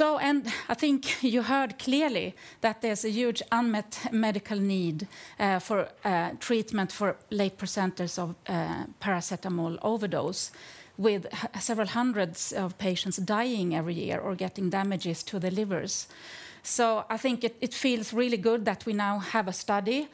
I think you heard clearly that there's a huge unmet medical need for treatment for late presenters of paracetamol overdose, with several hundreds of patients dying every year or getting damages to their livers. I think it feels really good that we now have a study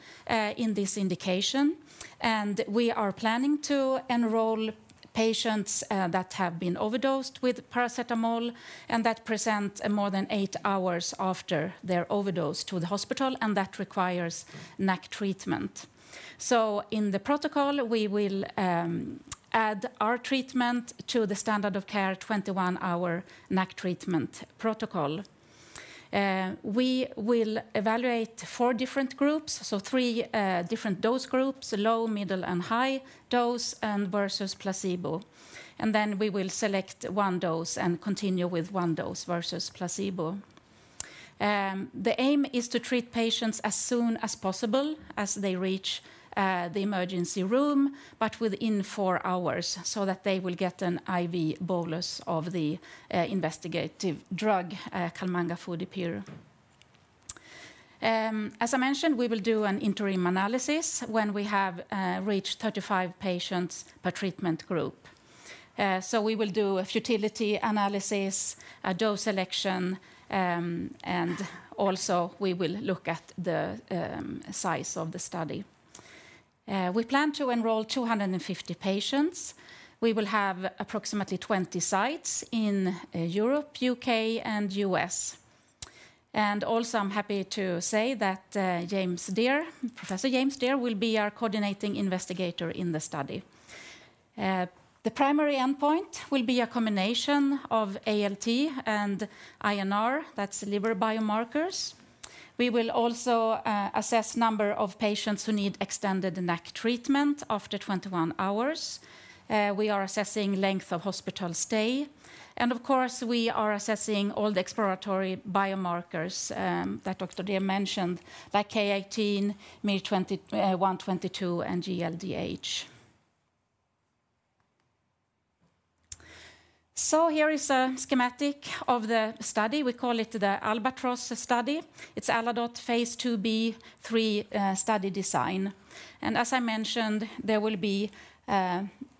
in this indication, and we are planning to enroll patients that have been overdosed with paracetamol and that present more than eight hours after their overdose to the hospital and that requires NAC treatment. In the protocol, we will add our treatment to the standard of care 21-hour NAC treatment protocol. We will evaluate four different groups, so three different dose groups, low, middle, and high dose and versus placebo. Then we will select one dose and continue with one dose versus placebo. The aim is to treat patients as soon as possible as they reach the emergency room, but within four hours so that they will get an IV bolus of the investigative drug calmangafodipir. As I mentioned, we will do an interim analysis when we have reached 35 patients per treatment group. We will do a futility analysis, a dose selection, and also we will look at the size of the study. We plan to enroll 250 patients. We will have approximately 20 sites in Europe, U.K., and U.S. I'm happy to say that James Dear, Professor James Dear, will be our coordinating investigator in the study. The primary endpoint will be a combination of ALT and INR, that's liver biomarkers. We will also assess number of patients who need extended NAC treatment after 21 hours. We are assessing length of hospital stay. Of course, we are assessing all the exploratory biomarkers that Dr. Dear mentioned, like K18, miR-122, and GLDH. Here is a schematic of the study. We call it the Albatross study. It's Aladote phase II-B/III study design. As I mentioned, there will be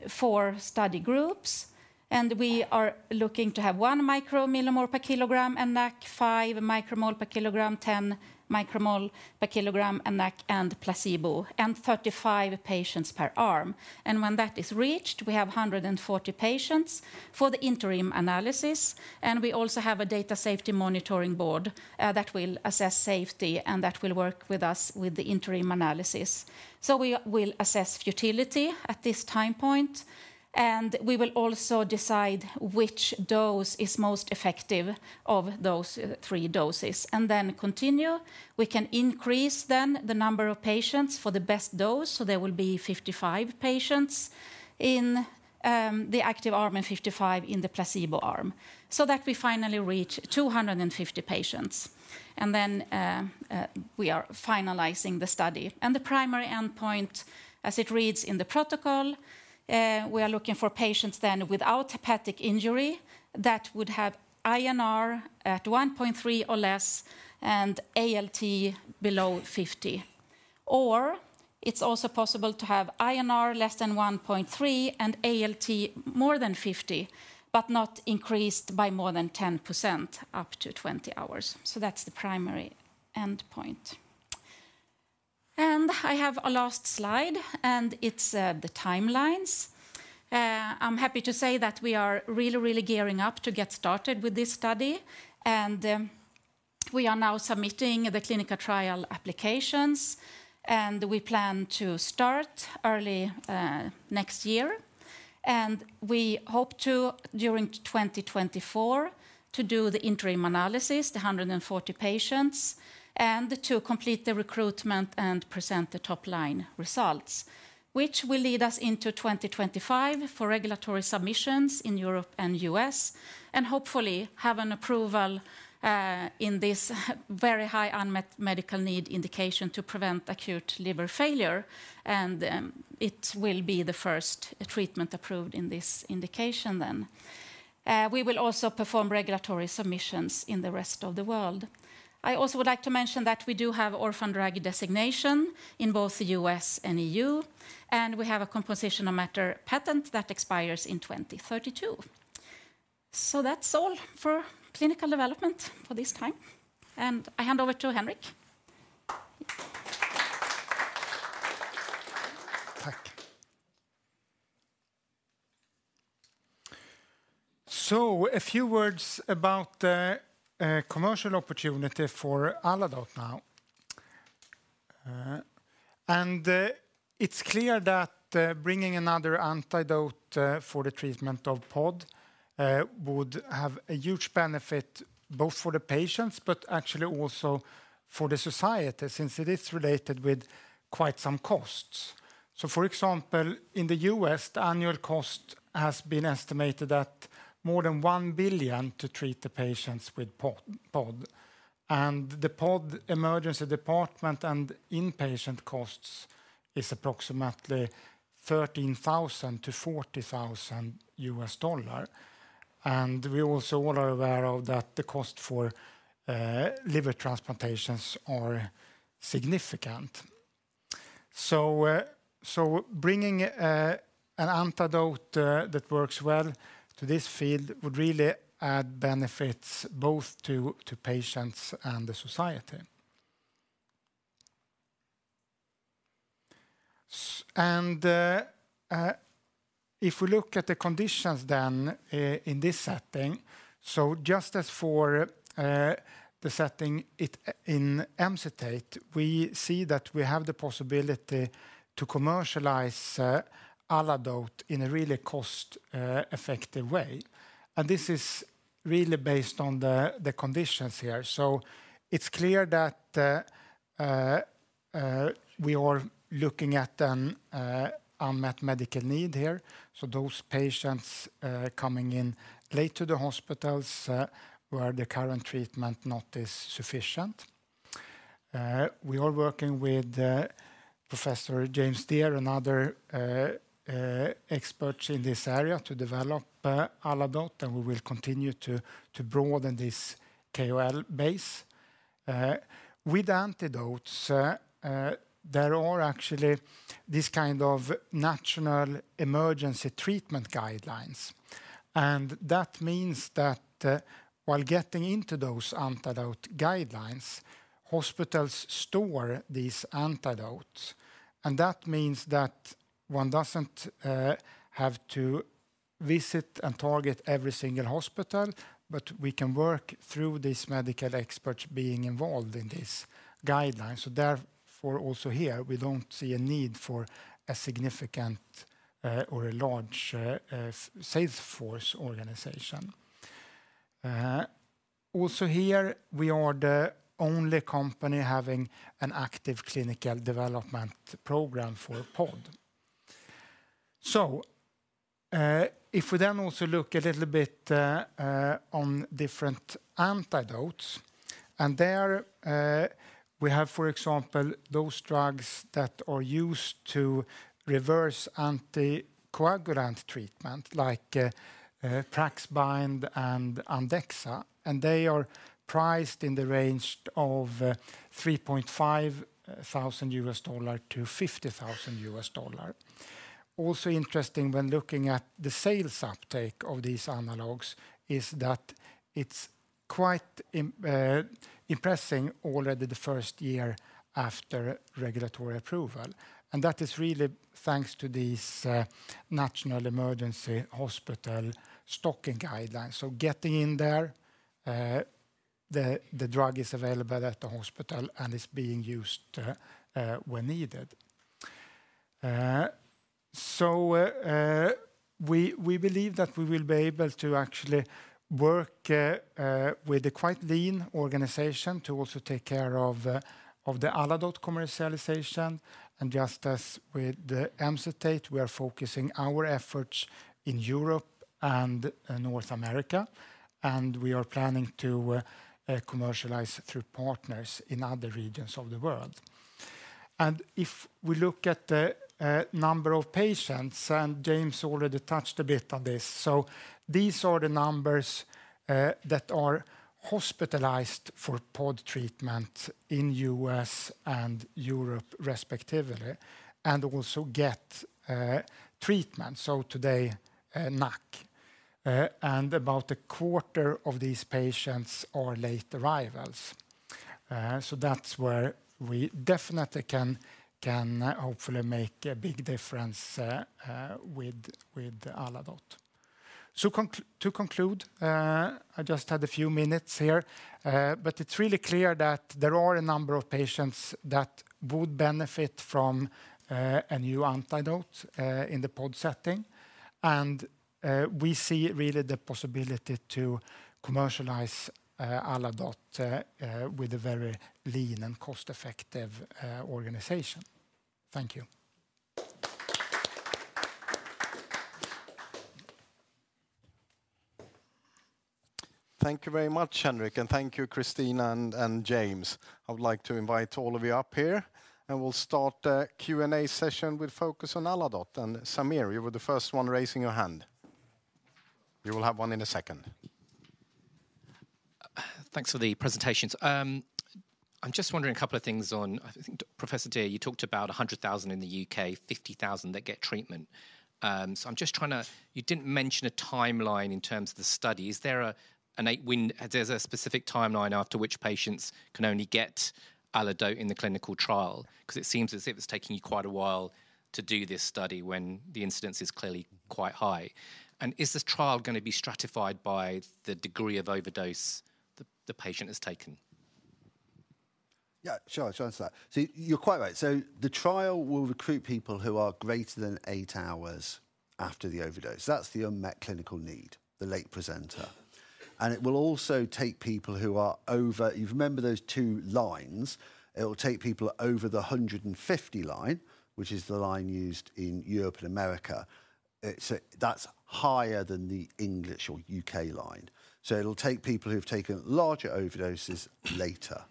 four study groups, and we are looking to have 1 umol/kg and NAC, 5 umol/kg, 10 umol/kg, and NAC and placebo, and 35 patients per arm. When that is reached, we have 140 patients for the interim analysis, and we also have a data safety monitoring board that will assess safety and that will work with us with the interim analysis. We will assess futility at this time point, and we will also decide which dose is most effective of those three doses, and then continue. We can increase then the number of patients for the best dose, so there will be 55 patients in the active arm and 55 in the placebo arm, so that we finally reach 250 patients. We are finalizing the study. The primary endpoint, as it reads in the protocol, we are looking for patients then without hepatic injury that would have INR at 1.3 or less and ALT below 50. Or it's also possible to have INR less than 1.3 and ALT more than 50, but not increased by more than 10% up to 20 hours. That's the primary endpoint. I have a last slide, and it's the timelines. I'm happy to say that we are really gearing up to get started with this study, and we are now submitting the clinical trial applications, and we plan to start early next year. We hope to, during 2024, to do the interim analysis, the 140 patients, and to complete the recruitment and present the top line results, which will lead us into 2025 for regulatory submissions in Europe and U.S., and hopefully have an approval in this very high unmet medical need indication to prevent acute liver failure. It will be the first treatment approved in this indication then. We will also perform regulatory submissions in the rest of the world. I also would like to mention that we do have orphan drug designation in both the U.S. and EU, and we have a composition of matter patent that expires in 2032. That's all for clinical development for this time. I hand over to Henrik. Thank you. A few words about the commercial opportunity for Aladote now. It's clear that bringing another antidote for the treatment of POD would have a huge benefit both for the patients but actually also for the society since it is related with quite some costs. For example, in the U.S., the annual cost has been estimated at more than $1 billion to treat the patients with POD. The POD emergency department and inpatient costs is approximately $13,000-$40,000. We also all are aware of that the cost for liver transplantations are significant. Bringing an antidote that works well to this field would really add benefits both to patients and the society. If we look at the conditions then in this setting, just as for the setting in Emcitate, we see that we have the possibility to commercialize Aladote in a really cost-effective way. This is really based on the conditions here. It's clear that we are looking at an unmet medical need here, so those patients coming in late to the hospitals where the current treatment not is sufficient. We are working with Professor James Dear and other experts in this area to develop Aladote, and we will continue to broaden this KOL base. With antidotes, there are actually this kind of national emergency treatment guidelines. That means that while getting into those antidote guidelines, hospitals store these antidotes, and that means that one doesn't have to visit and target every single hospital, but we can work through these medical experts being involved in this guideline. Therefore also here, we don't see a need for a significant or a large sales force organization. Also here we are the only company having an active clinical development program for POD. If we then also look a little bit on different antidotes, and there we have, for example, those drugs that are used to reverse anticoagulant treatment, like Praxbind and Andexxa, and they are priced in the range of $3,500-$50,000. Also interesting when looking at the sales uptake of these analogues is that it's quite impressive already the first year after regulatory approval. That is really thanks to these national emergency hospital stocking guidelines. Getting in there, the drug is available at the hospital and is being used when needed. We believe that we will be able to actually work with a quite lean organization to also take care of the Aladote commercialization. Just as with the Emcitate, we are focusing our efforts in Europe and North America, and we are planning to commercialize through partners in other regions of the world. If we look at the number of patients, and James already touched a bit on this, so these are the numbers that are hospitalized for POD treatment in U.S. and Europe respectively, and also get treatment, so today NAC. About 1/4 of these patients are late arrivals. That's where we definitely can hopefully make a big difference with Aladote. To conclude, I just had a few minutes here, but it's really clear that there are a number of patients that would benefit from a new antidote in the POD setting. We see really the possibility to commercialize Aladote with a very lean and cost-effective organization. Thank you. Thank you very much, Henrik, and thank you, Kristina and James. I would like to invite all of you up here, and we'll start the Q&A session with focus on Aladote. Samir, you were the first one raising your hand. You will have one in a second. Thanks for the presentations. I'm just wondering a couple of things on, I think Professor Dear, you talked about 100,000 in the U.K., 50,000 that get treatment. I'm just trying to. You didn't mention a timeline in terms of the study. Is there a specific timeline after which patients can only get Aladote in the clinical trial? 'Cause it seems as if it's taking you quite a while to do this study when the incidence is clearly quite high. Is this trial gonna be stratified by the degree of overdose the patient has taken? Yeah. Sure. I'll answer that. You're quite right. The trial will recruit people who are greater than eight hours after the overdose. That's the unmet clinical need, the late presenter. It will also take people who are over— You remember those two lines? It'll take people over the 150 line, which is the line used in Europe and America. That's higher than the English or U.K. line. It'll take people who've taken larger overdoses later.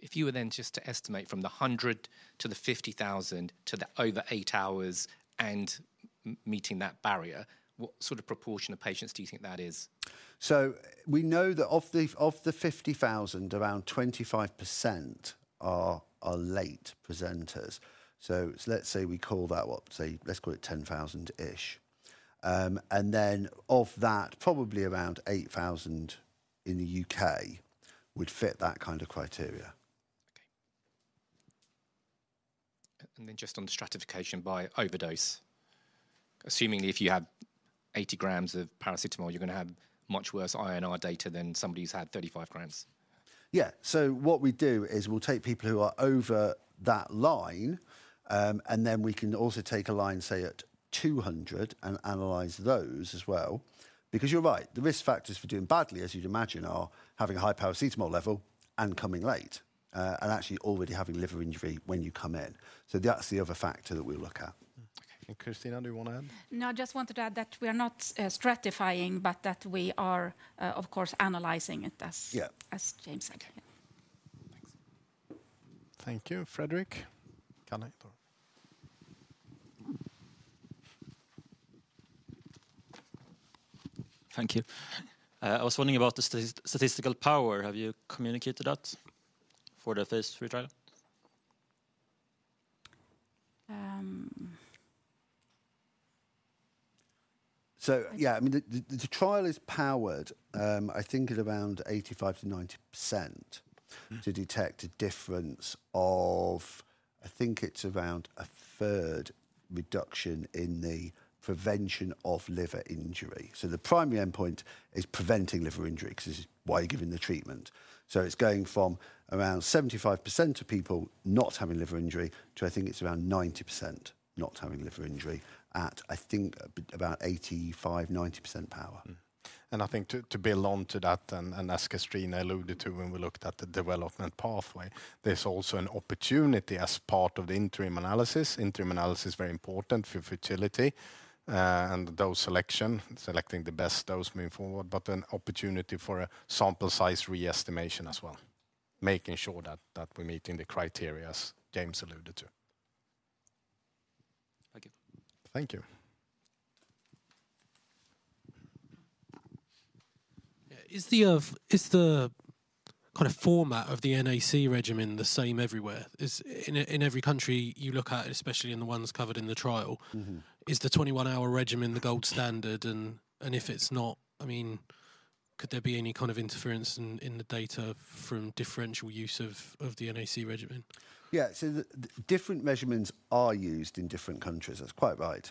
If you were then just to estimate from the 100 to the 50,000 to the over eight hours and meeting that barrier, what sort of proportion of patients do you think that is? We know that of the 50,000, around 25% are late presenters. Let's say we call that 10,000-ish. And then of that, probably around 8,000 in the U.K. would fit that kind of criteria. Just on stratification by overdose. Assuming if you have 80 g of paracetamol, you're gonna have much worse INR data than somebody who's had 35 g. Yeah. What we do is we'll take people who are over that line, and then we can also take a line, say, at 200 and analyze those as well. Because you're right, the risk factors for doing badly, as you'd imagine, are having a high paracetamol level and coming late, and actually already having liver injury when you come in. That's the other factor that we look at. Kristina, do you wanna add? No, I just wanted to add that we are not stratifying, but that we are, of course, analyzing it as James said. Thank you. Fredrik? Thank you. I was wondering about the statistical power. Have you communicated that for the phase III trial? Yeah, I mean, the trial is powered, I think at around 85%-90% to detect a difference of, I think it's around 1/3 reduction in the prevention of liver injury. The primary endpoint is preventing liver injury, 'cause this is why you're giving the treatment. It's going from around 75% of people not having liver injury to I think it's around 90% not having liver injury at, I think about 85%, 90% power. I think to build on to that and as Kristina alluded to when we looked at the development pathway, there's also an opportunity as part of the interim analysis. Interim analysis is very important for efficacy and dose selection, selecting the best dose moving forward. An opportunity for a sample size re-estimation as well, making sure that we're meeting the criteria as James alluded to. Thank you. Thank you. Yeah. Is the kind of format of the NAC regimen the same everywhere? In every country you look at, especially in the ones covered in the trial? Is the 21-hour regimen the gold standard? If it's not, I mean, could there be any kind of interference in the data from differential use of the NAC regimen? The different measurements are used in different countries. That's quite right.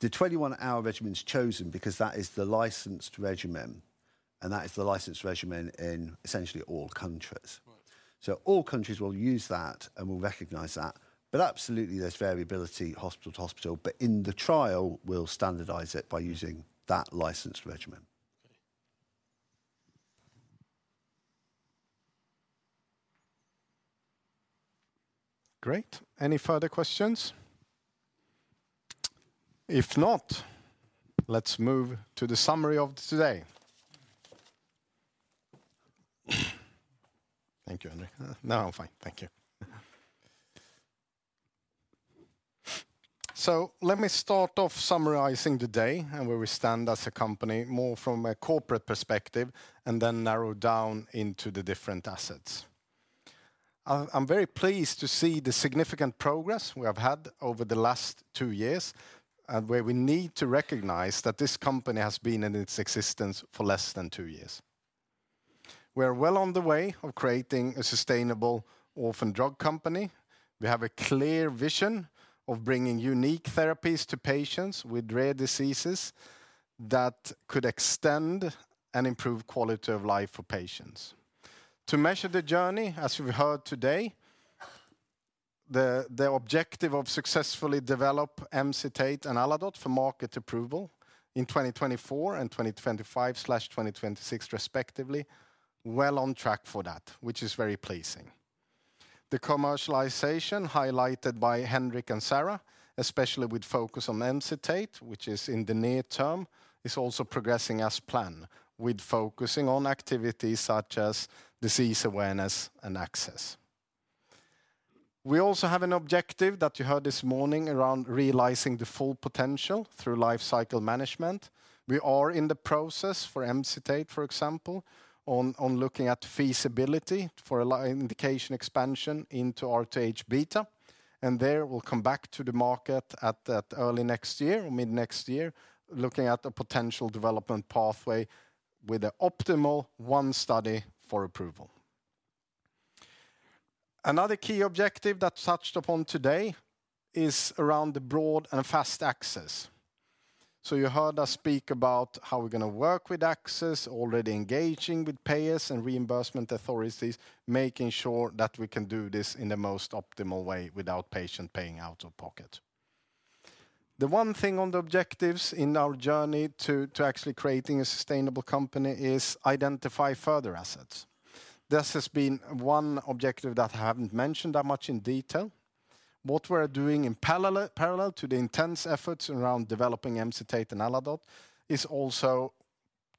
The 21-hour regimen's chosen because that is the licensed regimen, and that is the licensed regimen in essentially all countries. All countries will use that and will recognize that. Absolutely there's variability hospital to hospital, but in the trial, we'll standardize it by using that licensed regimen. Great. Any further questions? If not, let's move to the summary of today. Let me start off summarizing the day and where we stand as a company, more from a corporate perspective, and then narrow down into the different assets. I'm very pleased to see the significant progress we have had over the last two years, and where we need to recognize that this company has been in its existence for less than two years. We are well on the way of creating a sustainable orphan drug company. We have a clear vision of bringing unique therapies to patients with rare diseases that could extend and improve quality of life for patients. To measure the journey, as we've heard today, the objective of successfully develop Emcitate and Aladote for market approval in 2024 and 2025/2026 respectively, well on track for that, which is very pleasing. The commercialization highlighted by Henrik and Sara, especially with focus on Emcitate, which is in the near term, is also progressing as planned with focusing on activities such as disease awareness and access. We also have an objective that you heard this morning around realizing the full potential through life cycle management. We are in the process for Emcitate, for example, on looking at feasibility for an indication expansion into RTH-beta. There, we'll come back to the market at that early next year or mid next year, looking at the potential development pathway with an optimal one study for approval. Another key objective that's touched upon today is around the broad and fast access. You heard us speak about how we're gonna work with access, already engaging with payers and reimbursement authorities, making sure that we can do this in the most optimal way without patient paying out of pocket. The one thing on the objectives in our journey to actually creating a sustainable company is identify further assets. This has been one objective that I haven't mentioned that much in detail. What we are doing in parallel to the intense efforts around developing Emcitate and Aladote is also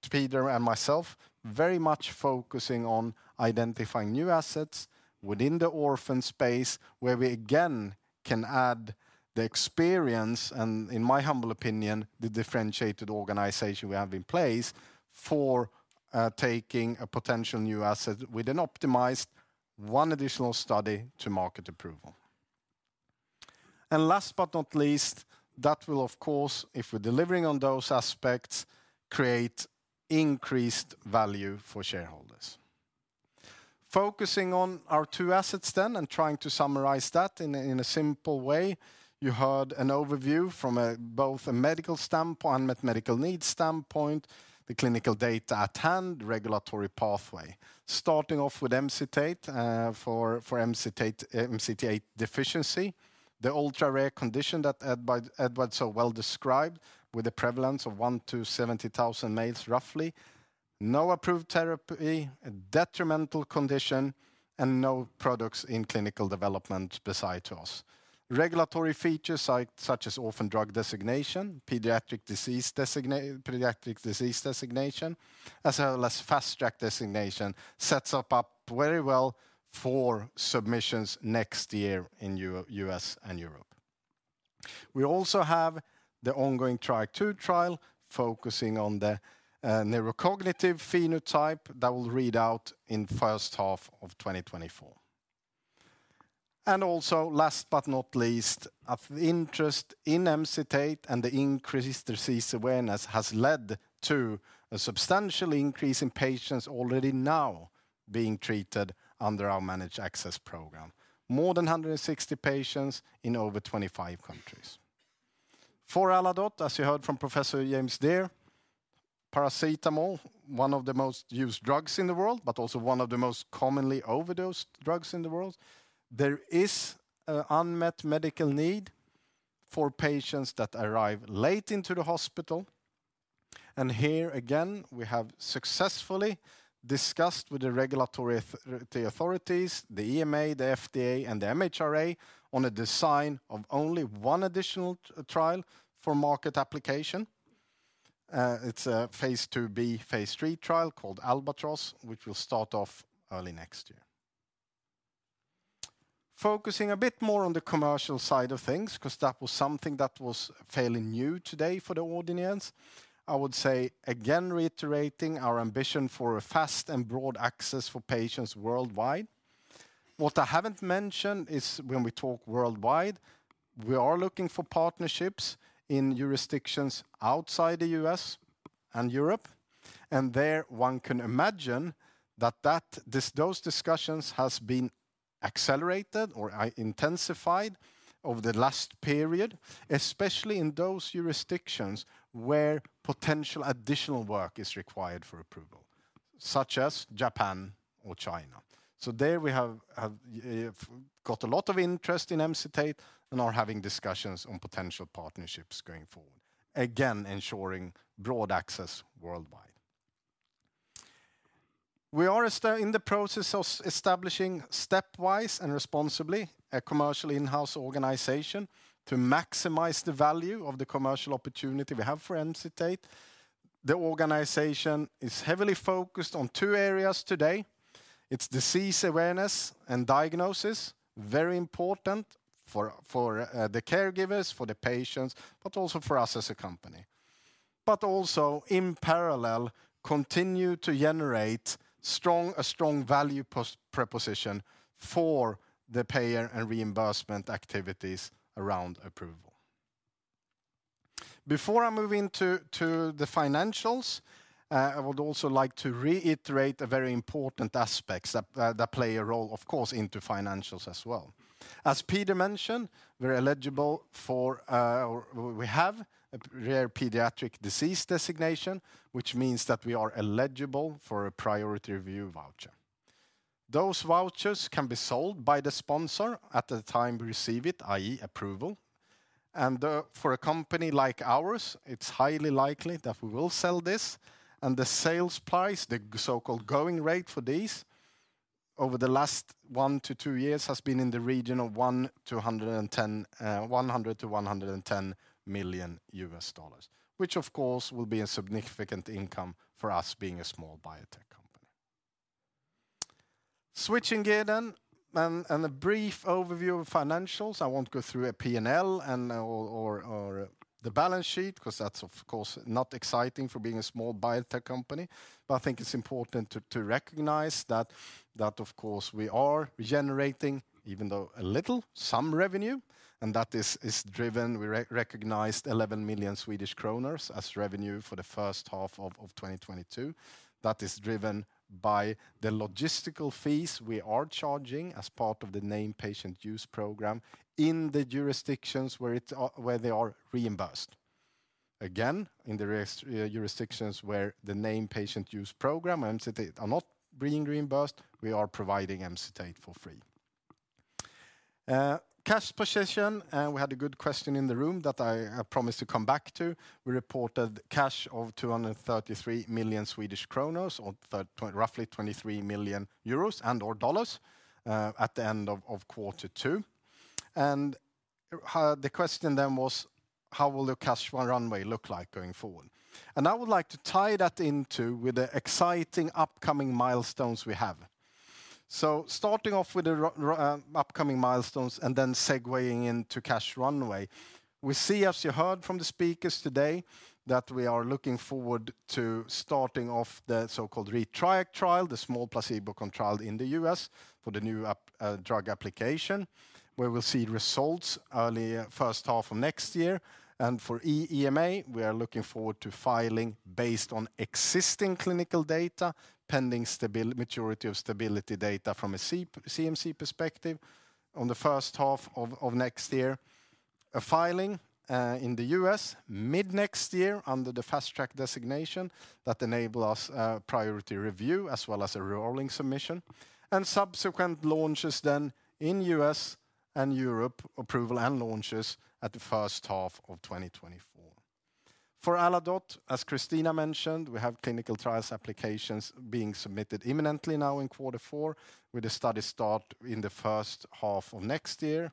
Peder and myself very much focusing on identifying new assets within the orphan space where we again can add the experience and, in my humble opinion, the differentiated organization we have in place for taking a potential new asset with an optimized one additional study to market approval. Last but not least, that will of course, if we're delivering on those aspects, create increased value for shareholders. Focusing on our two assets then and trying to summarize that in a simple way, you heard an overview from both a medical standpoint, medical needs standpoint, the clinical data at hand, regulatory pathway. Starting off with Emcitate for MCT8 deficiency, the ultra-rare condition that Edward so well described with a prevalence of 1 to 70,000 males roughly. No approved therapy, a detrimental condition, and no products in clinical development besides us. Regulatory features such as orphan drug designation, pediatric disease designation, as well as Fast Track designation sets us up very well for submissions next year in U.S. and Europe. We also have the ongoing TRIAC Trial II focusing on the neurocognitive phenotype that will read out in first half of 2024. Last but not least, of interest in Emcitate and the increased disease awareness has led to a substantial increase in patients already now being treated under our Managed Access Program. More than 160 patients in over 25 countries. For Aladote, as you heard from Professor James Dear, paracetamol, one of the most used drugs in the world, but also one of the most commonly overdosed drugs in the world. There is an unmet medical need for patients that arrive late into the hospital. Here again, we have successfully discussed with the regulatory authorities, the EMA, the FDA, and the MHRA on a design of only one additional trial for market application. It's a phase II-B, phase III trial called Albatross, which will start off early next year. Focusing a bit more on the commercial side of things, because that was something that was fairly new today for the audience, I would say again reiterating our ambition for a fast and broad access for patients worldwide. What I haven't mentioned is when we talk worldwide, we are looking for partnerships in jurisdictions outside the U.S. and Europe, and there one can imagine that those discussions has been accelerated or intensified over the last period, especially in those jurisdictions where potential additional work is required for approval, such as Japan or China. There we have got a lot of interest in Emcitate and are having discussions on potential partnerships going forward, again, ensuring broad access worldwide. We are in the process of establishing stepwise and responsibly a commercial in-house organization to maximize the value of the commercial opportunity we have for Emcitate. The organization is heavily focused on two areas today. It's disease awareness and diagnosis, very important for the caregivers, for the patients, but also for us as a company. Also, in parallel, continue to generate a strong value proposition for the payer and reimbursement activities around approval. Before I move into the financials, I would also like to reiterate a very important aspect that plays a role, of course, into financials as well. As Peder mentioned, we're eligible for, or we have a Rare Pediatric Disease Designation, which means that we are eligible for a priority review voucher. Those vouchers can be sold by the sponsor at the time we receive it, i.e. approval. For a company like ours, it's highly likely that we will sell this. The sales price, the so-called going rate for these over the last one-two years has been in the region of $100 million-$110 million, which of course will be a significant income for us being a small biotech company. Switching gear then and a brief overview of financials. I won't go through a P&L or the balance sheet because that's of course not exciting being a small biotech company. I think it's important to recognize that of course we are generating even though a little some revenue, and that is driven. We recognized 11 million Swedish kronor as revenue for the first half of 2022. That is driven by the logistical fees we are charging as part of the named patient use program in the jurisdictions where they are reimbursed. Again, in the rest, jurisdictions where the named patient use program Emcitate are not being reimbursed, we are providing Emcitate for free. Cash position, we had a good question in the room that I promised to come back to. We reported cash of 233 million, or roughly 23 million euros and/or $23 million, at the end of quarter two. The question then was, how will the cash runway look like going forward? I would like to tie that into with the exciting upcoming milestones we have. Starting off with the upcoming milestones and then segueing into cash runway. We see, as you heard from the speakers today, that we are looking forward to starting off the so-called ReTRIACt trial, the small placebo control in the U.S. for the new drug application, where we'll see results early first half of next year. For EMA, we are looking forward to filing based on existing clinical data, pending maturity of stability data from a CMC perspective on the first half of next year. A filing in the U.S. mid next year under the Fast Track designation that enable us priority review as well as a rolling submission. Subsequent launches then in U.S. and Europe approval and launches at the first half of 2024. For Aladote, as Kristina mentioned, we have clinical trials applications being submitted imminently now in quarter four, with the study start in the first half of next year,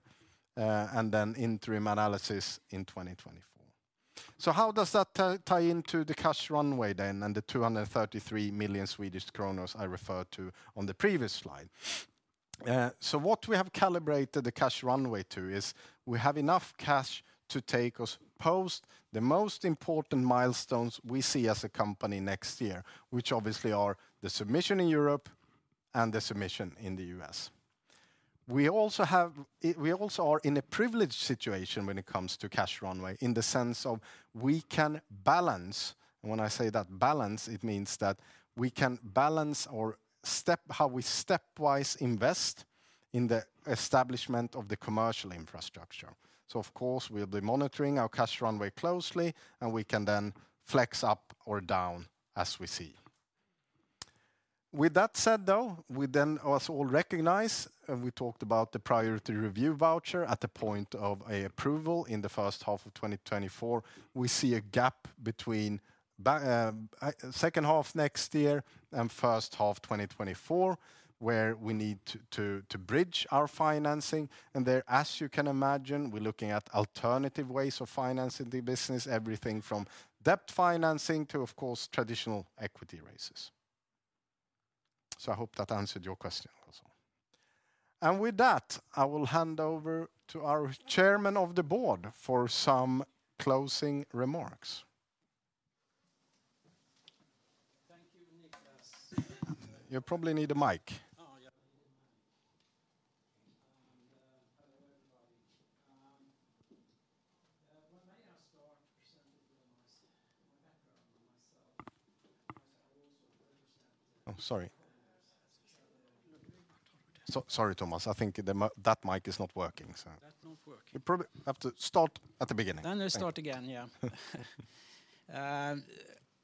and then interim analysis in 2024. How does that tie into the cash runway then and the 233 million I referred to on the previous slide? What we have calibrated the cash runway to is we have enough cash to take us post the most important milestones we see as a company next year, which obviously are the submission in Europe and the submission in the U.S. We also are in a privileged situation when it comes to cash runway in the sense of we can balance. When I say that balance, it means that we can balance or step how we stepwise invest in the establishment of the commercial infrastructure. Of course, we'll be monitoring our cash runway closely, and we can then flex up or down as we see. With that said, though, we then also all recognize, and we talked about the priority review voucher at the point of an approval in the first half of 2024. We see a gap between second half next year and first half 2024, where we need to bridge our financing. There, as you can imagine, we're looking at alternative ways of financing the business, everything from debt financing to, of course, traditional equity raises. I hope that answered your question also. With that, I will hand over to our Chairman of the Board for some closing remarks.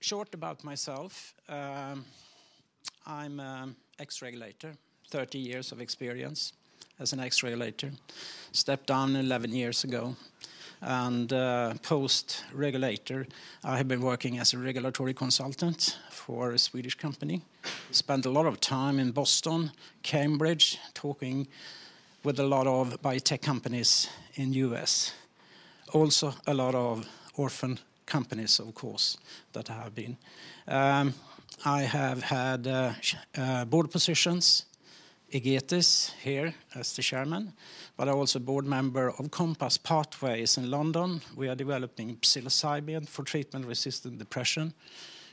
Shortly about myself. I'm an ex-regulator, 30 years of experience as an ex-regulator. Stepped down 11 years ago. Post-regulator, I have been working as a regulatory consultant for a Swedish company. Spent a lot of time in Boston, Cambridge, talking with a lot of biotech companies in U.S. Also a lot of orphan companies, of course, that I have been. I have had board positions, Egetis here as the chairman, but also board member of COMPASS Pathways in London. We are developing psilocybin for treatment-resistant depression.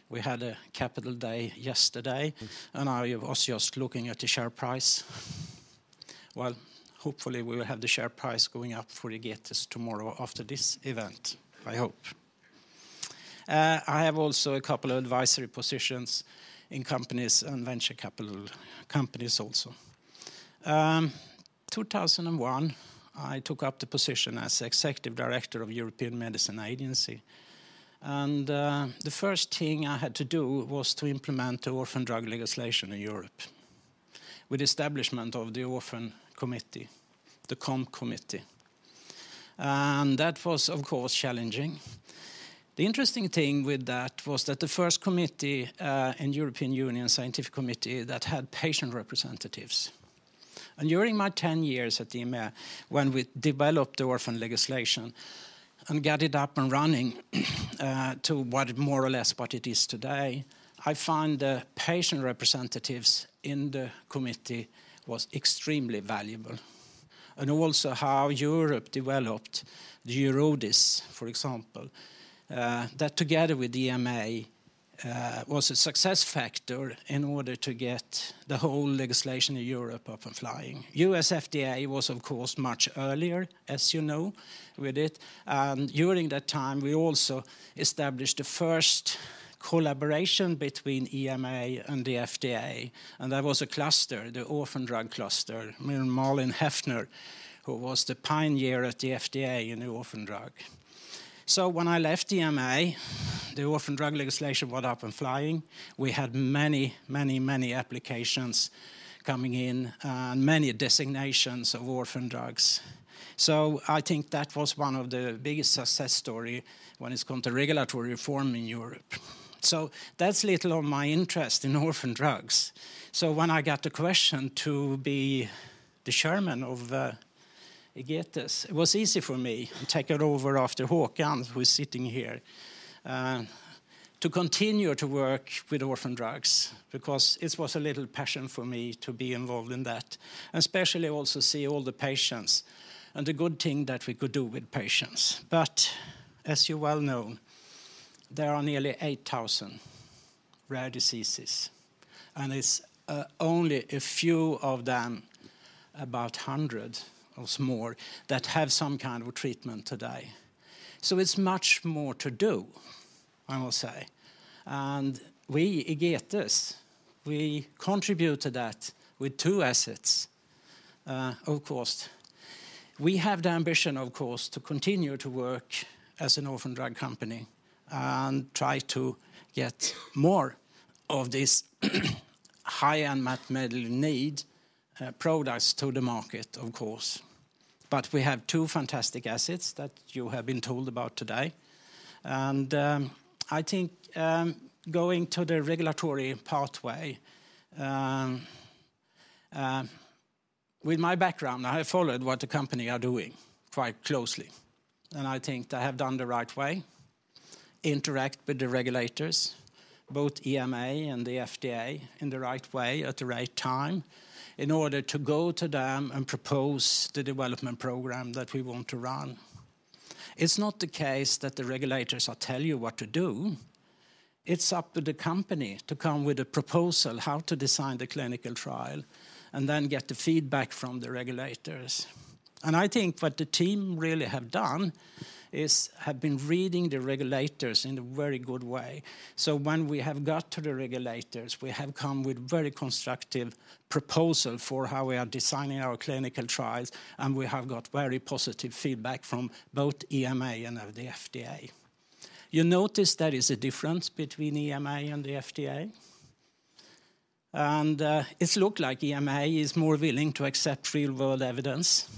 We had a Capital Day yesterday, and I was just looking at the share price. Well, hopefully, we will have the share price going up for Egetis tomorrow after this event, I hope. I have also a couple of advisory positions in companies and venture capital companies also. 2001, I took up the position as Executive Director of European Medicines Agency. The first thing I had to do was to implement the orphan drug legislation in Europe with establishment of the orphan committee, the COMP committee. That was, of course, challenging. The interesting thing with that was that the first committee in European Union Scientific Committee that had patient representatives. During my 10 years at EMA, when we developed the orphan legislation and got it up and running, to what more or less what it is today, I find the patient representatives in the committee was extremely valuable. Also how Europe developed the EURORDIS, for example, that together with EMA, was a success factor in order to get the whole legislation in Europe up and flying. U.S. FDA was, of course, much earlier, as you know, with it. During that time, we also established the first collaboration between EMA and the FDA. That was a cluster, the orphan drug cluster, I mean, Marlene Haffner, who was the pioneer at the FDA in the orphan drug. When I left EMA, the orphan drug legislation went up and flying. We had many, many, many applications coming in and many designations of orphan drugs. I think that was one of the biggest success story when it come to regulatory reform in Europe. That's a little of my interest in orphan drugs. When I got the question to be the chairman of Egetis, it was easy for me to take it over after Håkan, who is sitting here, to continue to work with orphan drugs, because it was a little passion for me to be involved in that, and especially also see all the patients and the good thing that we could do with patients. As you well know, there are nearly 8,000 rare diseases, and it's only a few of them, about 100 or more, that have some kind of treatment today. It's much more to do, I will say. We, Egetis, we contribute to that with two assets. Of course, we have the ambition, of course, to continue to work as an orphan drug company and try to get more of this high unmet medical need products to the market, of course. We have two fantastic assets that you have been told about today. I think, going to the regulatory pathway, with my background, I have followed what the company are doing quite closely, and I think they have done the right way, interact with the regulators, both EMA and the FDA, in the right way at the right time, in order to go to them and propose the development program that we want to run. It's not the case that the regulators will tell you what to do. It's up to the company to come with a proposal, how to design the clinical trial, and then get the feedback from the regulators. I think what the team really have done is have been reading the regulators in a very good way. When we have got to the regulators, we have come with very constructive proposal for how we are designing our clinical trials, and we have got very positive feedback from both EMA and the FDA. You notice there is a difference between EMA and the FDA. It look like EMA is more willing to accept real-world evidence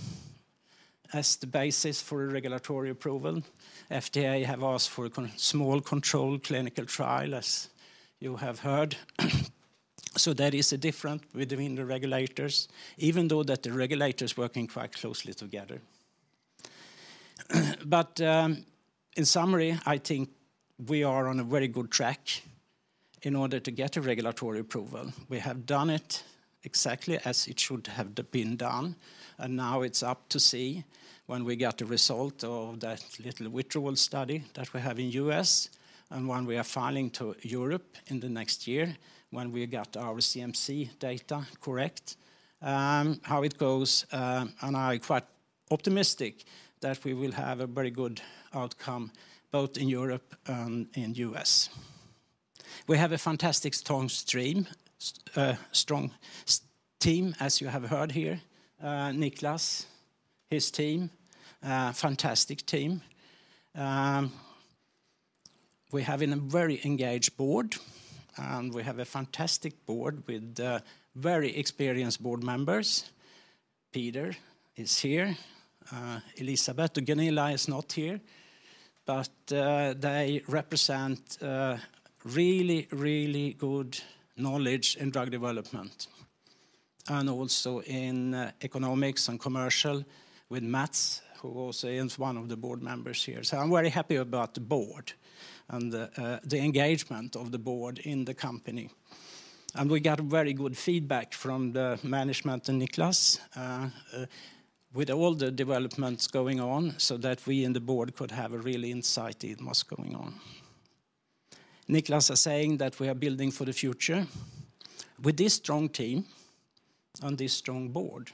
as the basis for regulatory approval. FDA have asked for a small controlled clinical trial, as you have heard. There is a different between the regulators, even though that the regulators working quite closely together. in summary, I think we are on a very good track in order to get a regulatory approval. We have done it exactly as it should have been done, and now it's up to see when we get the result of that little withdrawal study that we have in the U.S. and when we are filing to Europe in the next year, when we get our CMC data correct, how it goes. I quite optimistic that we will have a very good outcome, both in Europe and in the U.S. We have a fantastic strong team, as you have heard here. Nicklas, his team, fantastic team. we have a very engaged board, and we have a fantastic board with very experienced board members. Peder is here. Elisabeth and Gunilla is not here. They represent really, really good knowledge in drug development and also in economics and commercial with Mats, who also is one of the board members here. I'm very happy about the board and the engagement of the board in the company. We got very good feedback from the management and Nicklas with all the developments going on, so that we in the board could have a real insight in what's going on. Nicklas is saying that we are building for the future. With this strong team and this strong board,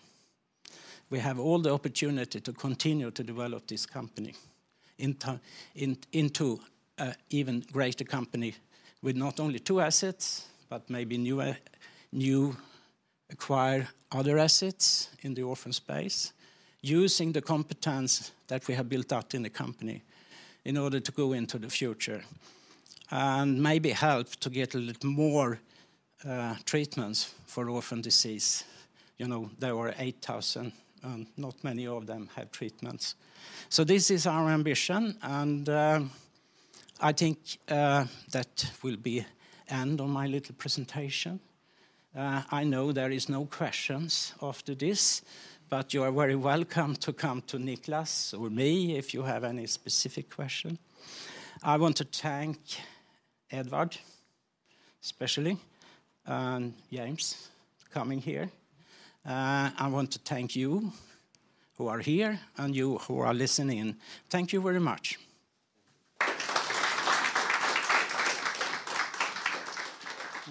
we have all the opportunity to continue to develop this company into a even greater company with not only two assets, but maybe new acquire other assets in the orphan space, using the competence that we have built up in the company in order to go into the future and maybe help to get a little more treatments for orphan disease. You know, there were 8,000, and not many of them have treatments. This is our ambition, and I think that will be the end of my little presentation. I know there is no questions after this, but you are very welcome to come to Nicklas or me if you have any specific question. I want to thank Edward especially and James for coming here. I want to thank you who are here and you who are listening in. Thank you very much.